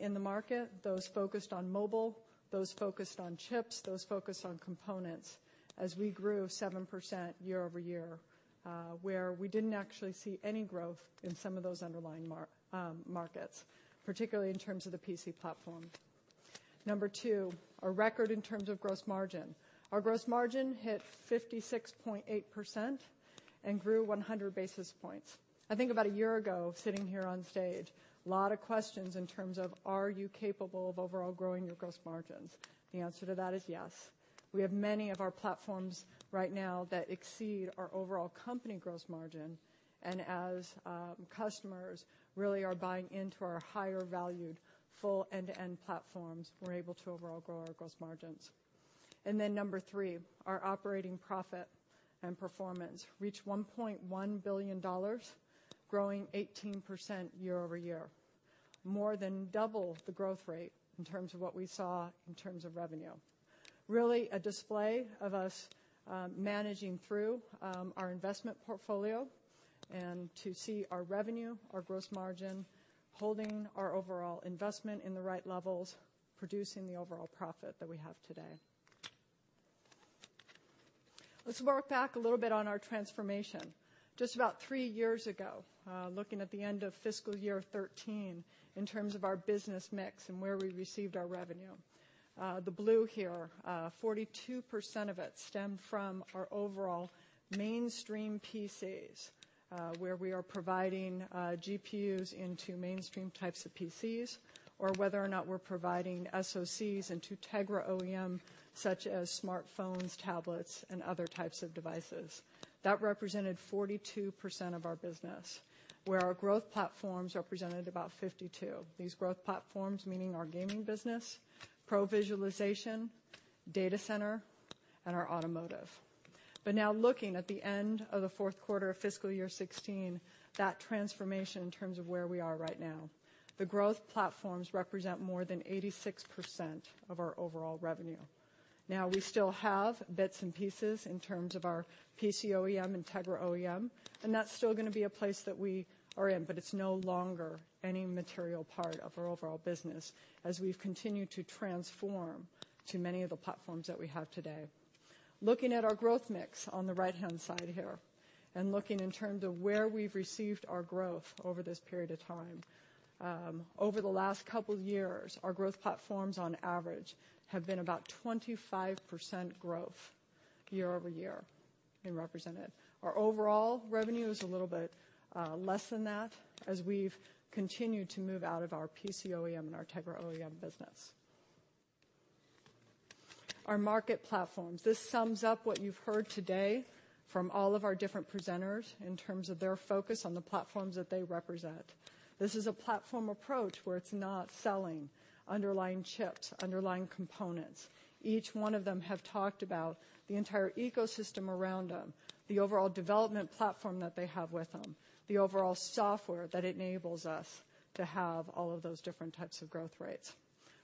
in the market, those focused on mobile, those focused on chips, those focused on components, as we grew 7% year-over-year, where we didn't actually see any growth in some of those underlying markets, particularly in terms of the PC platform. Number 2, a record in terms of gross margin. Our gross margin hit 56.8% and grew 100 basis points. I think about a year ago, sitting here on stage, a lot of questions in terms of are you capable of overall growing your gross margins? The answer to that is yes. We have many of our platforms right now that exceed our overall company gross margin, and as customers really are buying into our higher valued, full end-to-end platforms, we're able to overall grow our gross margins. Number 3, our operating profit and performance reached $1.1 billion, growing 18% year-over-year. More than double the growth rate in terms of what we saw in terms of revenue. Really a display of us managing through our investment portfolio and to see our revenue, our gross margin, holding our overall investment in the right levels, producing the overall profit that we have today. Let's work back a little bit on our transformation. Just about three years ago, looking at the end of fiscal year 2013, in terms of our business mix and where we received our revenue. The blue here, 42% of it stemmed from our overall mainstream PCs, where we are providing GPUs into mainstream types of PCs, or whether or not we're providing SoCs into Tegra OEM, such as smartphones, tablets, and other types of devices. That represented 42% of our business, where our growth platforms represented about 52%. These growth platforms meaning our gaming business, pro-visualization, data center, and our automotive. Now looking at the end of the fourth quarter of fiscal year 2016, that transformation in terms of where we are right now. The growth platforms represent more than 86% of our overall revenue. We still have bits and pieces in terms of our PC OEM and Tegra OEM, and that's still going to be a place that we are in, but it's no longer any material part of our overall business as we've continued to transform to many of the platforms that we have today. Looking at our growth mix on the right-hand side here, and looking in terms of where we've received our growth over this period of time. Over the last couple years, our growth platforms on average have been about 25% growth year-over-year in represented. Our overall revenue is a little bit less than that as we've continued to move out of our PC OEM and our Tegra OEM business. Our market platforms. This sums up what you've heard today from all of our different presenters in terms of their focus on the platforms that they represent. This is a platform approach where it's not selling underlying chips, underlying components. Each one of them have talked about the entire ecosystem around them, the overall development platform that they have with them, the overall software that enables us to have all of those different types of growth rates.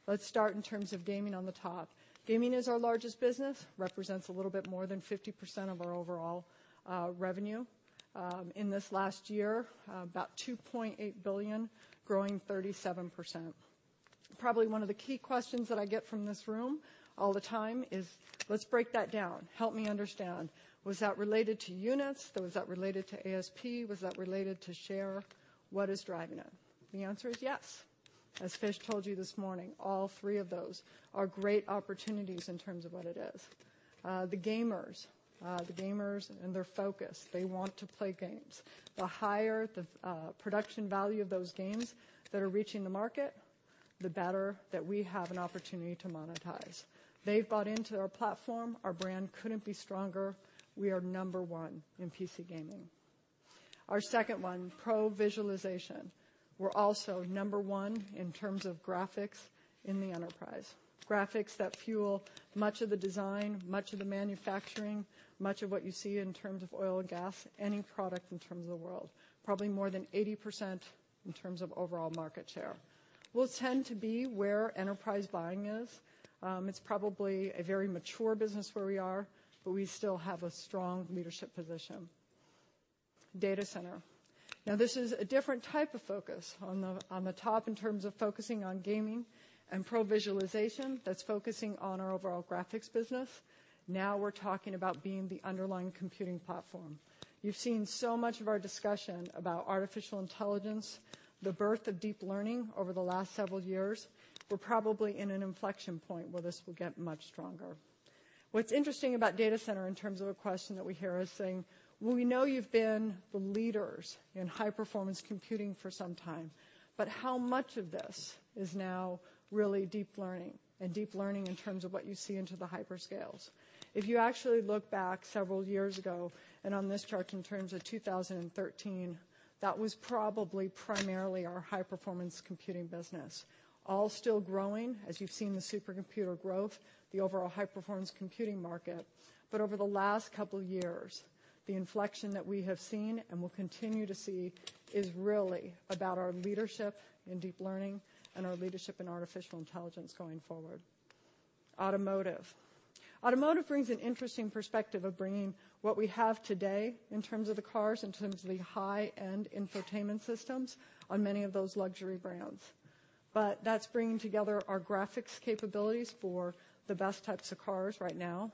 Let's start in terms of gaming on the top. Gaming is our largest business, represents a little bit more than 50% of our overall revenue. In this last year, about $2.8 billion, growing 37%. Probably one of the key questions that I get from this room all the time is, let's break that down. Help me understand. Was that related to units? Was that related to ASP? Was that related to share? What is driving it? The answer is yes. As Fish told you this morning, all three of those are great opportunities in terms of what it is. The gamers and their focus, they want to play games. The higher the production value of those games that are reaching the market, the better that we have an opportunity to monetize. They've bought into our platform. Our brand couldn't be stronger. We are number one in PC gaming. Our second one, pro-visualization. We're also number one in terms of graphics in the enterprise. Graphics that fuel much of the design, much of the manufacturing, much of what you see in terms of oil and gas, any product in terms of the world. Probably more than 80% in terms of overall market share. We'll tend to be where enterprise buying is. It's probably a very mature business where we are, but we still have a strong leadership position. Data center. This is a different type of focus on the top in terms of focusing on gaming and pro-visualization, that's focusing on our overall graphics business. We're talking about being the underlying computing platform. You've seen so much of our discussion about artificial intelligence, the birth of deep learning over the last several years. We're probably in an inflection point where this will get much stronger. What's interesting about data center in terms of a question that we hear is saying, "Well, we know you've been the leaders in high-performance computing for some time, but how much of this is now really deep learning, and deep learning in terms of what you see into the hyperscales?" If you actually look back several years ago and on this chart in terms of 2013, that was probably primarily our high-performance computing business. All still growing, as you've seen the supercomputer growth, the overall high-performance computing market. Over the last couple of years, the inflection that we have seen and will continue to see is really about our leadership in deep learning and our leadership in artificial intelligence going forward. Automotive. Automotive brings an interesting perspective of bringing what we have today in terms of the cars, in terms of the high-end infotainment systems on many of those luxury brands. That's bringing together our graphics capabilities for the best types of cars right now.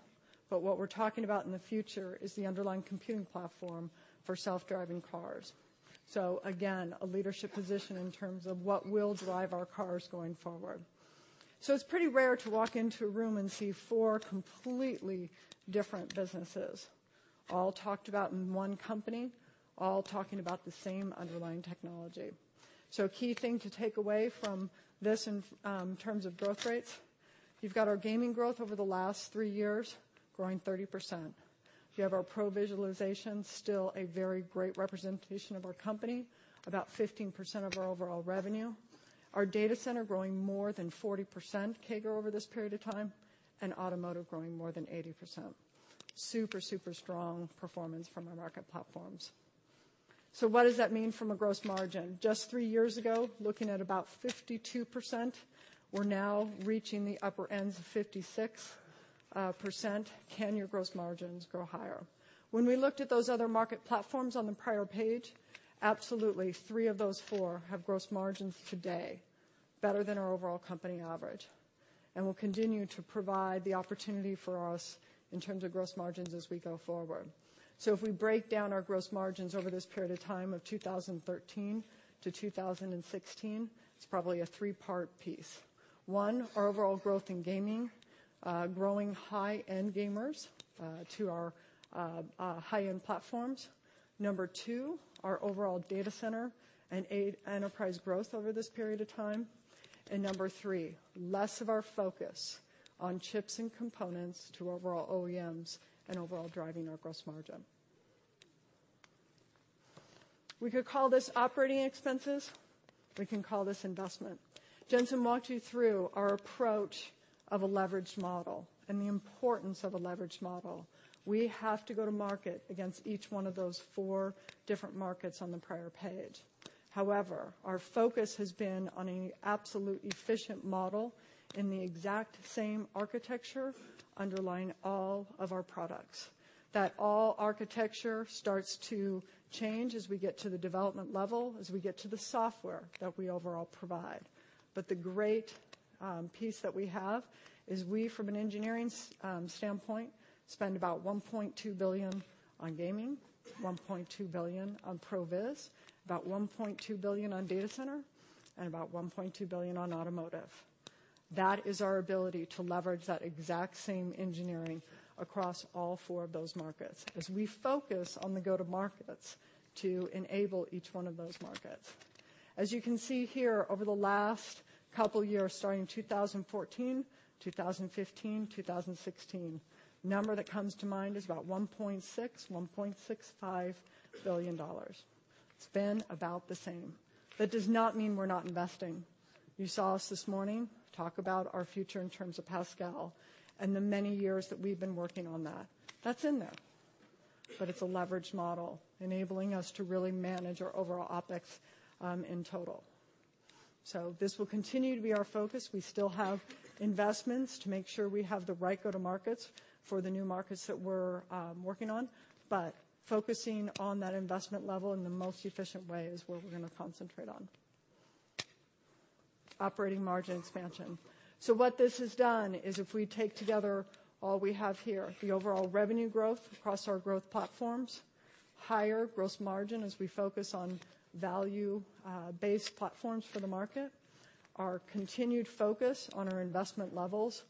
What we're talking about in the future is the underlying computing platform for self-driving cars. Again, a leadership position in terms of what will drive our cars going forward. It's pretty rare to walk into a room and see four completely different businesses all talked about in one company, all talking about the same underlying technology. A key thing to take away from this in terms of growth rates, you've got our gaming growth over the last three years growing 30%. You have our pro-visualization, still a very great representation of our company, about 15% of our overall revenue. Our data center growing more than 40% CAGR over this period of time, and automotive growing more than 80%. Super, super strong performance from our market platforms. What does that mean from a gross margin? Just three years ago, looking at about 52%, we're now reaching the upper ends of 56%. Can your gross margins grow higher? When we looked at those other market platforms on the prior page, absolutely, three of those four have gross margins today better than our overall company average. Will continue to provide the opportunity for us in terms of gross margins as we go forward. If we break down our gross margins over this period of time of 2013 to 2016, it's probably a three-part piece. One, our overall growth in gaming, growing high-end gamers to our high-end platforms. Number two, our overall data center and enterprise growth over this period of time. Number three, less of our focus on chips and components to overall OEMs and overall driving our gross margin. We could call this operating expenses, we can call this investment. Jensen walked you through our approach of a leveraged model and the importance of a leveraged model. We have to go to market against each one of those four different markets on the prior page. However, our focus has been on an absolute efficient model in the exact same architecture underlying all of our products. That all architecture starts to change as we get to the development level, as we get to the software that we overall provide. The great piece that we have is we, from an engineering standpoint, spend about $1.2 billion on gaming, $1.2 billion on Professional Visualization, about $1.2 billion on data center, and about $1.2 billion on automotive. That is our ability to leverage that exact same engineering across all four of those markets, as we focus on the go-to markets to enable each one of those markets. As you can see here, over the last couple of years, starting 2014, 2015, 2016, number that comes to mind is about $1.6 billion, $1.65 billion. It's been about the same. That does not mean we're not investing. You saw us this morning talk about our future in terms of Pascal and the many years that we've been working on that. That's in there. It's a leverage model, enabling us to really manage our overall OpEx in total. This will continue to be our focus. We still have investments to make sure we have the right go-to markets for the new markets that we're working on. Focusing on that investment level in the most efficient way is where we're going to concentrate on. Operating margin expansion. What this has done is if we take together all we have here, the overall revenue growth across our growth platforms, higher gross margin as we focus on value-based platforms for the market, our continued focus on our investment levels,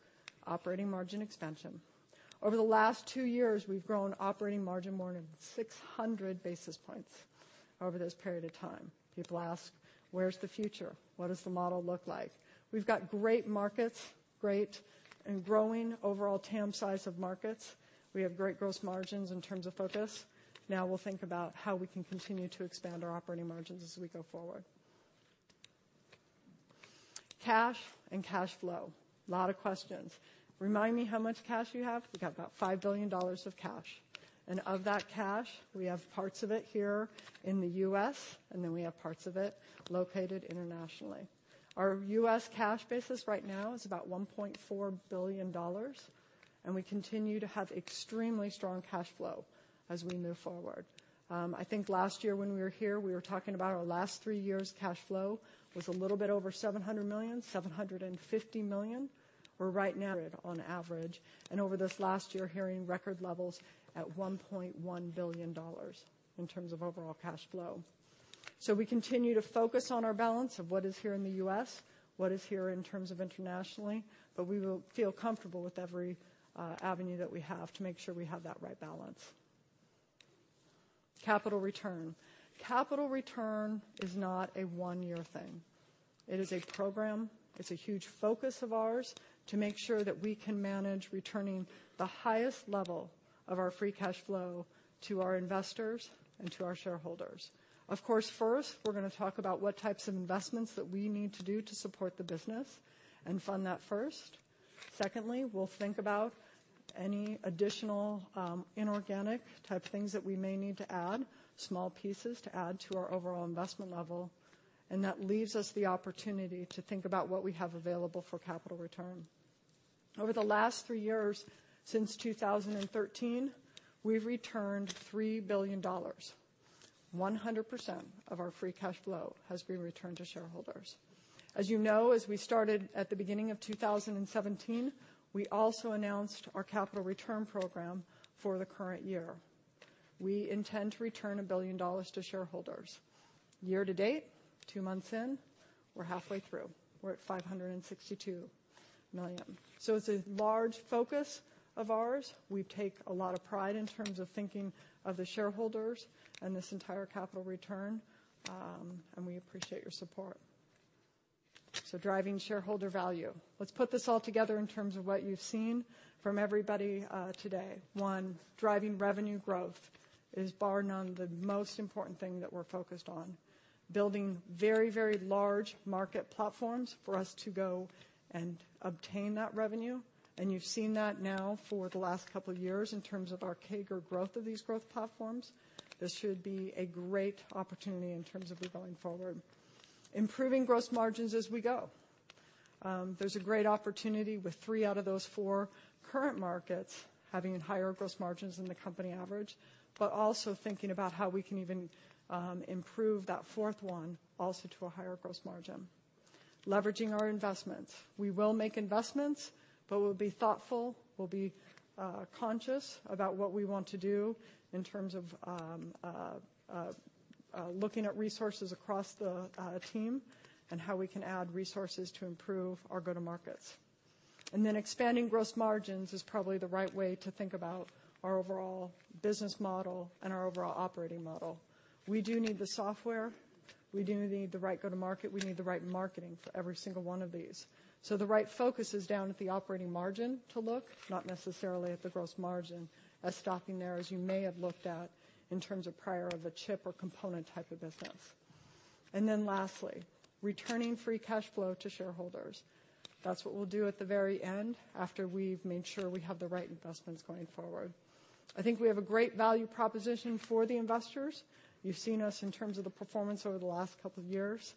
operating margin expansion. Over the last two years, we've grown operating margin more than 600 basis points over this period of time. People ask, "Where's the future? What does the model look like?" We've got great markets, great and growing overall TAM size of markets. We have great gross margins in terms of focus. We'll think about how we can continue to expand our operating margins as we go forward. Cash and cash flow. Lot of questions. Remind me how much cash we have? We got about $5 billion of cash. Of that cash, we have parts of it here in the U.S., and then we have parts of it located internationally. Our U.S. cash basis right now is about $1.4 billion. We continue to have extremely strong cash flow as we move forward. I think last year when we were here, we were talking about our last 3 years' cash flow was a little bit over $700 million-$750 million. We're right now on average, and over this last year, hearing record levels at $1.1 billion in terms of overall cash flow. We continue to focus on our balance of what is here in the U.S., what is here in terms of internationally, we will feel comfortable with every avenue that we have to make sure we have that right balance. Capital return. Capital return is not a one-year thing. It is a program. It's a huge focus of ours to make sure that we can manage returning the highest level of our free cash flow to our investors and to our shareholders. Of course, first, we're going to talk about what types of investments that we need to do to support the business and fund that first. Secondly, we'll think about any additional inorganic type things that we may need to add, small pieces to add to our overall investment level, and that leaves us the opportunity to think about what we have available for capital return. Over the last 3 years, since 2013, we've returned $3 billion. 100% of our free cash flow has been returned to shareholders. As you know, as we started at the beginning of 2017, we also announced our capital return program for the current year. We intend to return $1 billion to shareholders. Year-to-date, 2 months in, we're halfway through. We're at $562 million. It's a large focus of ours. We take a lot of pride in terms of thinking of the shareholders and this entire capital return, and we appreciate your support. Driving shareholder value. Let's put this all together in terms of what you've seen from everybody today. One, driving revenue growth is bar none the most important thing that we're focused on. Building very large market platforms for us to go and obtain that revenue, you've seen that now for the last 2 years in terms of our CAGR growth of these growth platforms. This should be a great opportunity in terms of we going forward. Improving gross margins as we go. There's a great opportunity with 3 out of those 4 current markets having higher gross margins than the company average, also thinking about how we can even improve that fourth one also to a higher gross margin. Leveraging our investments. We will make investments, we'll be thoughtful, we'll be conscious about what we want to do in terms of looking at resources across the team and how we can add resources to improve our go-to-markets. Expanding gross margins is probably the right way to think about our overall business model and our overall operating model. We do need the software. We do need the right go-to-market. We need the right marketing for every single one of these. The right focus is down at the operating margin to look, not necessarily at the gross margin as stopping there as you may have looked at in terms of prior of a chip or component type of business. Lastly, returning free cash flow to shareholders. That's what we'll do at the very end after we've made sure we have the right investments going forward. I think we have a great value proposition for the investors. You've seen us in terms of the performance over the last couple of years,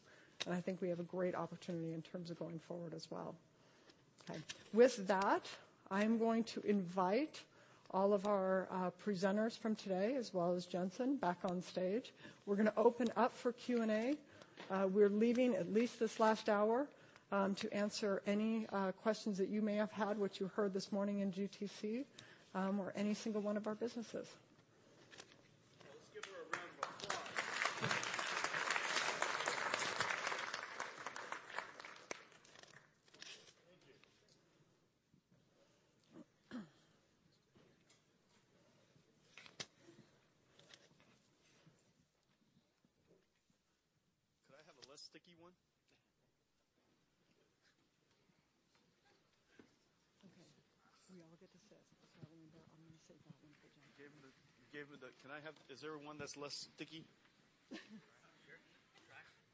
I think we have a great opportunity in terms of going forward as well. With that, I'm going to invite all of our presenters from today, as well as Jensen back on stage. We're going to open up for Q&A. We're leaving at least this last hour to answer any questions that you may have had, what you heard this morning in GTC, or any single one of our businesses. Let's give her a round of applause. Thank you. Could I have a less sticky one? Okay. We all get to sit, I'm going to save that one for Jen. You gave her. Can I have. Is there one that's less sticky? Sure.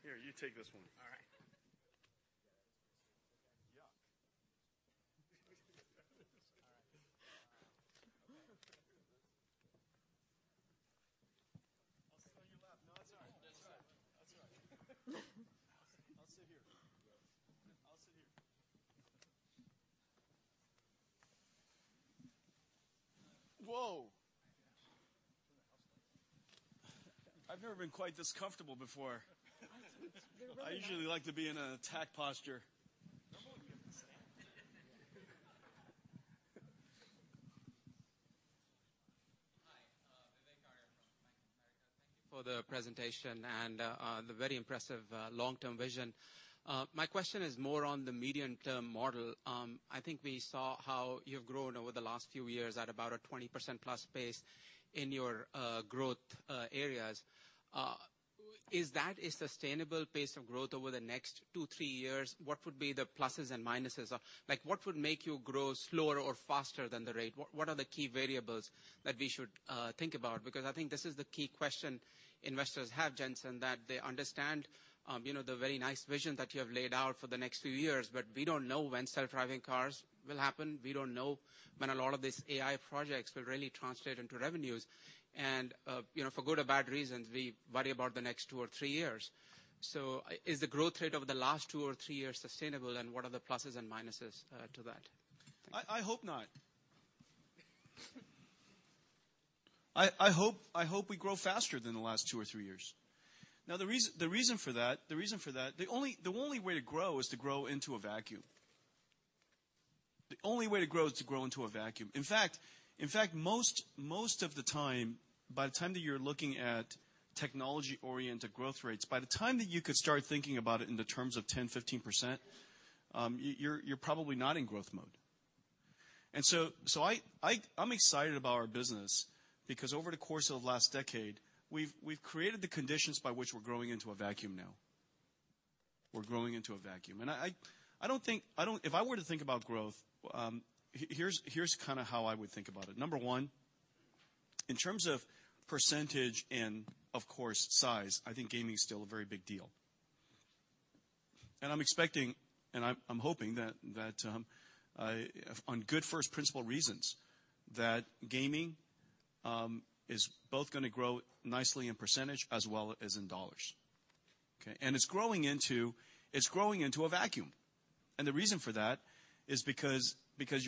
Here, you take this one. All right. Yuck. All right. I'll sit on your lap. No, that's all right. I'll sit here. Whoa! I've never been quite this comfortable before. Honestly. I usually like to be in an attack posture. Hi. Vivek Arya from Bank of America. Thank you for the presentation and the very impressive long-term vision. My question is more on the medium-term model. I think we saw how you've grown over the last few years at about a 20%-plus pace in your growth areas. Is that a sustainable pace of growth over the next two, three years? What would be the pluses and minuses? What would make you grow slower or faster than the rate? What are the key variables that we should think about? I think this is the key question investors have, Jensen, that they understand the very nice vision that you have laid out for the next few years, but we don't know when self-driving cars will happen. We don't know when a lot of these AI projects will really translate into revenues. For good or bad reasons, we worry about the next two or three years. Is the growth rate over the last two or three years sustainable, and what are the pluses and minuses to that? I hope not. I hope we grow faster than the last two or three years. The reason for that, the only way to grow is to grow into a vacuum. The only way to grow is to grow into a vacuum. In fact, most of the time, by the time that you're looking at technology-oriented growth rates, by the time that you could start thinking about it in the terms of 10%, 15%, you're probably not in growth mode. I'm excited about our business because over the course of the last decade, we've created the conditions by which we're growing into a vacuum now. We're growing into a vacuum. If I were to think about growth, here's how I would think about it. Number 1, in terms of percent and, of course, size, I think gaming is still a very big deal. I'm expecting, and I'm hoping that on good first principle reasons, that gaming is both going to grow nicely in percent as well as in $. Okay. It's growing into a vacuum. The reason for that is because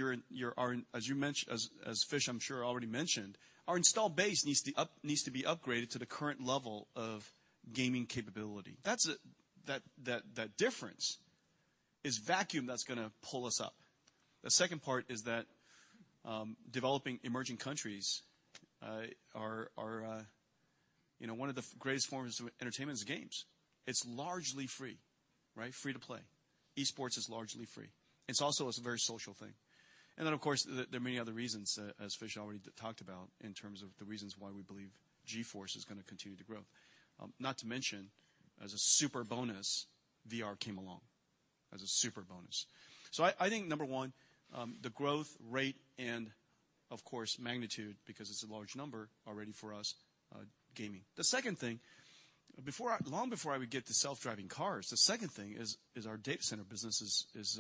as Fish, I'm sure, already mentioned, our install base needs to be upgraded to the current level of gaming capability. That difference is vacuum that's going to pull us up. The second part is that developing emerging countries are one of the greatest forms of entertainment is games. It's largely free, right? Free to play. Esports is largely free. It's also is a very social thing. Of course, there are many other reasons, as Fish already talked about, in terms of the reasons why we believe GeForce is going to continue to grow. Not to mention, as a super bonus, VR came along, as a super bonus. I think, Number 1, the growth rate and, of course, magnitude, because it's a large number already for us, gaming. The second thing, long before I would get to self-driving cars, the second thing is our data center business is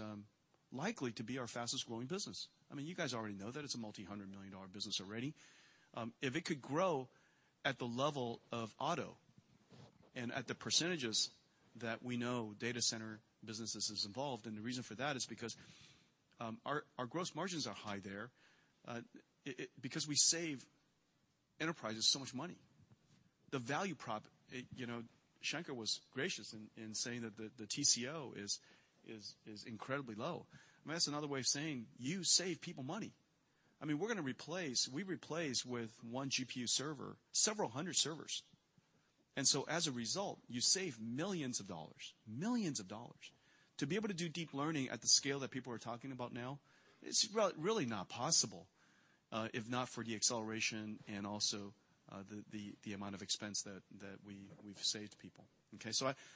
likely to be our fastest-growing business. You guys already know that it's a $multi-hundred million business already. If it could grow at the level of Automotive and at the percents that we know data center businesses is involved, the reason for that is because our gross margins are high there because we save enterprises so much money. The value prop, Shanker was gracious in saying that the TCO is incredibly low. That's another way of saying you save people money. We're going to replace with one GPU server, several hundred servers. As a result, you save $millions. To be able to do deep learning at the scale that people are talking about now, it's really not possible, if not for the acceleration and also the amount of expense that we've saved people. Okay.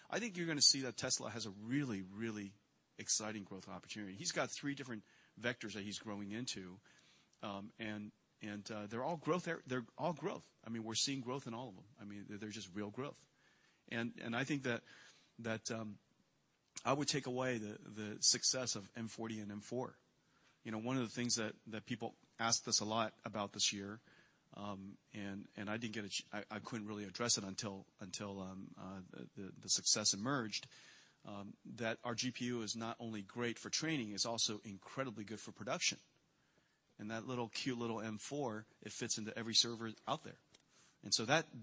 I think you're going to see that Tesla has a really, really exciting growth opportunity. He's got 3 different vectors that he's growing into, and they're all growth. We're seeing growth in all of them. There's just real growth. I think that I would take away the success of M40 and M4. One of the things that people asked us a lot about this year, and I couldn't really address it until the success emerged, that our GPU is not only great for training, it's also incredibly good for production. That little cute little M4, it fits into every server out there.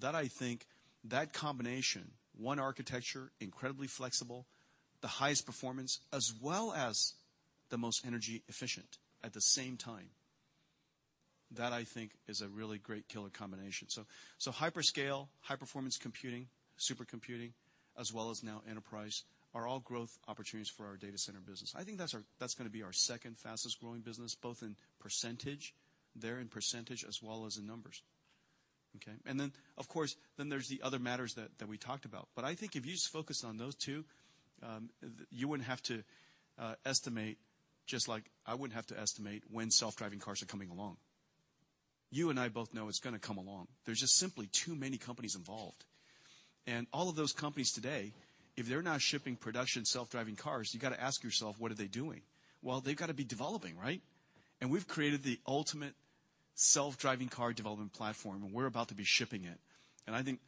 That I think, that combination, one architecture, incredibly flexible, the highest performance, as well as the most energy efficient at the same time. That I think is a really great killer combination. Hyperscale, high-performance computing, supercomputing, as well as now enterprise, are all growth opportunities for our data center business. I think that's going to be our second fastest-growing business, both in percentage there, in percentage as well as in numbers. Okay. Then, of course, then there's the other matters that we talked about. I think if you just focus on those two, you wouldn't have to estimate, just like I wouldn't have to estimate when self-driving cars are coming along. You and I both know it's going to come along. There's just simply too many companies involved. All of those companies today, if they're not shipping production self-driving cars, you got to ask yourself, what are they doing? Well, they've got to be developing, right? We've created the ultimate self-driving car development platform, and we're about to be shipping it. I think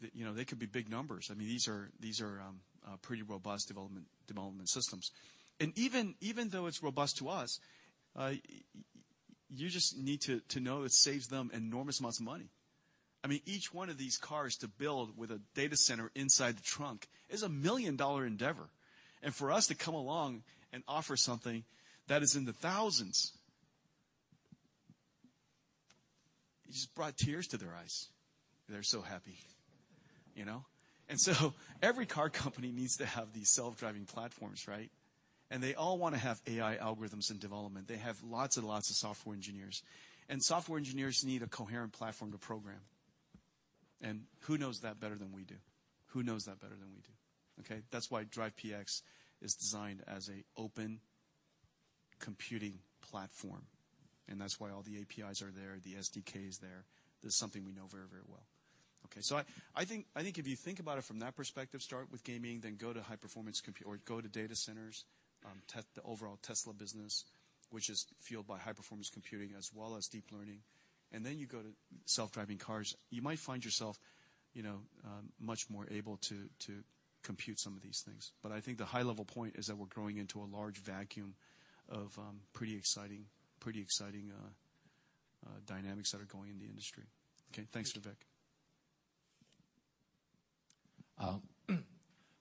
they could be big numbers. These are pretty robust development systems. Even though it's robust to us, you just need to know it saves them enormous amounts of money. Each one of these cars to build with a data center inside the trunk is a $1 million endeavor. For us to come along and offer something that is in the thousands, it just brought tears to their eyes. They're so happy. So every car company needs to have these self-driving platforms, right? They all want to have AI algorithms in development. They have lots and lots of software engineers. Software engineers need a coherent platform to program. Who knows that better than we do? Okay. That's why Drive PX is designed as an open computing platform. That's why all the APIs are there, the SDK is there. That's something we know very, very well. Okay. I think if you think about it from that perspective, start with gaming, then go to high-performance computing or go to data centers, the overall Tesla business, which is fueled by high-performance computing as well as deep learning. Then you go to self-driving cars. You might find yourself much more able to compute some of these things. I think the high-level point is that we're growing into a large vacuum of pretty exciting dynamics that are going in the industry. Okay. Thanks, Vivek.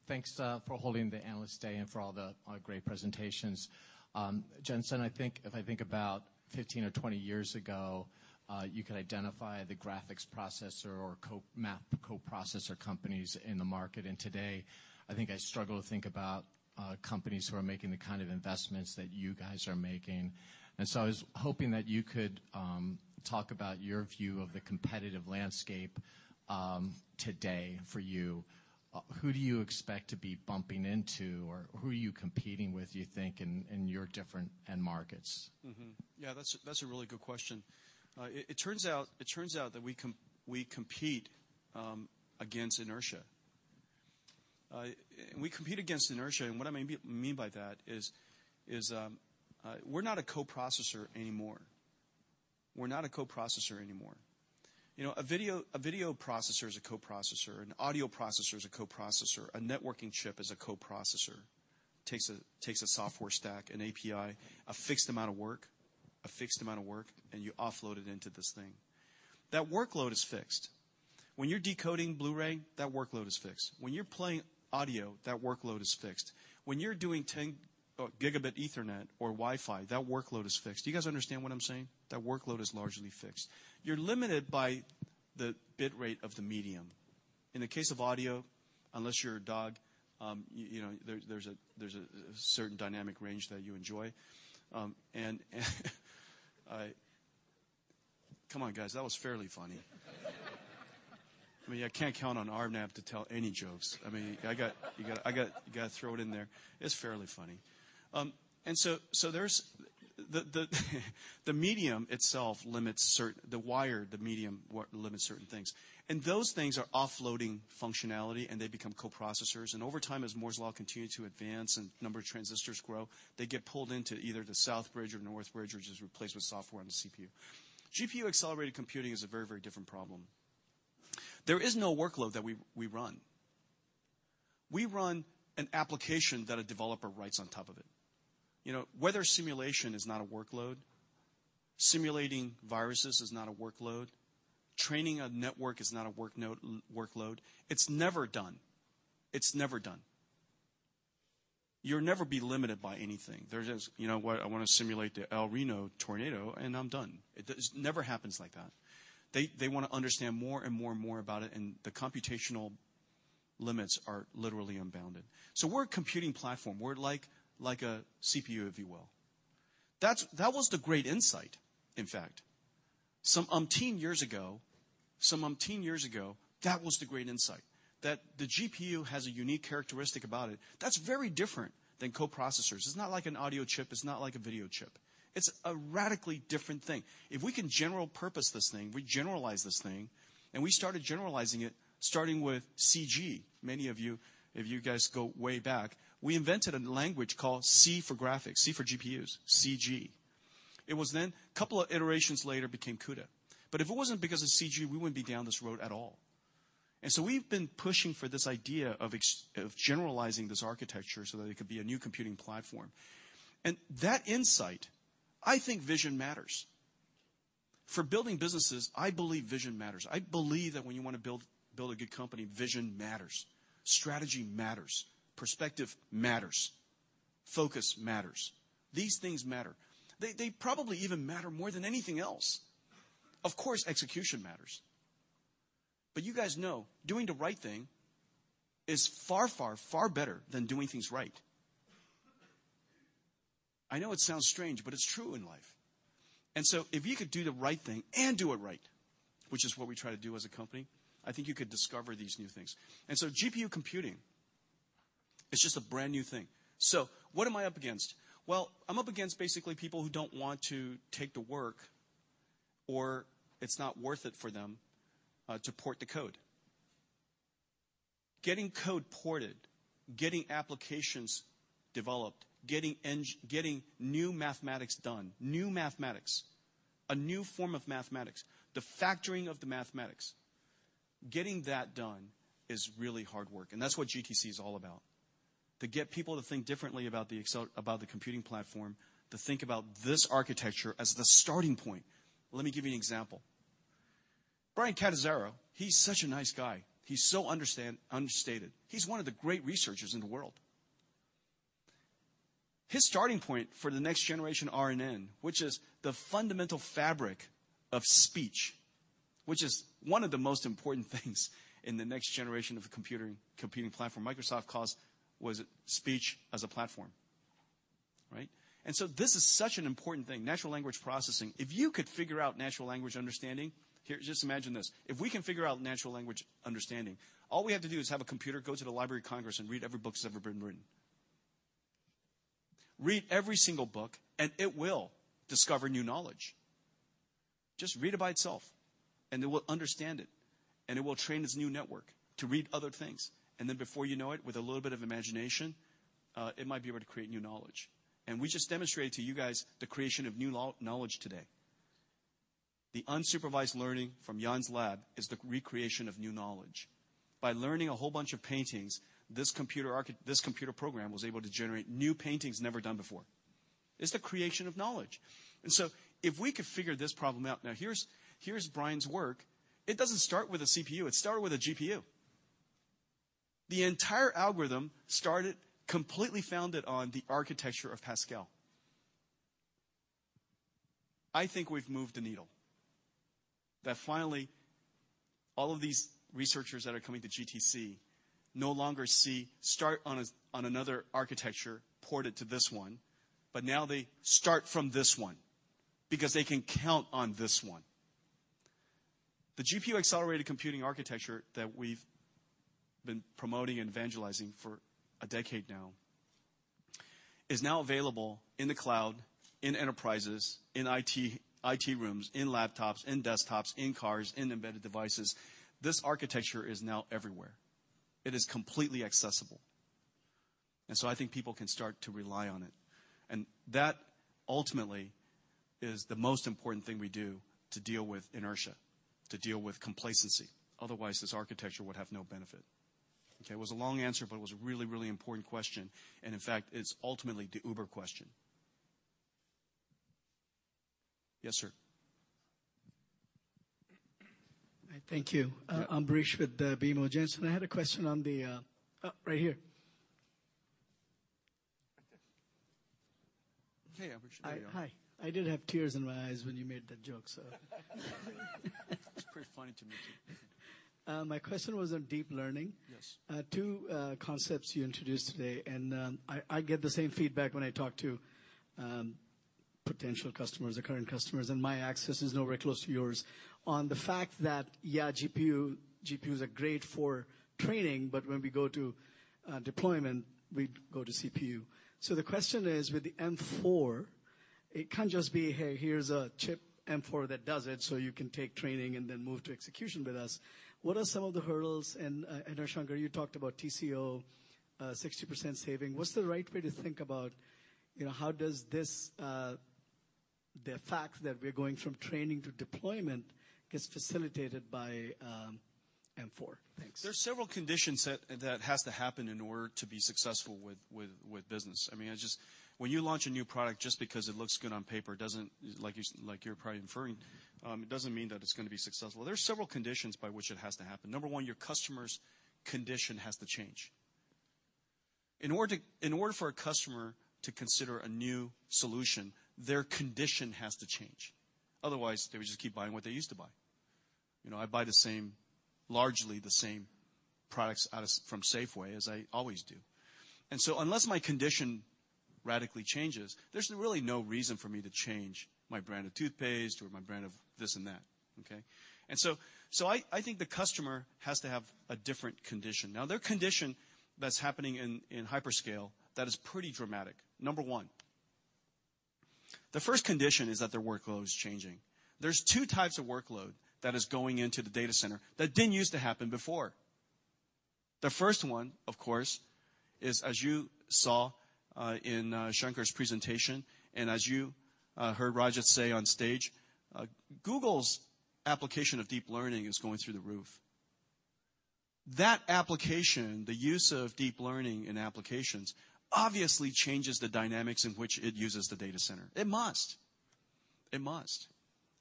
Thanks for holding the Analyst Day and for all the great presentations. Jensen, if I think about 15 or 20 years ago, you could identify the graphics processor or math co-processor companies in the market. Today, I think I struggle to think about companies who are making the kind of investments that you guys are making. I was hoping that you could talk about your view of the competitive landscape today for you. Who do you expect to be bumping into, or who are you competing with, do you think, in your different end markets? Yeah, that's a really good question. It turns out that we compete against inertia. We compete against inertia, and what I mean by that is we're not a co-processor anymore. A video processor is a co-processor. An audio processor is a co-processor. A networking chip is a co-processor. Takes a software stack, an API, a fixed amount of work, and you offload it into this thing. That workload is fixed. When you're decoding Blu-ray, that workload is fixed. When you're playing audio, that workload is fixed. When you're doing 10-gigabit Ethernet or Wi-Fi, that workload is fixed. Do you guys understand what I'm saying? That workload is largely fixed. You're limited by the bit rate of the medium. In the case of audio, unless you're a dog, there's a certain dynamic range that you enjoy. Come on, guys, that was fairly funny. I can't count on Arnab to tell any jokes. You got to throw it in there. It's fairly funny. The medium itself limits certain things. The wire, the medium limits certain things. Those things are offloading functionality, and they become co-processors. Over time, as Moore's law continued to advance and the number of transistors grow, they get pulled into either the south bridge or north bridge, which is replaced with software on the CPU. GPU-accelerated computing is a very, very different problem. There is no workload that we run. We run an application that a developer writes on top of it. Weather simulation is not a workload. Simulating viruses is not a workload. Training a network is not a workload. It's never done. You'll never be limited by anything. There's just, "You know what? I want to simulate the El Reno tornado, and I'm done." It never happens like that. They want to understand more and more about it, and the computational limits are literally unbounded. We're a computing platform. We're like a CPU, if you will. That was the great insight, in fact. Some umpteen years ago, that was the great insight, that the GPU has a unique characteristic about it that's very different than co-processors. It's not like an audio chip. It's not like a video chip. It's a radically different thing. If we can general-purpose this thing, we generalize this thing, and we started generalizing it, starting with Cg. Many of you, if you guys go way back, we invented a language called C for graphics, C for GPUs, Cg. It was then a couple of iterations later became CUDA. If it wasn't because of Cg, we wouldn't be down this road at all. We've been pushing for this idea of generalizing this architecture so that it could be a new computing platform. That insight, I think vision matters. For building businesses, I believe vision matters. I believe that when you want to build a good company, vision matters, strategy matters, perspective matters, focus matters. These things matter. They probably even matter more than anything else. Of course, execution matters. You guys know doing the right thing is far, far better than doing things right. I know it sounds strange, but it's true in life. If you could do the right thing and do it right, which is what we try to do as a company, I think you could discover these new things. GPU computing is just a brand-new thing. What am I up against? I'm up against basically people who don't want to take the work, or it's not worth it for them to port the code. Getting code ported, getting applications developed, getting new mathematics done, new mathematics, a new form of mathematics, the factoring of the mathematics, getting that done is really hard work, and that's what GTC is all about, to get people to think differently about the computing platform, to think about this architecture as the starting point. Let me give you an example. Bryan Catanzaro, he's such a nice guy. He's so understated. He's one of the great researchers in the world. His starting point for the next-generation RNN, which is the fundamental fabric of speech, which is one of the most important things in the next generation of the computing platform Microsoft calls speech as a platform. Right? This is such an important thing, natural language processing. If you could figure out natural language understanding, here, just imagine this. If we can figure out natural language understanding, all we have to do is have a computer go to the Library of Congress and read every book that's ever been written. Read every single book, and it will discover new knowledge. Just read it by itself, and it will understand it, and it will train its new network to read other things. Before you know it, with a little bit of imagination it might be able to create new knowledge. We just demonstrated to you guys the creation of new knowledge today. The unsupervised learning from Yann's lab is the recreation of new knowledge. By learning a whole bunch of paintings, this computer program was able to generate new paintings never done before. It's the creation of knowledge. If we could figure this problem out, now here's Bryan's work. It doesn't start with a CPU, it started with a GPU. The entire algorithm started completely founded on the architecture of Pascal. I think we've moved the needle. That finally, all of these researchers that are coming to GTC no longer see start on another architecture ported to this one, but now they start from this one because they can count on this one. The GPU-accelerated computing architecture that we've been promoting and evangelizing for a decade now is now available in the cloud, in enterprises, in IT rooms, in laptops, in desktops, in cars, in embedded devices. This architecture is now everywhere. It is completely accessible. I think people can start to rely on it. That, ultimately, is the most important thing we do to deal with inertia, to deal with complacency. Otherwise, this architecture would have no benefit. Okay. It was a long answer, but it was a really, really important question. In fact, it's ultimately the uber question. Yes, sir. Thank you. Yeah. I'm Ambrish with BMO, Jensen. I had a question on the right here. Hey, Ambrish. There you are. Hi. I did have tears in my eyes when you made that joke, so. It's pretty funny to me, too. My question was on deep learning. Yes. Two concepts you introduced today, and I get the same feedback when I talk to potential customers or current customers, and my access is nowhere close to yours on the fact that, yeah, GPUs are great for training, but when we go to deployment, we go to CPU. The question is, with the M4, it can't just be, "Hey, here's a chip, M4, that does it, so you can take training and then move to execution with us." What are some of the hurdles? Shanker, you talked about TCO, 60% saving. What's the right way to think about how does the fact that we're going from training to deployment gets facilitated by M4? Thanks. There's several conditions that has to happen in order to be successful with business. When you launch a new product, just because it looks good on paper, like you're probably inferring, it doesn't mean that it's going to be successful. There's several conditions by which it has to happen. Number 1, your customer's condition has to change. In order for a customer to consider a new solution, their condition has to change. Otherwise, they would just keep buying what they used to buy. I buy largely the same products from Safeway as I always do. Unless my condition radically changes, there's really no reason for me to change my brand of toothpaste or my brand of this and that. Okay. I think the customer has to have a different condition. Now, their condition that's happening in hyperscale, that is pretty dramatic. Number 1, the first condition is that their workload is changing. There's 2 types of workload that is going into the data center that didn't use to happen before. The first one, of course, is as you saw in Shanker's presentation, and as you heard Rajat say on stage, Google's application of deep learning is going through the roof. That application, the use of deep learning in applications, obviously changes the dynamics in which it uses the data center. It must. It must.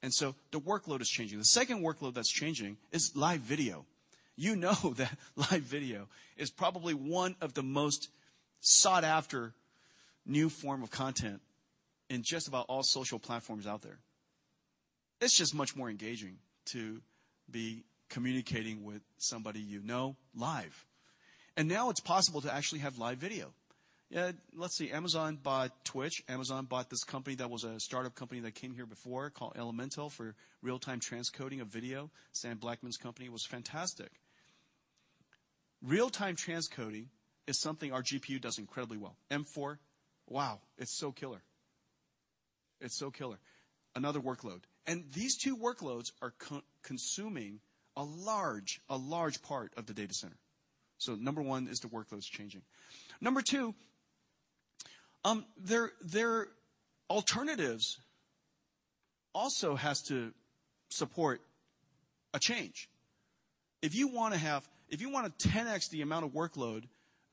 The workload is changing. The second workload that's changing is live video. You know that live video is probably one of the most sought-after new form of content in just about all social platforms out there. It's just much more engaging to be communicating with somebody you know live. Now it's possible to actually have live video. Let's see, Amazon bought Twitch. Amazon bought this company that was a startup company that came here before called Elemental for real-time transcoding of video. Sam Altman's company. It was fantastic. Real-time transcoding is something our GPU does incredibly well. M4, wow, it's so killer. It's so killer. Another workload. These 2 workloads are consuming a large part of the data center. Number 1 is the workload's changing. Number 2, their alternatives also has to support a change. If you want to 10X the amount of workload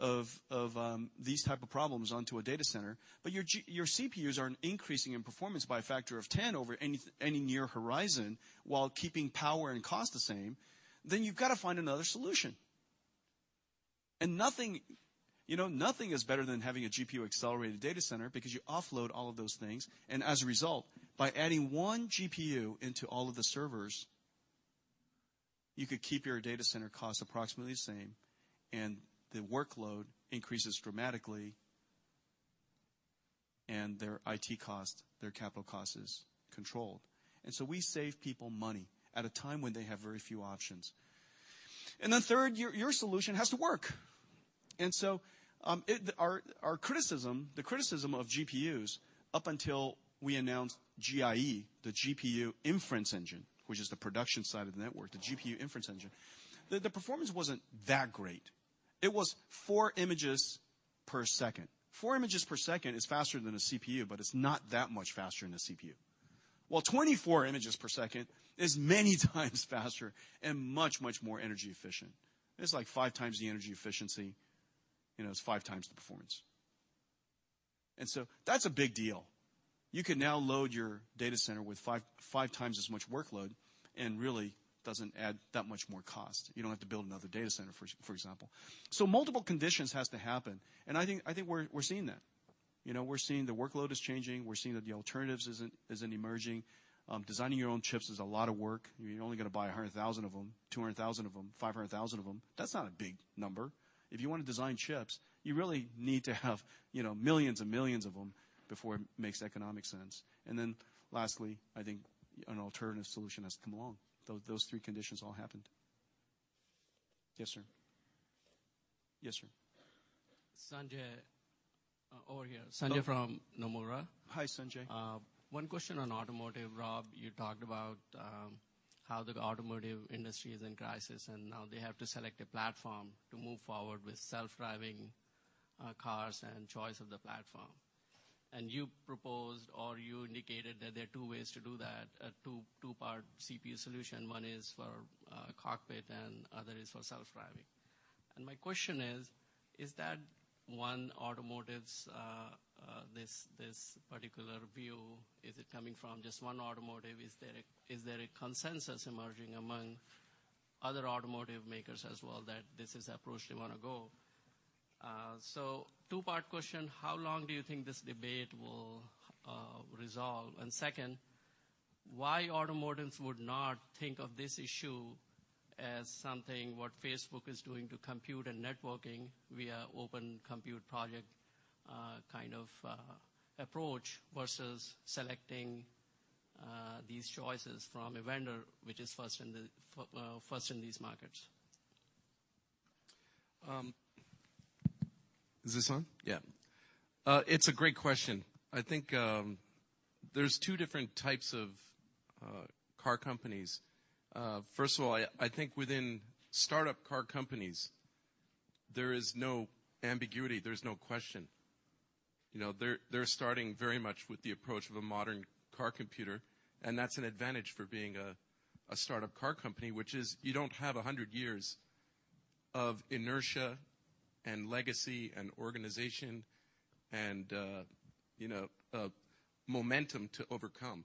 of these type of problems onto a data center, but your CPUs aren't increasing in performance by a factor of 10 over any near horizon while keeping power and cost the same, then you've got to find another solution. Nothing is better than having a GPU-accelerated data center because you offload all of those things, and as a result, by adding one GPU into all of the servers, you could keep your data center cost approximately the same, and the workload increases dramatically, and their IT cost, their capital cost is controlled. We save people money at a time when they have very few options. Third, your solution has to work. The criticism of GPUs up until we announced GIE, the GPU Inference Engine, which is the production side of the network, the GPU Inference Engine, the performance wasn't that great. It was four images per second. Four images per second is faster than a CPU, but it's not that much faster than a CPU. Well, 24 images per second is many times faster and much, much more energy efficient. It's like five times the energy efficiency, it's five times the performance. That's a big deal. You can now load your data center with five times as much workload and really doesn't add that much more cost. You don't have to build another data center, for example. Multiple conditions has to happen, and I think we're seeing that. We're seeing the workload is changing. We're seeing that the alternatives is in emerging. Designing your own chips is a lot of work. You're only going to buy 100,000 of them, 200,000 of them, 500,000 of them. That's not a big number. If you want to design chips, you really need to have millions and millions of them before it makes economic sense. Lastly, I think an alternative solution has to come along. Those three conditions all happened. Yes, sir? Yes, sir. Sanjay over here. Sanjay from Nomura. Hi, Sanjay. One question on automotive, Rob. You talked about how the automotive industry is in crisis, now they have to select a platform to move forward with self-driving cars and choice of the platform. You proposed, or you indicated that there are two ways to do that, a two-part CPU solution. One is for cockpit and other is for self-driving. My question is that one automotive's, this particular view, is it coming from just one automotive? Is there a consensus emerging among other automotive makers as well that this is the approach they want to go? Two-part question, how long do you think this debate will resolve? Second, why automotives would not think of this issue as something what Facebook is doing to compute and networking via Open Compute Project kind of approach versus selecting these choices from a vendor which is first in these markets? Is this on? Yeah. It's a great question. I think there's 2 different types of car companies. First of all, I think within startup car companies, there is no ambiguity. There's no question. They're starting very much with the approach of a modern car computer, that's an advantage for being a startup car company, which is you don't have 100 years of inertia and legacy and organization and momentum to overcome.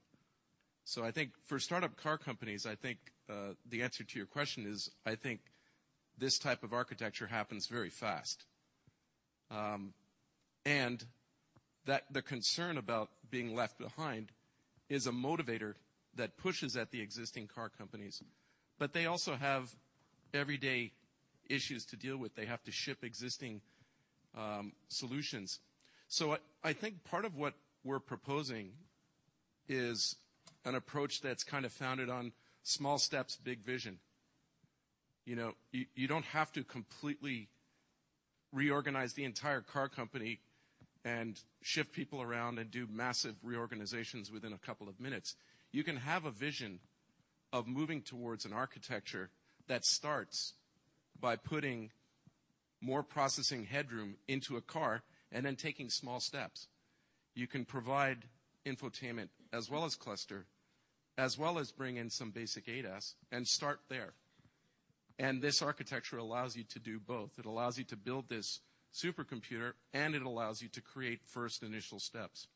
I think for startup car companies, I think the answer to your question is, I think this type of architecture happens very fast. That the concern about being left behind is a motivator that pushes at the existing car companies. They also have everyday issues to deal with. They have to ship existing solutions. I think part of what we're proposing is an approach that's kind of founded on small steps, big vision. You don't have to completely reorganize the entire car company and shift people around and do massive reorganizations within a couple of minutes. You can have a vision of moving towards an architecture that starts by putting more processing headroom into a car and then taking small steps. You can provide infotainment as well as cluster, as well as bring in some basic ADAS and start there. This architecture allows you to do both. It allows you to build this supercomputer, and it allows you to create first initial steps.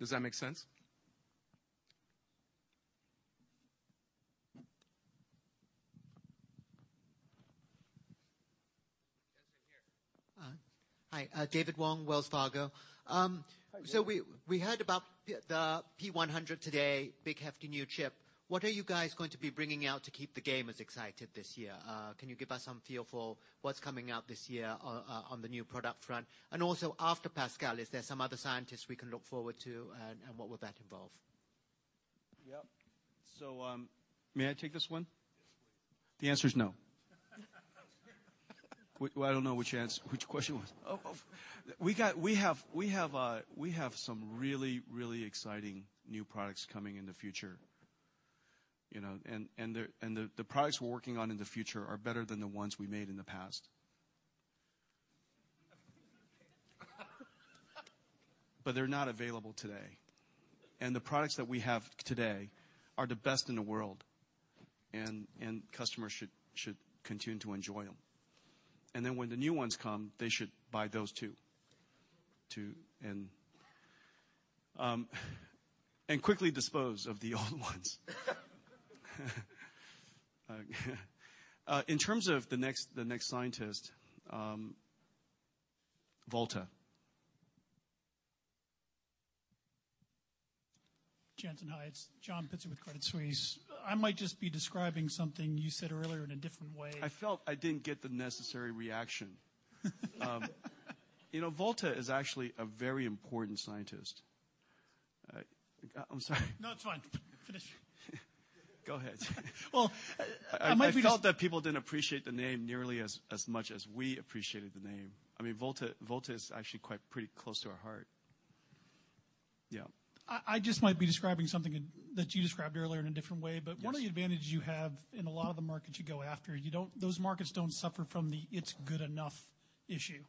Does that make sense? Yes, in here. Hi. David Wong, Wells Fargo. Hi, David. We heard about the P100 today, big, hefty, new chip. What are you guys going to be bringing out to keep the gamers excited this year? Can you give us some feel for what's coming out this year on the new product front? After Pascal, is there some other successors we can look forward to, and what will that involve? Yep. May I take this one? Yes, please. The answer is no. Well, I don't know which question it was. We have some really, really exciting new products coming in the future. The products we're working on in the future are better than the ones we made in the past. They're not available today. The products that we have today are the best in the world, and customers should continue to enjoy them. Then when the new ones come, they should buy those, too. Quickly dispose of the old ones. In terms of the next scientist, Volta. Jensen, hi. It's John Pitzer with Credit Suisse. I might just be describing something you said earlier in a different way. I felt I didn't get the necessary reaction. Volta is actually a very important scientist. I'm sorry. No, it's fine. Finish. Go ahead. Well. I felt that people didn't appreciate the name nearly as much as we appreciated the name. Volta is actually quite pretty close to our heart. Yeah. I just might be describing something that you described earlier in a different way. Yes. One of the advantages you have in a lot of the markets you go after, those markets don't suffer from the it's good enough issue.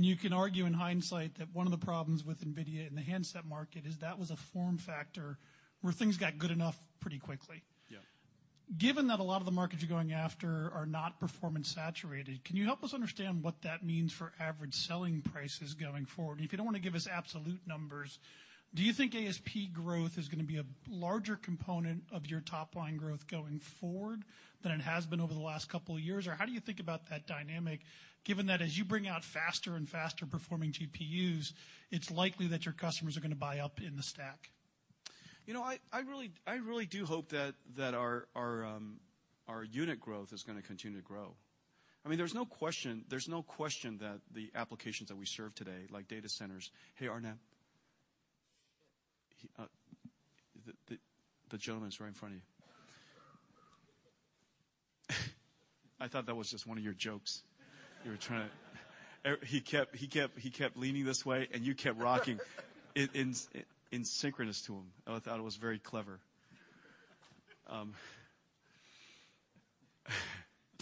You can argue in hindsight that one of the problems with NVIDIA in the handset market is that was a form factor where things got good enough pretty quickly. Yeah. Given that a lot of the markets you're going after are not performance saturated, can you help us understand what that means for average selling prices going forward? If you don't want to give us absolute numbers, do you think ASP growth is going to be a larger component of your top-line growth going forward than it has been over the last couple of years? How do you think about that dynamic given that as you bring out faster and faster performing GPUs, it's likely that your customers are going to buy up in the stack? I really do hope that our unit growth is going to continue to grow. There's no question that the applications that we serve today, like data centers. Hey, Arnab. The gentleman's right in front of you. I thought that was just one of your jokes. He kept leaning this way, and you kept rocking in synchronous to him. I thought it was very clever. The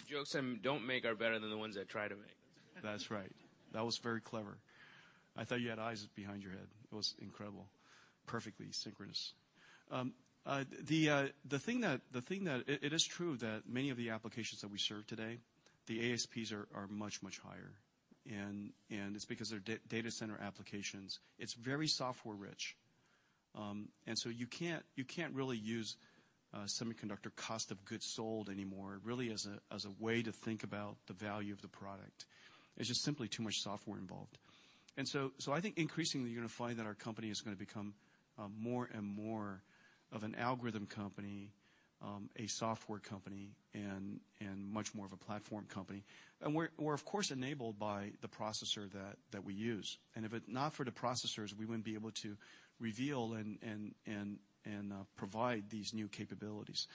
jokes I don't make are better than the ones I try to make. That's right. That was very clever. I thought you had eyes behind your head. It was incredible. Perfectly synchronous. It is true that many of the applications that we serve today, the ASPs are much, much higher, and it's because they're data center applications. It's very software rich. You can't really use semiconductor cost of goods sold anymore, really as a way to think about the value of the product. There's just simply too much software involved. I think increasingly, you're going to find that our company is going to become more and more of an algorithm company, a software company, and much more of a platform company. We're of course enabled by the processor that we use. If it not for the processors, we wouldn't be able to reveal and provide these new capabilities.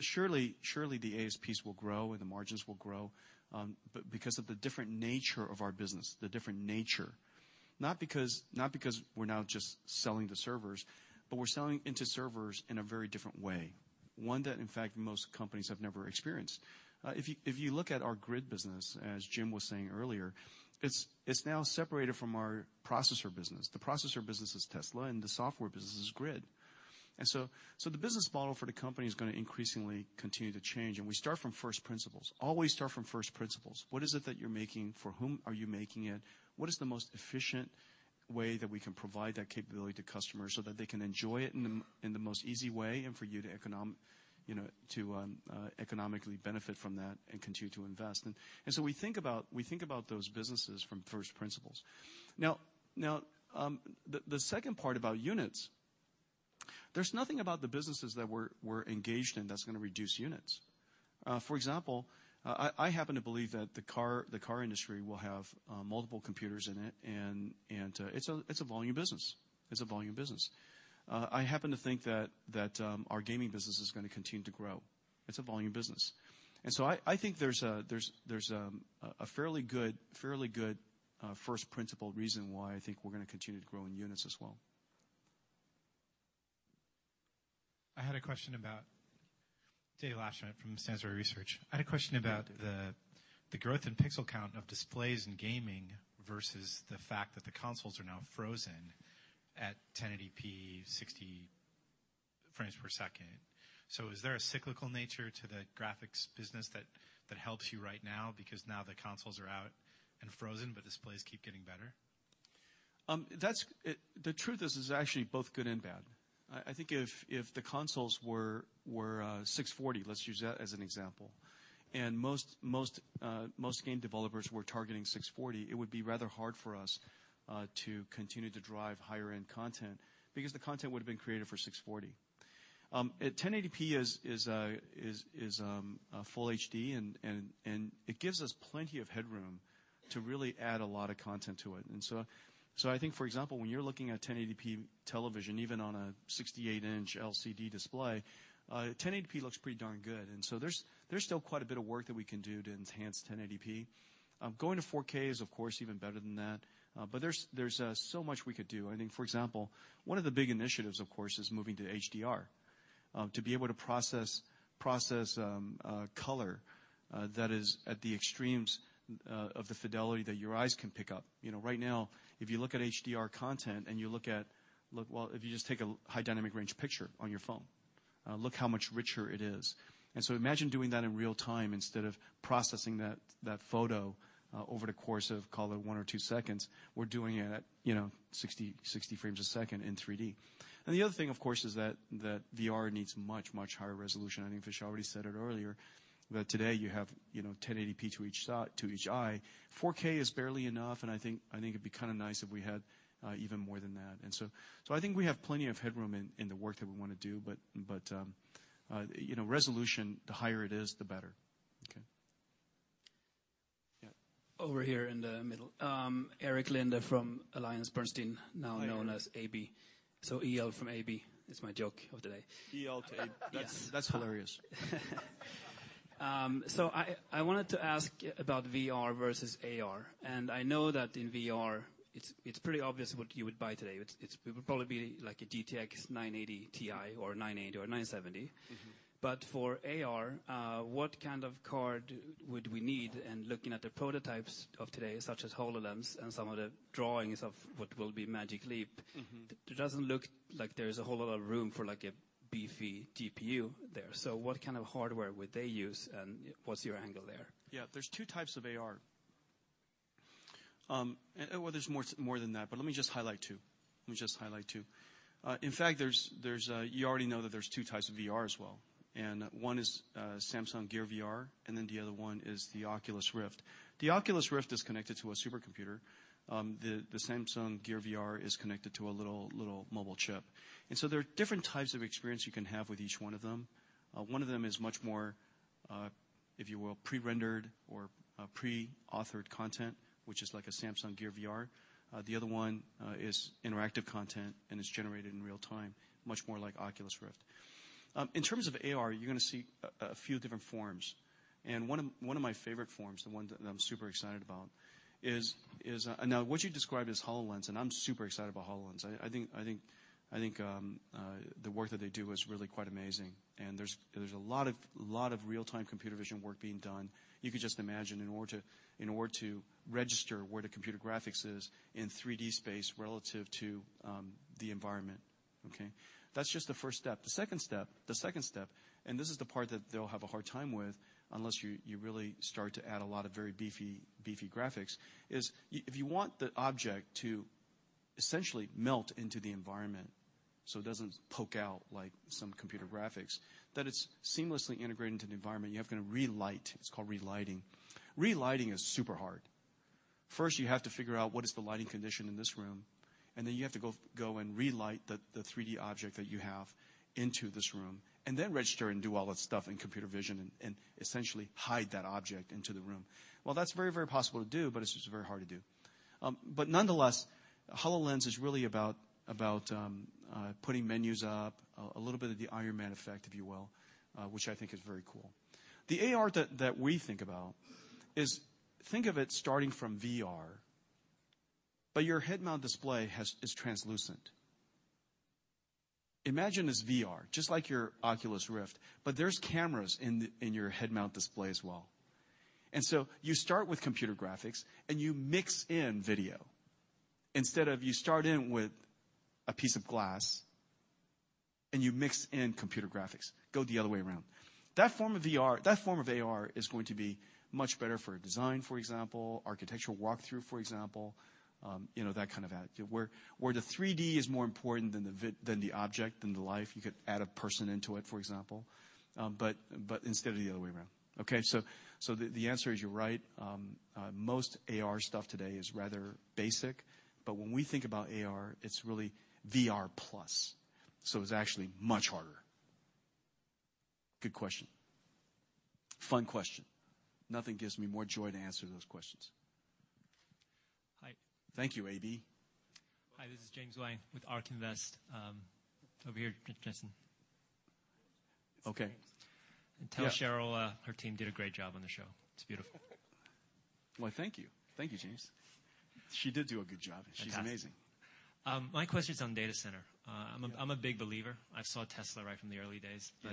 Surely, the ASPs will grow and the margins will grow. Because of the different nature of our business, the different nature, not because we're now just selling to servers, but we're selling into servers in a very different way, one that in fact most companies have never experienced. If you look at our GRID business, as Jim was saying earlier, it's now separated from our processor business. The processor business is Tesla, and the software business is GRID. The business model for the company is going to increasingly continue to change, and we start from first principles, always start from first principles. What is it that you're making? For whom are you making it? What is the most efficient way that we can provide that capability to customers so that they can enjoy it in the most easy way and for you to economically benefit from that and continue to invest? We think about those businesses from first principles. The second part about units, there's nothing about the businesses that we're engaged in that's going to reduce units. For example, I happen to believe that the car industry will have multiple computers in it, and it's a volume business. I happen to think that our gaming business is going to continue to grow. It's a volume business. I think there's a fairly good first principle reason why I think we're going to continue to grow in units as well. I had a question about Dave Laschet from Sainsbury Research. I had a question about the growth in pixel count of displays in gaming versus the fact that the consoles are now frozen at 1080p, 60 frames per second. Is there a cyclical nature to the graphics business that helps you right now because now the consoles are out and frozen, but displays keep getting better? The truth is, it's actually both good and bad. I think if the consoles were 640, let's use that as an example, and most game developers were targeting 640, it would be rather hard for us to continue to drive higher-end content because the content would've been created for 640. 1080p is a full HD, and it gives us plenty of headroom to really add a lot of content to it. I think, for example, when you're looking at 1080p television, even on a 68-inch LCD display, 1080p looks pretty darn good. There's still quite a bit of work that we can do to enhance 1080p. Going to 4K is, of course, even better than that. There's so much we could do. I think, for example, one of the big initiatives, of course, is moving to HDR, to be able to process color that is at the extremes of the fidelity that your eyes can pick up. Right now, if you look at HDR content and you look at, well, if you just take a high dynamic range picture on your phone, look how much richer it is. Imagine doing that in real-time instead of processing that photo over the course of, call it one or two seconds. We're doing it at 60 frames a second in 3D. The other thing, of course, is that VR needs much, much higher resolution. I think Vish already said it earlier, that today you have 1080p to each eye. 4K is barely enough, and I think it'd be kind of nice if we had even more than that. I think we have plenty of headroom in the work that we want to do, but resolution, the higher it is, the better. Okay. Yeah. Over here in the middle. Erik Linde from AllianceBernstein, now known as AB. EL from AB is my joke of the day. EL to AB. Yes. That's hilarious. I wanted to ask about VR versus AR, and I know that in VR, it's pretty obvious what you would buy today. It would probably be a GTX 980 Ti or a 980 or a 970. For AR, what kind of card would we need? Looking at the prototypes of today, such as HoloLens and some of the drawings of what will be Magic Leap. It doesn't look like there's a whole lot of room for a beefy GPU there. What kind of hardware would they use, and what's your angle there? Yeah. There's two types of AR. Well, there's more than that, but let me just highlight two. In fact, you already know that there's two types of VR as well, and one is Samsung Gear VR, and then the other one is the Oculus Rift. The Oculus Rift is connected to a supercomputer. The Samsung Gear VR is connected to a little mobile chip. There are different types of experience you can have with each one of them. One of them is much more, if you will, pre-rendered or pre-authored content, which is like a Samsung Gear VR. The other one is interactive content, and it's generated in real-time, much more like Oculus Rift. In terms of AR, you're going to see a few different forms, and one of my favorite forms, the one that I'm super excited about is. Now, what you described is HoloLens, and I'm super excited about HoloLens. I think the work that they do is really quite amazing. There's a lot of real-time computer vision work being done. You could just imagine in order to register where the computer graphics is in 3D space relative to the environment, okay? That's just the first step. This is the part that they'll have a hard time with unless you really start to add a lot of very beefy graphics, is if you want the object to essentially melt into the environment so it doesn't poke out like some computer graphics, that it's seamlessly integrated into the environment, you have to relight. It's called relighting. Relighting is super hard. First, you have to figure out what is the lighting condition in this room. Then you have to go and relight the 3D object that you have into this room. Then register and do all that stuff in computer vision and essentially hide that object into the room. That's very possible to do, but it's just very hard to do. Nonetheless, HoloLens is really about putting menus up, a little bit of the Iron Man effect, if you will, which I think is very cool. The AR that we think about is, think of it starting from VR, but your head-mount display is translucent. Imagine this VR, just like your Oculus Rift, but there's cameras in your head-mount display as well. So you start with computer graphics and you mix in video. Instead of you start in with a piece of glass and you mix in computer graphics. Go the other way around. That form of AR is going to be much better for design, for example, architectural walkthrough, for example, that kind of ad. Where the 3D is more important than the object, than the life. You could add a person into it, for example, but instead of the other way around, okay? The answer is you're right. Most AR stuff today is rather basic. When we think about AR, it's really VR plus, so it's actually much harder. Good question. Fun question. Nothing gives me more joy to answer those questions. Hi. Thank you, AB. Hi, this is James Wang with ARK Invest. Over here, Jensen. Okay. Tell Cheryl her team did a great job on the show. It's beautiful. Why, thank you. Thank you, James. She did do a good job. Fantastic. She's amazing. My question's on data center. I'm a big believer. I saw Tesla right from the early days. Yeah.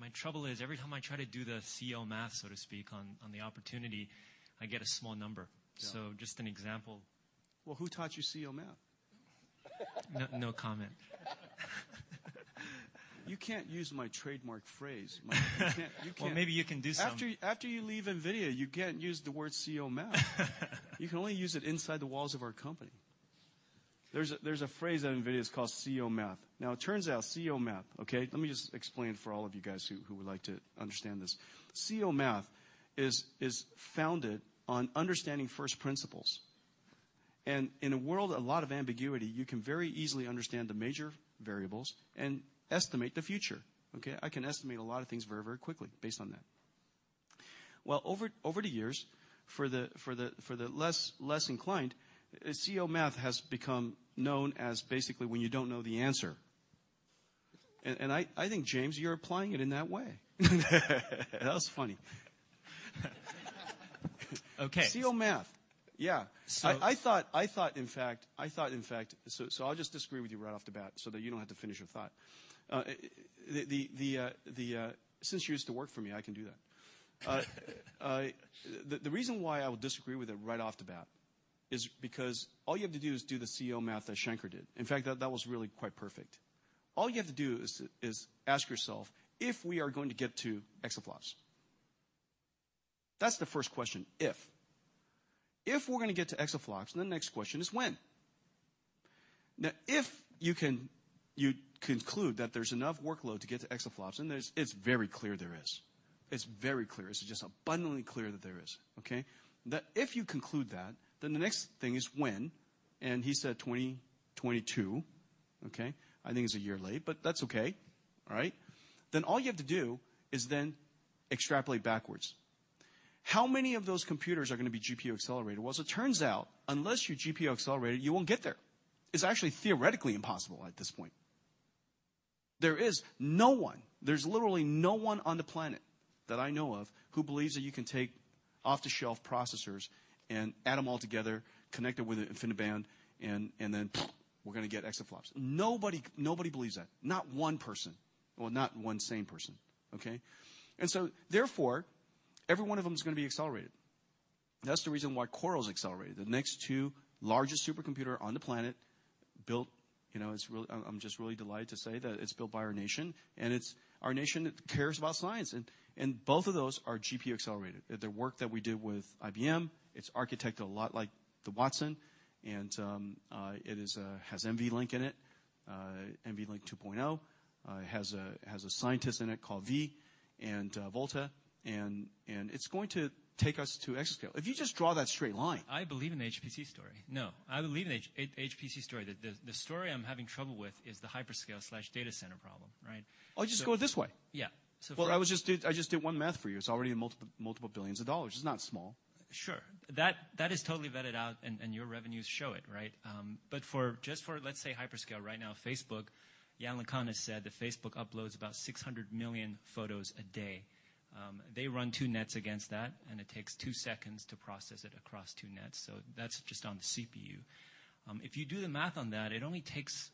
My trouble is every time I try to do the CEO math, so to speak, on the opportunity, I get a small number. Yeah. Just an example. Who taught you CEO math? No comment. You can't use my trademark phrase. Maybe you can do some. After you leave NVIDIA, you can't use the word CEO math. You can only use it inside the walls of our company. There's a phrase at NVIDIA, it's called CEO math. It turns out CEO math, okay, let me just explain for all of you guys who would like to understand this. CEO math is founded on understanding first principles, and in a world of a lot of ambiguity, you can very easily understand the major variables and estimate the future, okay? I can estimate a lot of things very quickly based on that. Over the years, for the less inclined, CEO math has become known as basically when you don't know the answer. I think, James, you're applying it in that way. That was funny. Okay. CEO math. Yeah. So- I thought, in fact, I'll just disagree with you right off the bat so that you don't have to finish your thought. Since you used to work for me, I can do that. The reason why I would disagree with it right off the bat is because all you have to do is do the CEO math that Shanker did. In fact, that was really quite perfect. All you have to do is ask yourself if we are going to get to exaFLOPS. That's the first question, if. If we're going to get to exaFLOPS, then the next question is when. Now, if you conclude that there's enough workload to get to exaFLOPS, and it's very clear there is. It's very clear. It's just abundantly clear that there is, okay? If you conclude that, then the next thing is when, and he said 2022, okay? I think it's a year late, that's okay. All right? All you have to do is then extrapolate backwards. How many of those computers are going to be GPU accelerated? Well, as it turns out, unless you're GPU accelerated, you won't get there. It's actually theoretically impossible at this point. There is no one, there's literally no one on the planet that I know of who believes that you can take off-the-shelf processors and add them all together, connect it with an InfiniBand, and then we're going to get exaFLOPS. Nobody believes that. Not one person, well, not one sane person, okay? Therefore, every one of them is going to be accelerated. That's the reason why CORAL's accelerated. The next two largest supercomputer on the planet- built. I'm just really delighted to say that it's built by our nation, and it's our nation that cares about science. Both of those are GPU accelerated. The work that we did with IBM, it's architected a lot like the Watson, and it has NVLink in it, NVLink 2.0. It has a scientist in it called Vish, and Volta, and it's going to take us to exascale. If you just draw that straight line- I believe in the HPC story. I believe in the HPC story. The story I'm having trouble with is the hyperscale/data center problem, right? Just go this way. Yeah. I just did one math for you. It's already in multiple billions of dollars. It's not small. Sure. That is totally vetted out, and your revenues show it, right? Just for, let's say, hyperscale, right now, Facebook, Yann LeCun has said that Facebook uploads about 600 million photos a day. They run two nets against that, and it takes two seconds to process it across two nets. That's just on the CPU. If you do the math on that, it only takes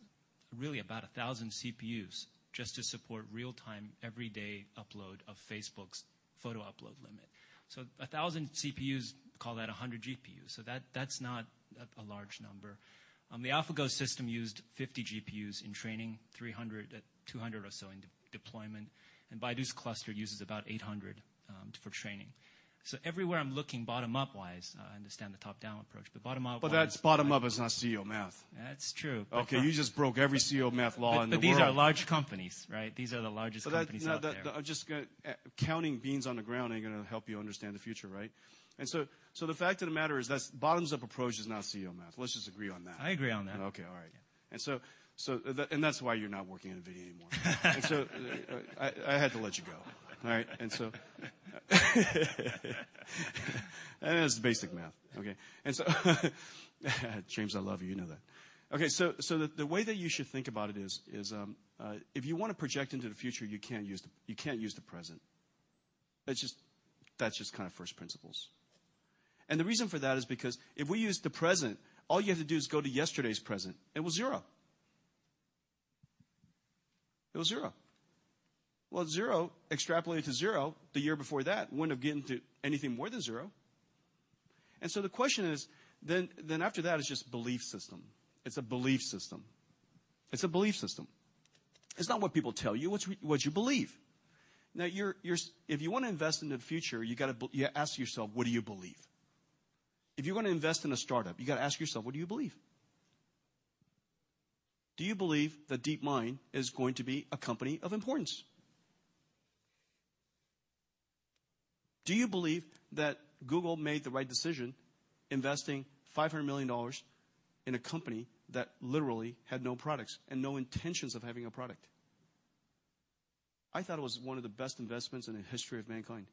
really about 1,000 CPUs just to support real-time, everyday upload of Facebook's photo upload limit. 1,000 CPUs, call that 100 GPUs. That's not a large number. The AlphaGo system used 50 GPUs in training, 300, 200 or so in deployment, and Baidu's cluster uses about 800 for training. Everywhere I'm looking bottom-up wise, I understand the top-down approach, but bottom-up wise. That bottom-up is not CEO math. That's true. Okay, you just broke every CEO math law in the world. These are large companies, right? These are the largest companies out there. Just counting beans on the ground ain't going to help you understand the future, right? The fact of the matter is that bottoms-up approach is not CEO math. Let's just agree on that. I agree on that. Okay. All right. That's why you're not working at NVIDIA anymore. I had to let you go, all right? That's basic math. Okay? James, I love you know that. The way that you should think about it is, if you want to project into the future, you can't use the present. That's just kind of first principles. The reason for that is because if we use the present, all you have to do is go to yesterday's present. It was zero. It was zero. Well, zero extrapolated to zero the year before that wouldn't have gotten to anything more than zero. The question is, then after that, it's just belief system. It's a belief system. It's a belief system. It's not what people tell you, it's what you believe. If you want to invest in the future, you got to ask yourself, what do you believe? If you want to invest in a startup, you got to ask yourself, what do you believe? Do you believe that DeepMind is going to be a company of importance? Do you believe that Google made the right decision investing $500 million in a company that literally had no products and no intentions of having a product? I thought it was one of the best investments in the history of mankind.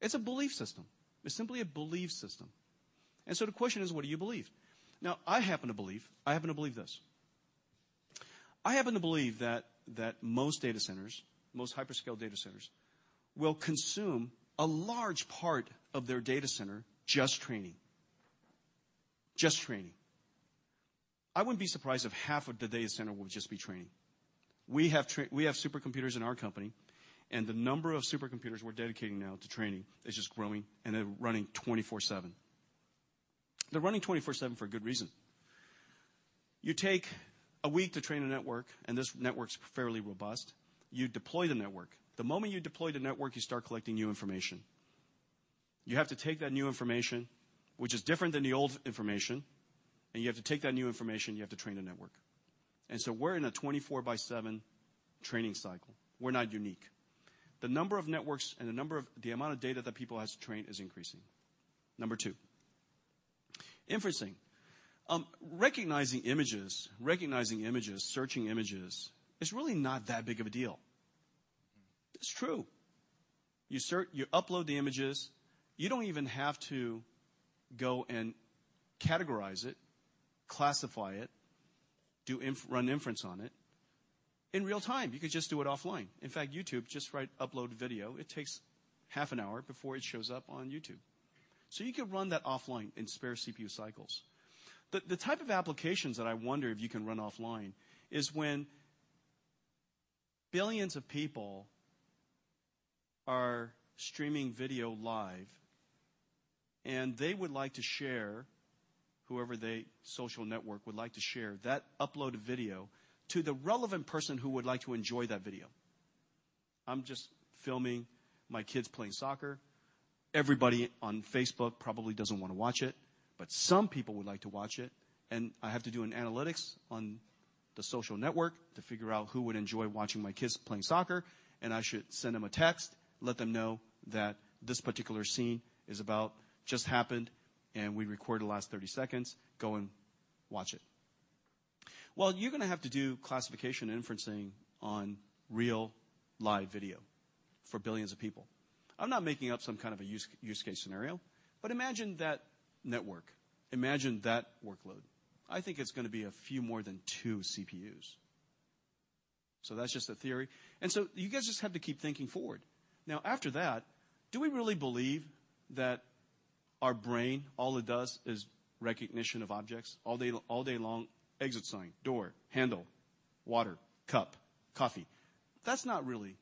It's a belief system. It's simply a belief system. The question is, what do you believe? I happen to believe this. I happen to believe that most data centers, most hyperscale data centers, will consume a large part of their data center just training. Just training. I wouldn't be surprised if half of the data center would just be training. We have supercomputers in our company, and the number of supercomputers we're dedicating now to training is just growing, and they're running 24/7. They're running 24/7 for a good reason. You take a week to train a network, and this network's fairly robust. You deploy the network. The moment you deploy the network, you start collecting new information. You have to take that new information, which is different than the old information, and you have to take that new information, and you have to train the network. We're in a 24/7 training cycle. We're not unique. The number of networks and the amount of data that people have to train is increasing. Number two, inferencing. Recognizing images, searching images is really not that big of a deal. It's true. You upload the images. You don't even have to go and categorize it, classify it, run inference on it in real-time. You could just do it offline. In fact, YouTube, just right upload video, it takes half an hour before it shows up on YouTube. You could run that offline in spare CPU cycles. The type of applications that I wonder if you can run offline is when billions of people are streaming video live, and they would like to share, whoever they, social network, would like to share that uploaded video to the relevant person who would like to enjoy that video. I'm just filming my kids playing soccer. Everybody on Facebook probably doesn't want to watch it, some people would like to watch it, I have to do an analytics on the social network to figure out who would enjoy watching my kids playing soccer, I should send them a text, let them know that this particular scene just happened, we recorded the last 30 seconds. Go and watch it. You're going to have to do classification inferencing on real live video for billions of people. I'm not making up some kind of a use case scenario. Imagine that network. Imagine that workload. I think it's going to be a few more than two CPUs. That's just a theory. You guys just have to keep thinking forward. Now, after that, do we really believe that our brain, all it does is recognition of objects all day long? Exit sign, door, handle, water, cup, coffee. That's not really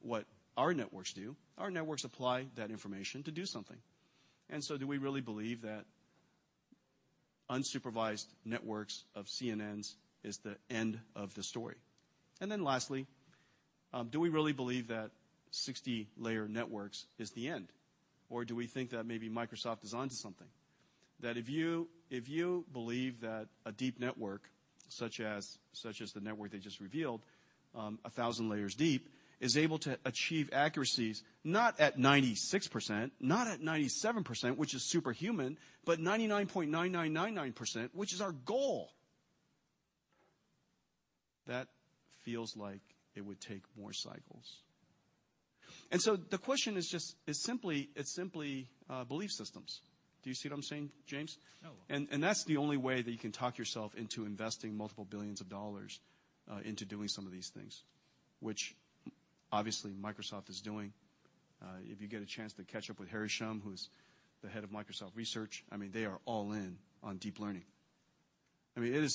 what our networks do. Our networks apply that information to do something. Do we really believe that unsupervised networks of CNNs is the end of the story? Lastly, do we really believe that 60-layer networks is the end? Or do we think that maybe Microsoft is onto something? That if you believe that a deep network, such as the network they just revealed, 1,000 layers deep, is able to achieve accuracies not at 96%, not at 97%, which is superhuman, but 99.9999%, which is our goal. That feels like it would take more cycles. The question is simply belief systems. Do you see what I'm saying, James? Oh. That's the only way that you can talk yourself into investing multiple billions of dollars into doing some of these things, which obviously Microsoft is doing. If you get a chance to catch up with Harry Shum, who's the head of Microsoft Research, they are all in on deep learning. You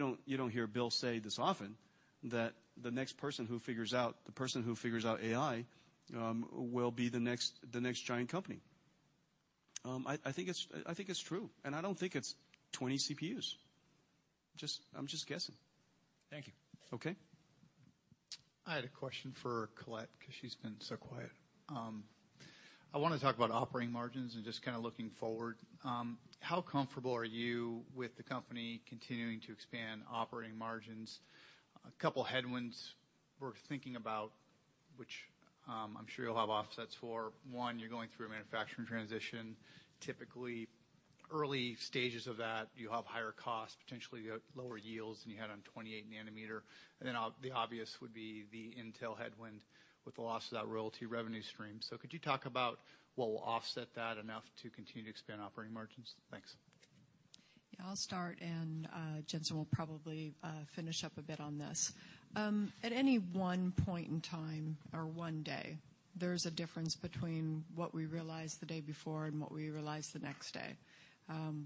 don't hear Bill say this often, that the next person who figures out AI will be the next giant company. I think it's true, and I don't think it's 20 CPUs. I'm just guessing. Thank you. Okay. I had a question for Colette because she's been so quiet. I want to talk about operating margins and just looking forward. How comfortable are you with the company continuing to expand operating margins? A couple of headwinds worth thinking about, which I'm sure you'll have offsets for. One, you're going through a manufacturing transition. Typically, early stages of that, you have higher costs, potentially lower yields than you had on 28 nm. Then the obvious would be the Intel headwind with the loss of that royalty revenue stream. Could you talk about what will offset that enough to continue to expand operating margins? Thanks. Yeah, I'll start, and Jensen will probably finish up a bit on this. At any one point in time or one day, there's a difference between what we realize the day before and what we realize the next day.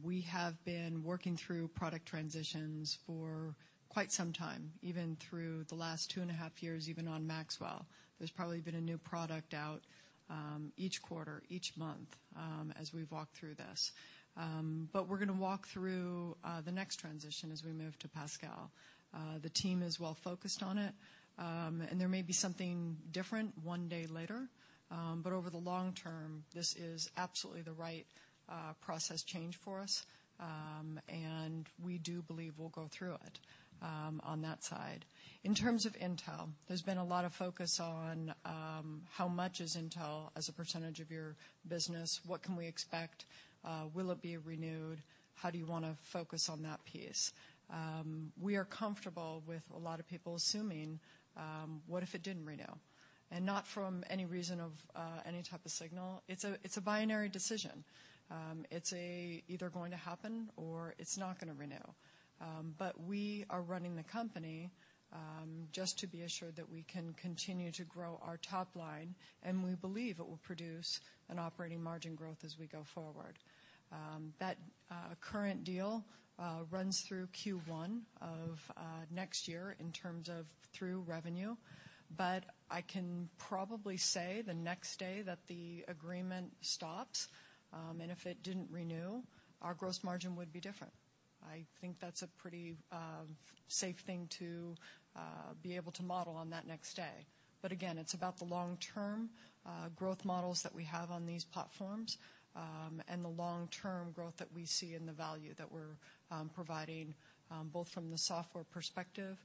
We have been working through product transitions for quite some time, even through the last two and a half years, even on Maxwell. There's probably been a new product out each quarter, each month as we've walked through this. We're going to walk through the next transition as we move to Pascal. The team is well-focused on it, and there may be something different one day later. Over the long term, this is absolutely the right process change for us, and we do believe we'll go through it on that side. In terms of Intel, there's been a lot of focus on how much is Intel as a percentage of your business, what can we expect? Will it be renewed? How do you want to focus on that piece? We are comfortable with a lot of people assuming, what if it didn't renew? Not from any reason of any type of signal. It's a binary decision. It's either going to happen or it's not going to renew. We are running the company just to be assured that we can continue to grow our top line, and we believe it will produce an operating margin growth as we go forward. That current deal runs through Q1 of next year in terms of through revenue. I can probably say the next day that the agreement stops, and if it didn't renew, our gross margin would be different. I think that's a pretty safe thing to be able to model on that next day. Again, it's about the long-term growth models that we have on these platforms, and the long-term growth that we see in the value that we're providing, both from the software perspective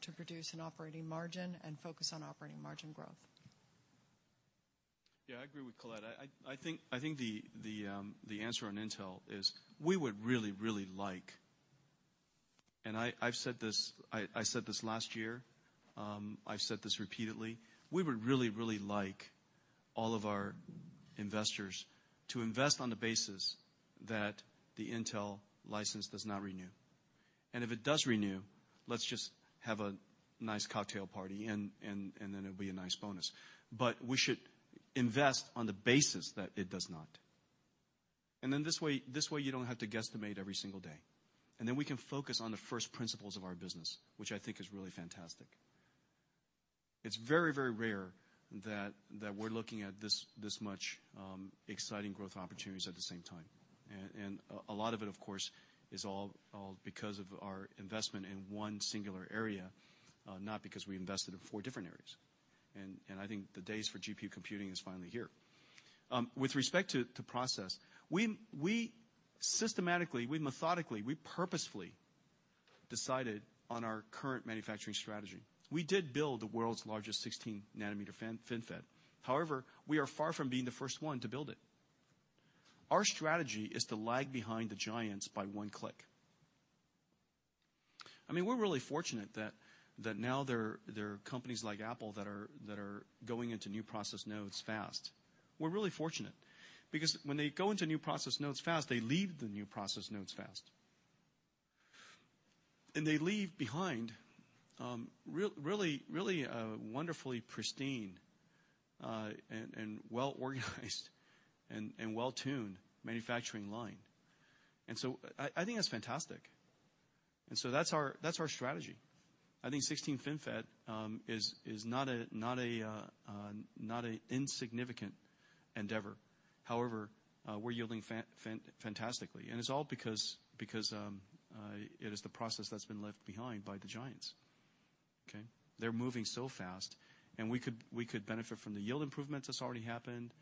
to produce an operating margin and focus on operating margin growth. Yeah, I agree with Colette. I think the answer on Intel is we would really, really like, I said this last year, I've said this repeatedly. We would really, really like all of our investors to invest on the basis that the Intel license does not renew. If it does renew, let's just have a nice cocktail party, then it'll be a nice bonus. We should invest on the basis that it does not. In this way you don't have to guesstimate every single day. Then we can focus on the first principles of our business, which I think is really fantastic. It's very, very rare that we're looking at this much exciting growth opportunities at the same time. A lot of it, of course, is all because of our investment in one singular area, not because we invested in four different areas. I think the days for GPU computing is finally here. With respect to process, we systematically, we methodically, we purposefully decided on our current manufacturing strategy. We did build the world's largest 16 nm FinFET. However, we are far from being the first one to build it. Our strategy is to lag behind the giants by one click. We're really fortunate that now there are companies like Apple that are going into new process nodes fast. We're really fortunate because when they go into new process nodes fast, they leave the new process nodes fast. They leave behind really a wonderfully pristine and well-organized and well-tuned manufacturing line. I think that's fantastic. That's our strategy. I think 16 FinFET is not an insignificant endeavor. However, we're yielding fantastically, and it's all because it is the process that's been left behind by the giants. Okay? They're moving so fast, and we could benefit from the yield improvements that's already happened,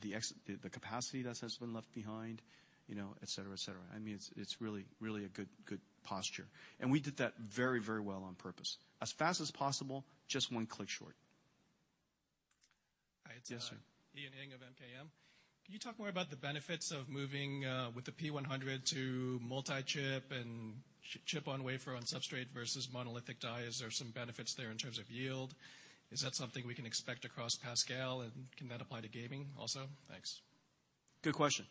the capacity that has been left behind, et cetera. It's really a good posture. We did that very well on purpose. As fast as possible, just one click short. Hi. Yes, sir. Ian Ing of MKM. Can you talk more about the benefits of moving with the P100 to multi-chip and chip on wafer on substrate versus monolithic die? Is there some benefits there in terms of yield? Is that something we can expect across Pascal, and can that apply to gaming also? Thanks. Good question.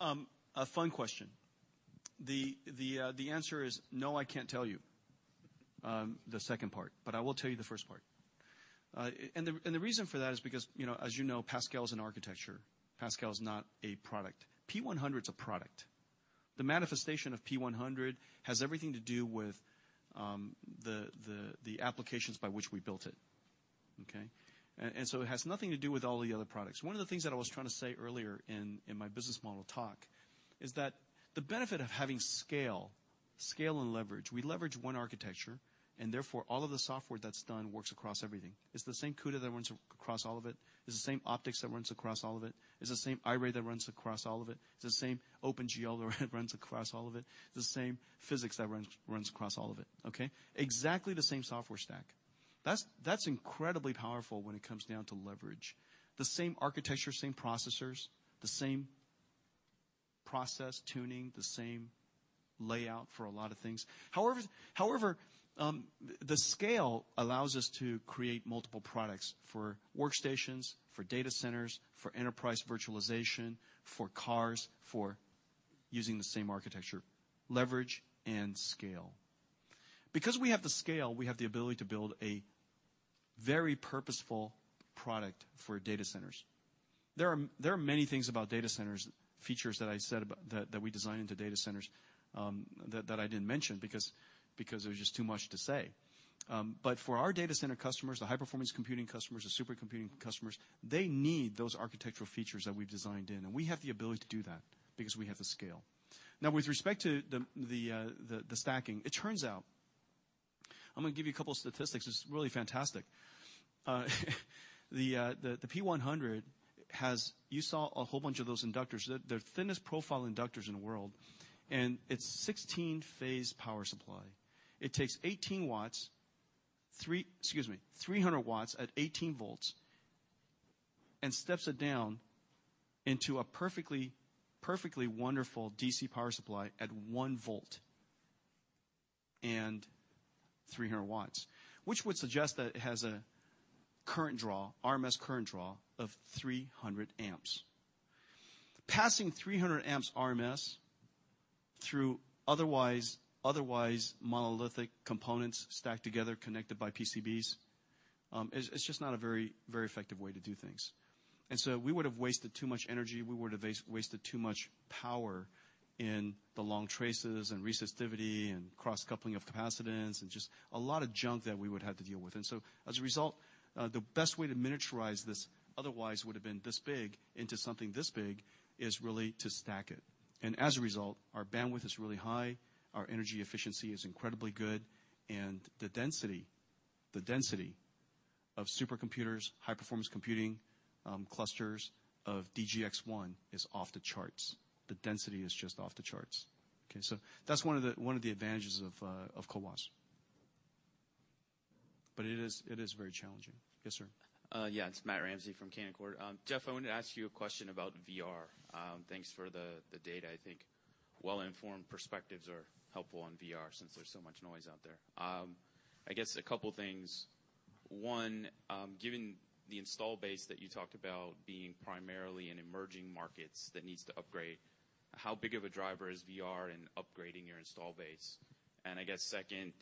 A fun question. The answer is no, I can't tell you the second part, but I will tell you the first part. The reason for that is because, as you know, Pascal is an architecture. Pascal is not a product. P100 is a product. The manifestation of P100 has everything to do with the applications by which we built it. Okay. It has nothing to do with all the other products. One of the things that I was trying to say earlier in my business model talk is that the benefit of having scale and leverage, we leverage one architecture, therefore, all of the software that's done works across everything. It's the same CUDA that runs across all of it. It's the same OptiX that runs across all of it. It's the same Iray that runs across all of it. It's the same OpenGL that runs across all of it. It's the same PhysX that runs across all of it, okay. Exactly the same software stack. That's incredibly powerful when it comes down to leverage. The same architecture, same processors, the same process tuning, the same layout for a lot of things. However, the scale allows us to create multiple products for workstations, for data centers, for enterprise virtualization, for cars, for using the same architecture. Leverage and scale. We have the scale, we have the ability to build a very purposeful product for data centers. There are many things about data centers, features that we design into data centers, that I didn't mention because there's just too much to say. For our data center customers, the high-performance computing customers, the supercomputing customers, they need those architectural features that we've designed in, and we have the ability to do that because we have the scale. With respect to the stacking, I'm going to give you a couple of statistics. It's really fantastic. You saw a whole bunch of those inductors. They're the thinnest profile inductors in the world, and it's 16-phase power supply. It takes 18 watts, 300 watts at 18 volts and steps it down into a perfectly wonderful DC power supply at one volt and 300 watts, which would suggest that it has a current draw, RMS current draw, of 300 amps. Passing 300 amps RMS through otherwise monolithic components stacked together, connected by PCBs, is just not a very effective way to do things. We would've wasted too much energy, we would've wasted too much power in the long traces and resistivity and cross-coupling of capacitance and just a lot of junk that we would have to deal with. As a result, the best way to miniaturize this, otherwise would've been this big into something this big, is really to stack it. As a result, our bandwidth is really high, our energy efficiency is incredibly good, and the density of supercomputers, high-performance computing clusters of DGX-1 is off the charts. The density is just off the charts. Okay. That's one of the advantages of CoWoS. It is very challenging. Yes, sir. Yeah. It's Matt Ramsay from Canaccord. Jeff, I wanted to ask you a question about VR. Thanks for the data. I think well-informed perspectives are helpful on VR since there's so much noise out there. I guess a couple of things. One, given the install base that you talked about being primarily in emerging markets that needs to upgrade, how big of a driver is VR in upgrading your install base? I guess second,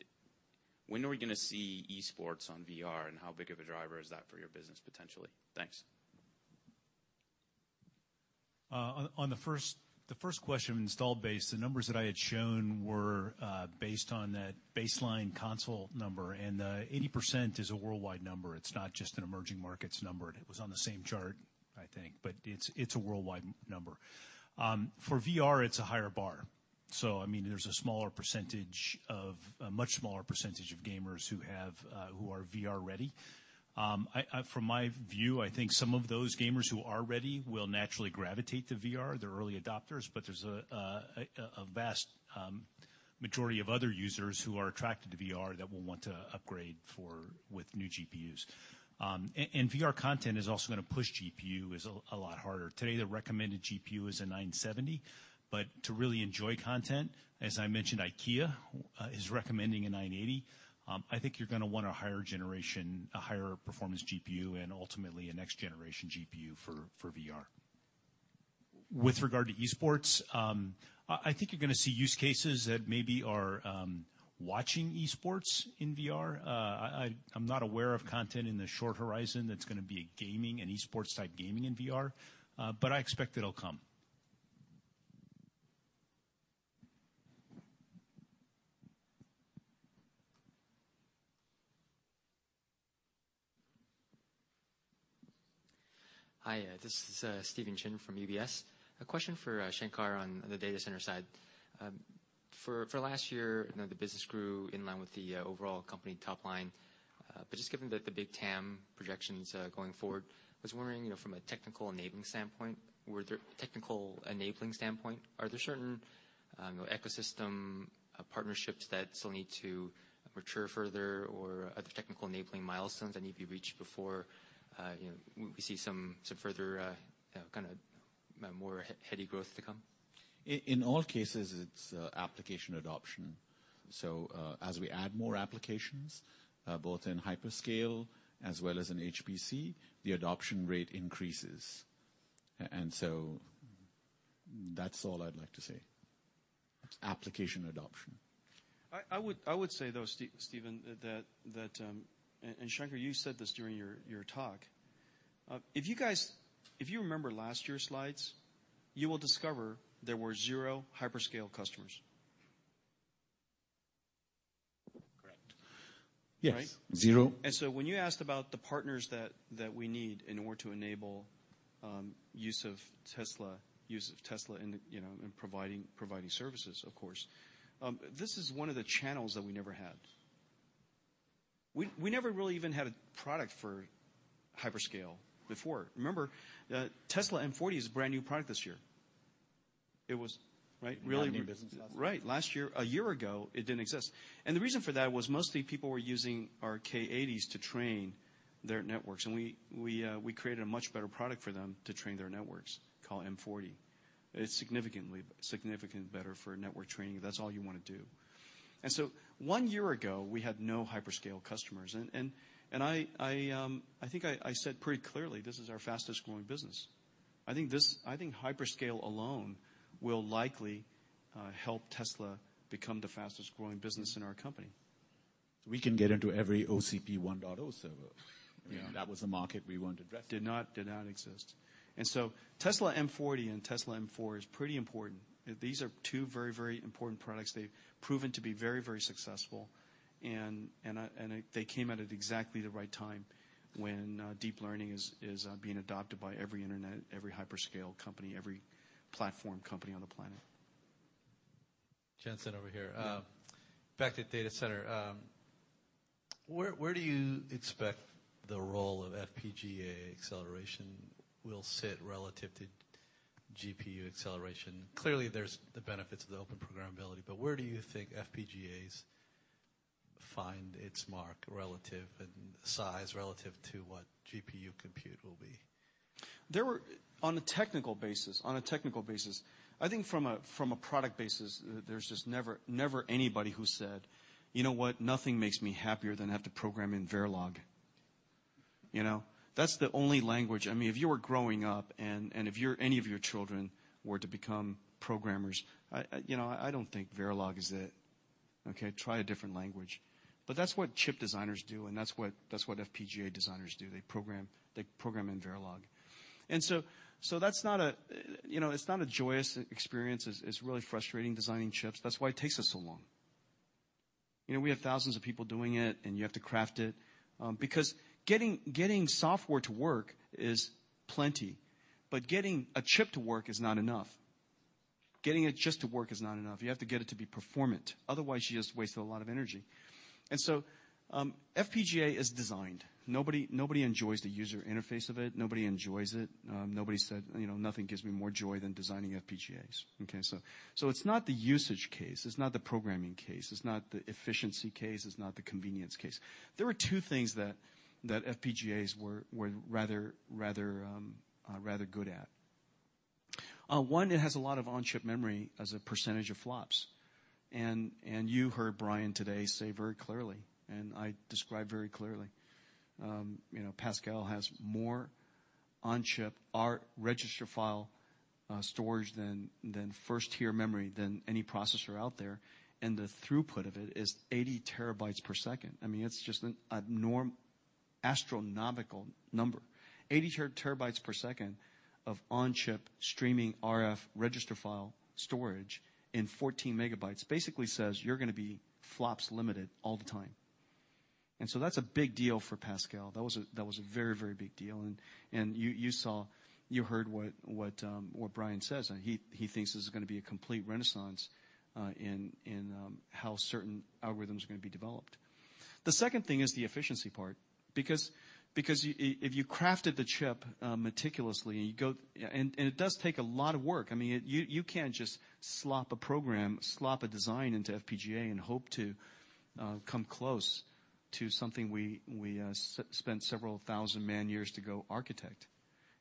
when are we going to see esports on VR, and how big of a driver is that for your business potentially? Thanks. On the first question, install base, the numbers that I had shown were based on that baseline console number. 80% is a worldwide number. It's not just an emerging markets number. It was on the same chart, I think, it's a worldwide number. For VR, it's a higher bar. There's a much smaller percentage of gamers who are VR-ready. From my view, I think some of those gamers who are ready will naturally gravitate to VR. They're early adopters, there's a vast majority of other users who are attracted to VR that will want to upgrade with new GPUs. VR content is also going to push GPU a lot harder. Today, the recommended GPU is a 970, to really enjoy content, as I mentioned, IKEA is recommending a 980. I think you're going to want a higher generation, a higher performance GPU, and ultimately, a next-generation GPU for VR. With regard to esports, I think you're going to see use cases that maybe watching esports in VR. I'm not aware of content in the short horizon that's going to be an esports-type gaming in VR, I expect it'll come. Hi, this is Stephen Chin from UBS. A question for Shanker on the data center side. For last year, the business grew in line with the overall company top line. Just given that the big TAM projections going forward, I was wondering from a technical enabling standpoint, are there certain ecosystem partnerships that still need to mature further, or are there technical enabling milestones that need to be reached before we see some further more heady growth to come? In all cases, it's application adoption. As we add more applications, both in hyperscale as well as in HPC, the adoption rate increases. That's all I'd like to say. Application adoption. I would say, though, Stephen, Shanker, you said this during your talk. If you remember last year's slides, you will discover there were zero hyperscale customers. Correct. Yes. Zero. When you asked about the partners that we need in order to enable use of Tesla in providing services, of course, this is one of the channels that we never had. We never really even had a product for hyperscale before. Remember, Tesla M40 is a brand-new product this year. It was, right? Brand-new business, yes. Right. Last year, a year ago, it didn't exist. The reason for that was mostly people were using our K80s to train their networks, and we created a much better product for them to train their networks, called M40. It's significantly better for network training, if that's all you want to do. One year ago, we had no hyperscale customers. I think I said pretty clearly, this is our fastest-growing business. I think hyperscale alone will likely help Tesla become the fastest-growing business in our company. We can get into every OCP 1.0 server. Yeah. That was the market we want to address. Did not exist. Tesla M40 and Tesla M4 is pretty important. These are two very important products. They've proven to be very successful, and they came out at exactly the right time when deep learning is being adopted by every internet, every hyperscale company, every platform company on the planet. Jensen over here. Back to data center. Where do you expect the role of FPGA acceleration will sit relative to GPU acceleration? Clearly, there's the benefits of the open programmability, where do you think FPGAs find its mark relative in size, relative to what GPU compute will be? On a technical basis, I think from a product basis, there's just never anybody who said, "You know what? Nothing makes me happier than have to program in Verilog." That's the only language. If you were growing up and if any of your children were to become programmers, I don't think Verilog is it. Okay? Try a different language. That's what chip designers do, and that's what FPGA designers do. They program in Verilog. It's not a joyous experience. It's really frustrating designing chips. That's why it takes us so long. We have thousands of people doing it, and you have to craft it. Because getting software to work is plenty, but getting a chip to work is not enough. Getting it just to work is not enough. You have to get it to be performant, otherwise you just wasted a lot of energy. FPGA is designed. Nobody enjoys the user interface of it. Nobody enjoys it. Nobody said, "Nothing gives me more joy than designing FPGAs." Okay, it's not the usage case. It's not the programming case. It's not the efficiency case. It's not the convenience case. There are two things that FPGAs were rather good at. One, it has a lot of on-chip memory as a percentage of FLOPS. You heard Bryan today say very clearly, and I described very clearly, Pascal has more on-chip register file storage than first-tier memory than any processor out there, and the throughput of it is 80 terabytes per second. It's just an astronomical number. 80 terabytes per second of on-chip streaming RF register file storage in 14 megabytes basically says you're going to be FLOPS limited all the time. That's a big deal for Pascal. That was a very big deal. You heard what Bryan says, he thinks this is going to be a complete renaissance in how certain algorithms are going to be developed. The second thing is the efficiency part. If you crafted the chip meticulously, and it does take a lot of work. You can't just slop a program, slop a design into FPGA and hope to come close to something we spent several thousand man-years to go architect.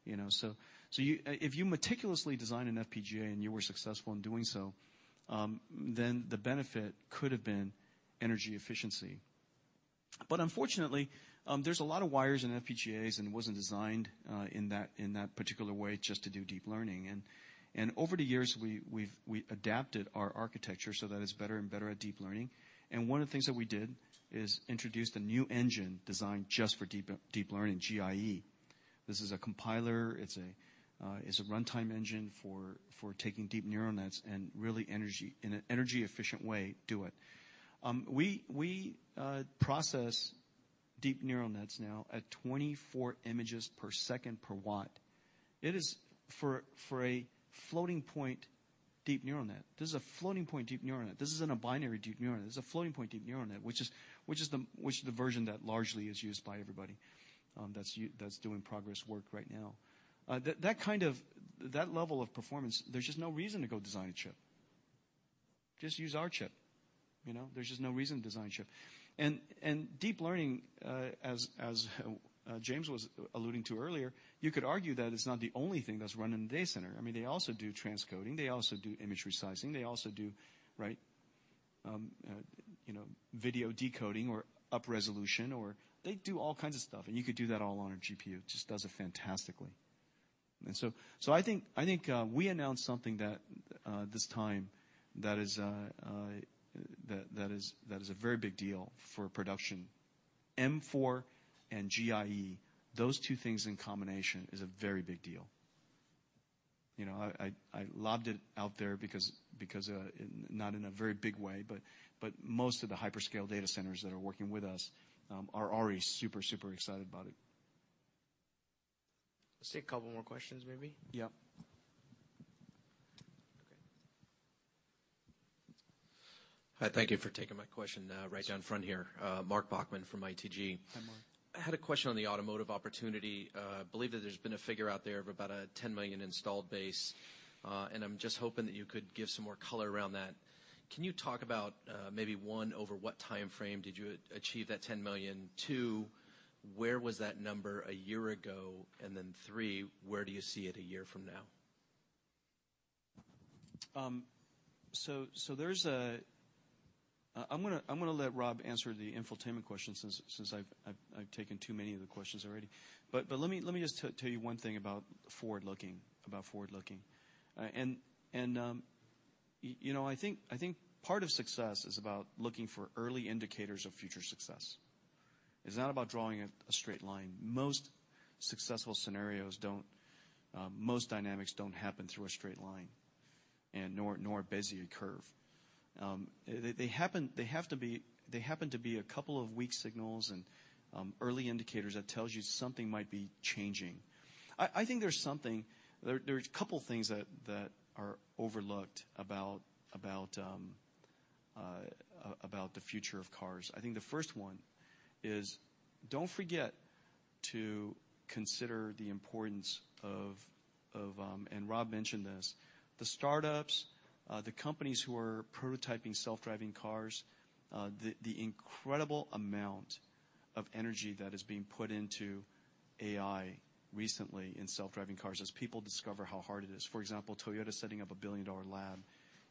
If you meticulously design an FPGA and you were successful in doing so, then the benefit could have been energy efficiency. Unfortunately, there's a lot of wires in FPGAs, and it wasn't designed in that particular way just to do deep learning. Over the years, we adapted our architecture so that it's better and better at deep learning. One of the things that we did is introduce the new engine designed just for deep learning, GIE. This is a compiler. It's a runtime engine for taking deep neural nets and really, in an energy-efficient way, do it. We process deep neural nets now at 24 images per second per watt. It is for a floating-point deep neural net. This is a floating-point deep neural net. This isn't a binary deep neural net. This is a floating-point deep neural net, which is the version that largely is used by everybody that's doing progress work right now. That level of performance, there's just no reason to go design a chip. Just use our chip. There's just no reason to design a chip. Deep learning, as James was alluding to earlier, you could argue that it's not the only thing that's run in the data center. They also do transcoding. They also do image resizing. They also do video decoding or up resolution. They do all kinds of stuff. You could do that all on a GPU. It just does it fantastically. I think we announced something this time that is a very big deal for production. M4 and GIE, those two things in combination is a very big deal. I lobbed it out there because, not in a very big way, most of the hyperscale data centers that are working with us are already super excited about it. Let's take a couple more questions, maybe. Yeah. Okay. Hi, thank you for taking my question. Right down front here. Mark Bachman from ITG. Hi, Mark. I had a question on the automotive opportunity. Believe that there's been a figure out there of about a 10 million installed base. I'm just hoping that you could give some more color around that. Can you talk about maybe, one, over what timeframe did you achieve that 10 million? Two, where was that number a year ago? Then three, where do you see it a year from now? I'm going to let Rob answer the infotainment question since I've taken too many of the questions already. Let me just tell you one thing about forward-looking. I think part of success is about looking for early indicators of future success. It's not about drawing a straight line. Most successful scenarios don't. Most dynamics don't happen through a straight line, nor a Bézier curve. They happen to be a couple of weak signals and early indicators that tells you something might be changing. I think there's a couple things that are overlooked about the future of cars. I think the first one is don't forget to consider the importance of, and Rob mentioned this, the startups, the companies who are prototyping self-driving cars, the incredible amount of energy that is being put into AI recently in self-driving cars as people discover how hard it is. For example, Toyota is setting up a billion-dollar lab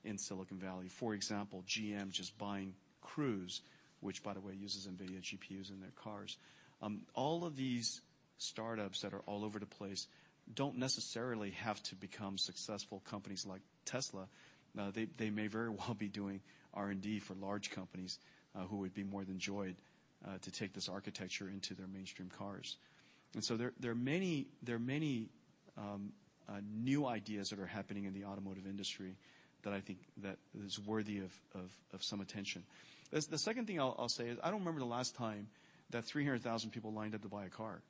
in Silicon Valley. For example, GM just buying Cruise, which by the way, uses NVIDIA GPUs in their cars. All of these startups that are all over the place don't necessarily have to become successful companies like Tesla. They may very well be doing R&D for large companies who would be more than joyed to take this architecture into their mainstream cars. There are many new ideas that are happening in the automotive industry that I think is worthy of some attention. The second thing I'll say is, I don't remember the last time that 300,000 people lined up to buy a car.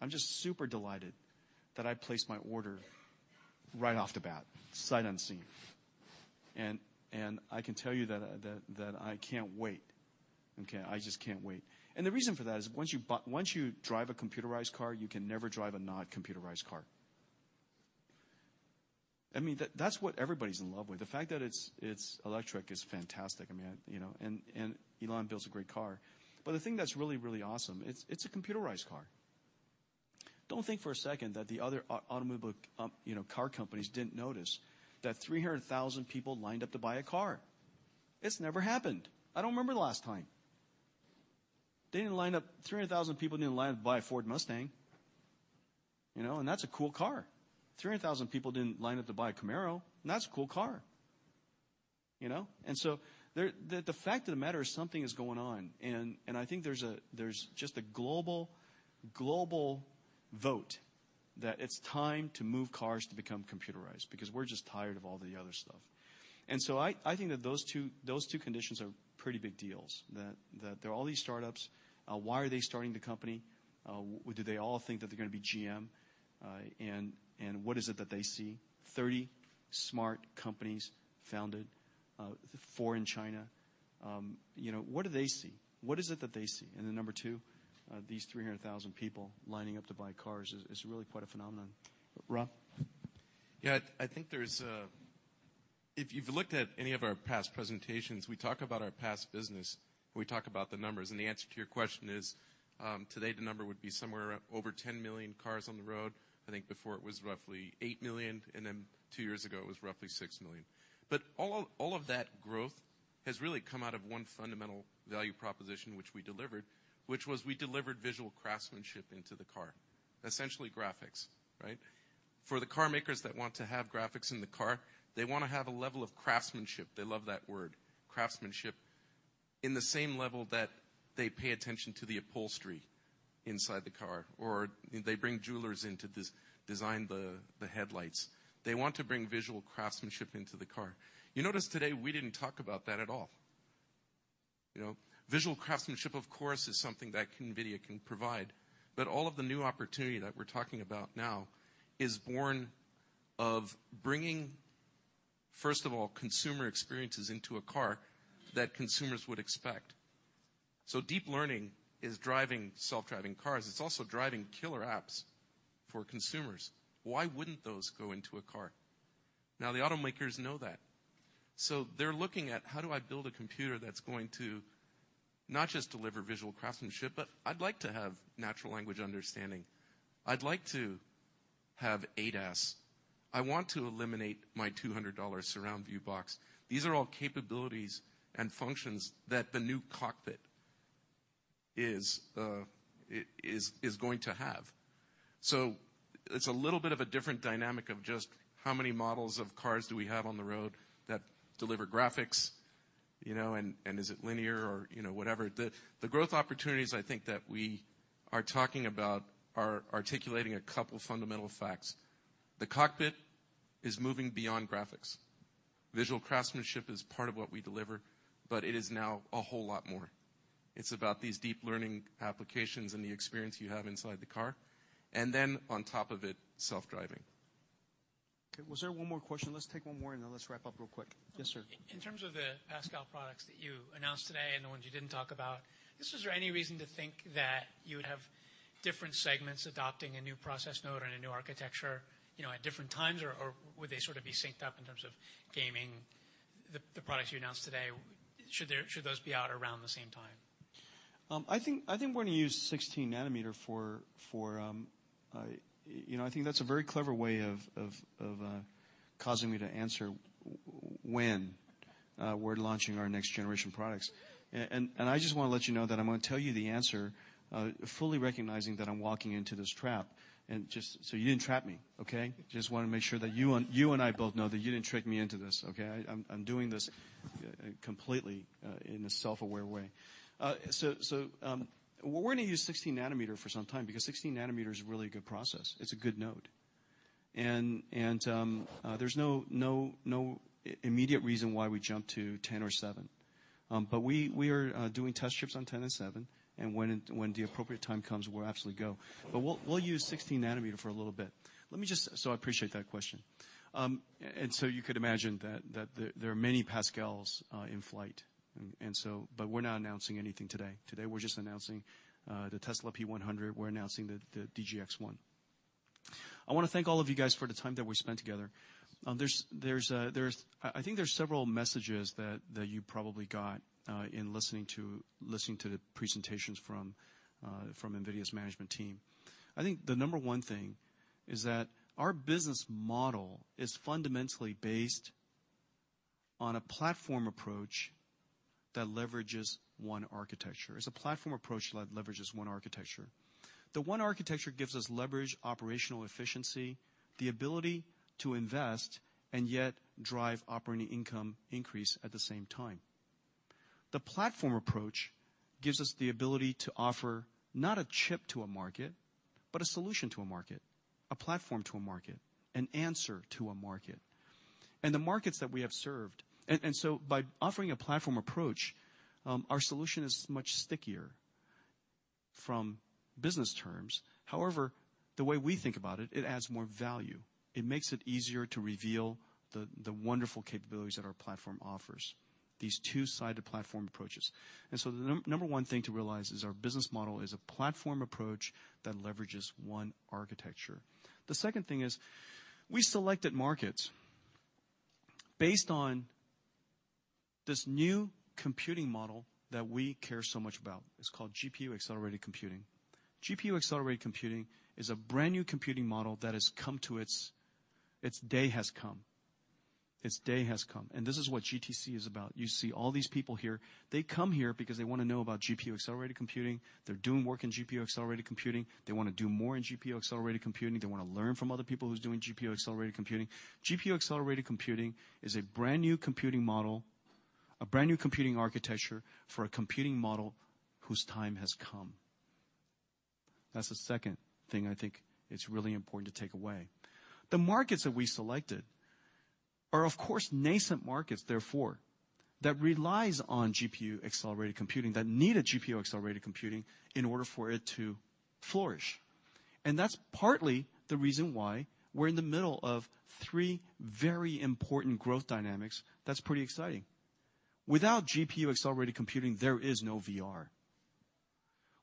I'm just super delighted that I placed my order right off the bat, sight unseen. I can tell you that I can't wait, okay? I just can't wait. The reason for that is once you drive a computerized car, you can never drive a not computerized car. That's what everybody's in love with. The fact that it's electric is fantastic. Elon builds a great car. The thing that's really awesome, it's a computerized car. Don't think for a second that the other automobile car companies didn't notice that 300,000 people lined up to buy a car. It's never happened. I don't remember the last time. 300,000 people didn't line up to buy a Ford Mustang, and that's a cool car. 300,000 people didn't line up to buy a Camaro, and that's a cool car. The fact of the matter is something is going on, and I think there's just a global vote that it's time to move cars to become computerized because we're just tired of all the other stuff. I think that those two conditions are pretty big deals, that there are all these startups. Why are they starting the company? Do they all think that they're going to be GM? What is it that they see? 30 smart companies founded, four in China. What do they see? What is it that they see? Number two, these 300,000 people lining up to buy cars is really quite a phenomenon. Rob? Yeah, if you've looked at any of our past presentations, we talk about our past business, we talk about the numbers, and the answer to your question is, today, the number would be somewhere over 10 million cars on the road. I think before it was roughly eight million, and then two years ago, it was roughly six million. All of that growth has really come out of one fundamental value proposition, which we delivered, which was we delivered visual craftsmanship into the car. Essentially graphics, right? For the car makers that want to have graphics in the car, they want to have a level of craftsmanship. They love that word, craftsmanship, in the same level that they pay attention to the upholstery inside the car, or they bring jewelers in to design the headlights. They want to bring visual craftsmanship into the car. You notice today we didn't talk about that at all. Visual craftsmanship, of course, is something that NVIDIA can provide, but all of the new opportunity that we're talking about now is born of bringing, first of all, consumer experiences into a car that consumers would expect. Deep learning is driving self-driving cars. It's also driving killer apps for consumers. Why wouldn't those go into a car? The automakers know that. They're looking at how do I build a computer that's going to not just deliver visual craftsmanship, but I'd like to have natural language understanding. I'd like to have ADAS. I want to eliminate my $200 surround view box. These are all capabilities and functions that the new cockpit is going to have. It's a little bit of a different dynamic of just how many models of cars do we have on the road that deliver graphics, and is it linear or whatever. The growth opportunities I think that we are talking about are articulating a couple fundamental facts. The cockpit is moving beyond graphics. Visual craftsmanship is part of what we deliver, but it is now a whole lot more. It's about these deep learning applications and the experience you have inside the car. And then on top of it, self-driving. Okay, was there one more question? Let's take one more, and then let's wrap up real quick. Yes, sir. In terms of the Pascal products that you announced today and the ones you didn't talk about, is there any reason to think that you would have different segments adopting a new process node and a new architecture at different times, or would they sort of be synced up in terms of gaming? The products you announced today, should those be out around the same time? We're going to use 16 nm for I think that's a very clever way of causing me to answer when we're launching our next generation products. I just want to let you know that I'm going to tell you the answer, fully recognizing that I'm walking into this trap. Just so you didn't trap me, okay? Just want to make sure that you and I both know that you didn't trick me into this, okay? I'm doing this completely in a self-aware way. We're going to use 16 nm for some time because 16 nm is a really good process. It's a good node. There's no immediate reason why we jump to 10 or 7. We are doing test chips on 10 and 7, and when the appropriate time comes, we'll absolutely go. We'll use 16 nm for a little bit. I appreciate that question. You could imagine that there are many Pascals in flight. We're not announcing anything today. Today, we're just announcing the Tesla P100. We're announcing the DGX-1. I want to thank all of you guys for the time that we spent together. I think there's several messages that you probably got in listening to the presentations from NVIDIA's management team. I think the number one thing is that our business model is fundamentally based on a platform approach that leverages one architecture. It's a platform approach that leverages one architecture. The one architecture gives us leverage, operational efficiency, the ability to invest, and yet drive operating income increase at the same time. The platform approach gives us the ability to offer not a chip to a market, but a solution to a market, a platform to a market, an answer to a market. The markets that we have served. By offering a platform approach, our solution is much stickier from business terms. However, the way we think about it adds more value. It makes it easier to reveal the wonderful capabilities that our platform offers, these two-sided platform approaches. The number one thing to realize is our business model is a platform approach that leverages one architecture. The second thing is we selected markets based on this new computing model that we care so much about. It's called GPU-accelerated computing. GPU-accelerated computing is a brand-new computing model that its day has come. Its day has come, this is what GTC is about. You see all these people here. They come here because they want to know about GPU-accelerated computing. They're doing work in GPU-accelerated computing. They want to do more in GPU-accelerated computing. They want to learn from other people who's doing GPU-accelerated computing. GPU-accelerated computing is a brand-new computing model, a brand-new computing architecture for a computing model whose time has come. That's the second thing I think it's really important to take away. The markets that we selected are, of course, nascent markets, therefore, that relies on GPU-accelerated computing, that need a GPU-accelerated computing in order for it to flourish. That's partly the reason why we're in the middle of three very important growth dynamics that's pretty exciting. Without GPU-accelerated computing, there is no VR.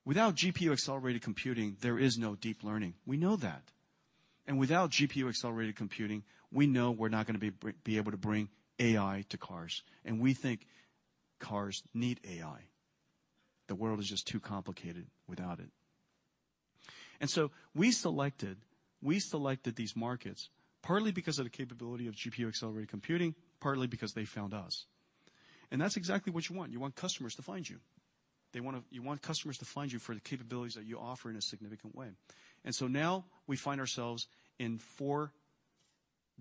Without GPU-accelerated computing, there is no deep learning. We know that. Without GPU-accelerated computing, we know we're not going to be able to bring AI to cars, and we think cars need AI. The world is just too complicated without it. We selected these markets partly because of the capability of GPU-accelerated computing, partly because they found us. That's exactly what you want. You want customers to find you. You want customers to find you for the capabilities that you offer in a significant way. Now we find ourselves in four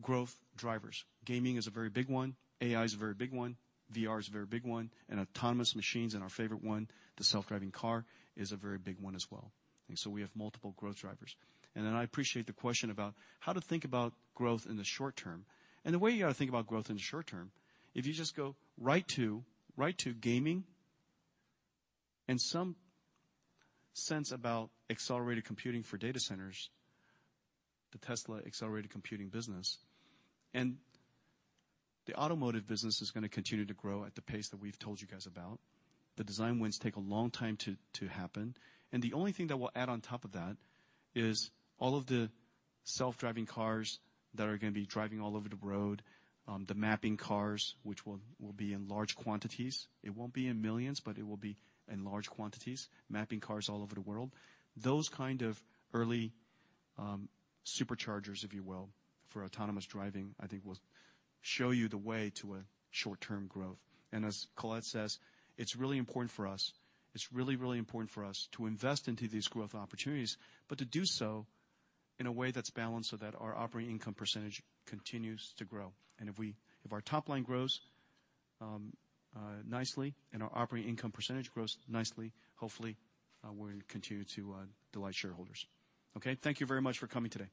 growth drivers. Gaming is a very big one, AI is a very big one, VR is a very big one, and autonomous machines and our favorite one, the self-driving car, is a very big one as well. We have multiple growth drivers. I appreciate the question about how to think about growth in the short term. The way you got to think about growth in the short term, if you just go right to gaming, in some sense about accelerated computing for data centers, the Tesla accelerated computing business, and the automotive business is going to continue to grow at the pace that we've told you guys about. The design wins take a long time to happen, and the only thing that we'll add on top of that is all of the self-driving cars that are going to be driving all over the road, the mapping cars, which will be in large quantities. It won't be in millions, but it will be in large quantities, mapping cars all over the world. Those kind of early superchargers, if you will, for autonomous driving, I think will show you the way to a short-term growth. As Colette says, it's really important for us. It's really, really important for us to invest into these growth opportunities, but to do so in a way that's balanced so that our operating income percentage continues to grow. If our top line grows nicely and our operating income percentage grows nicely, hopefully, we'll continue to delight shareholders. Okay, thank you very much for coming today.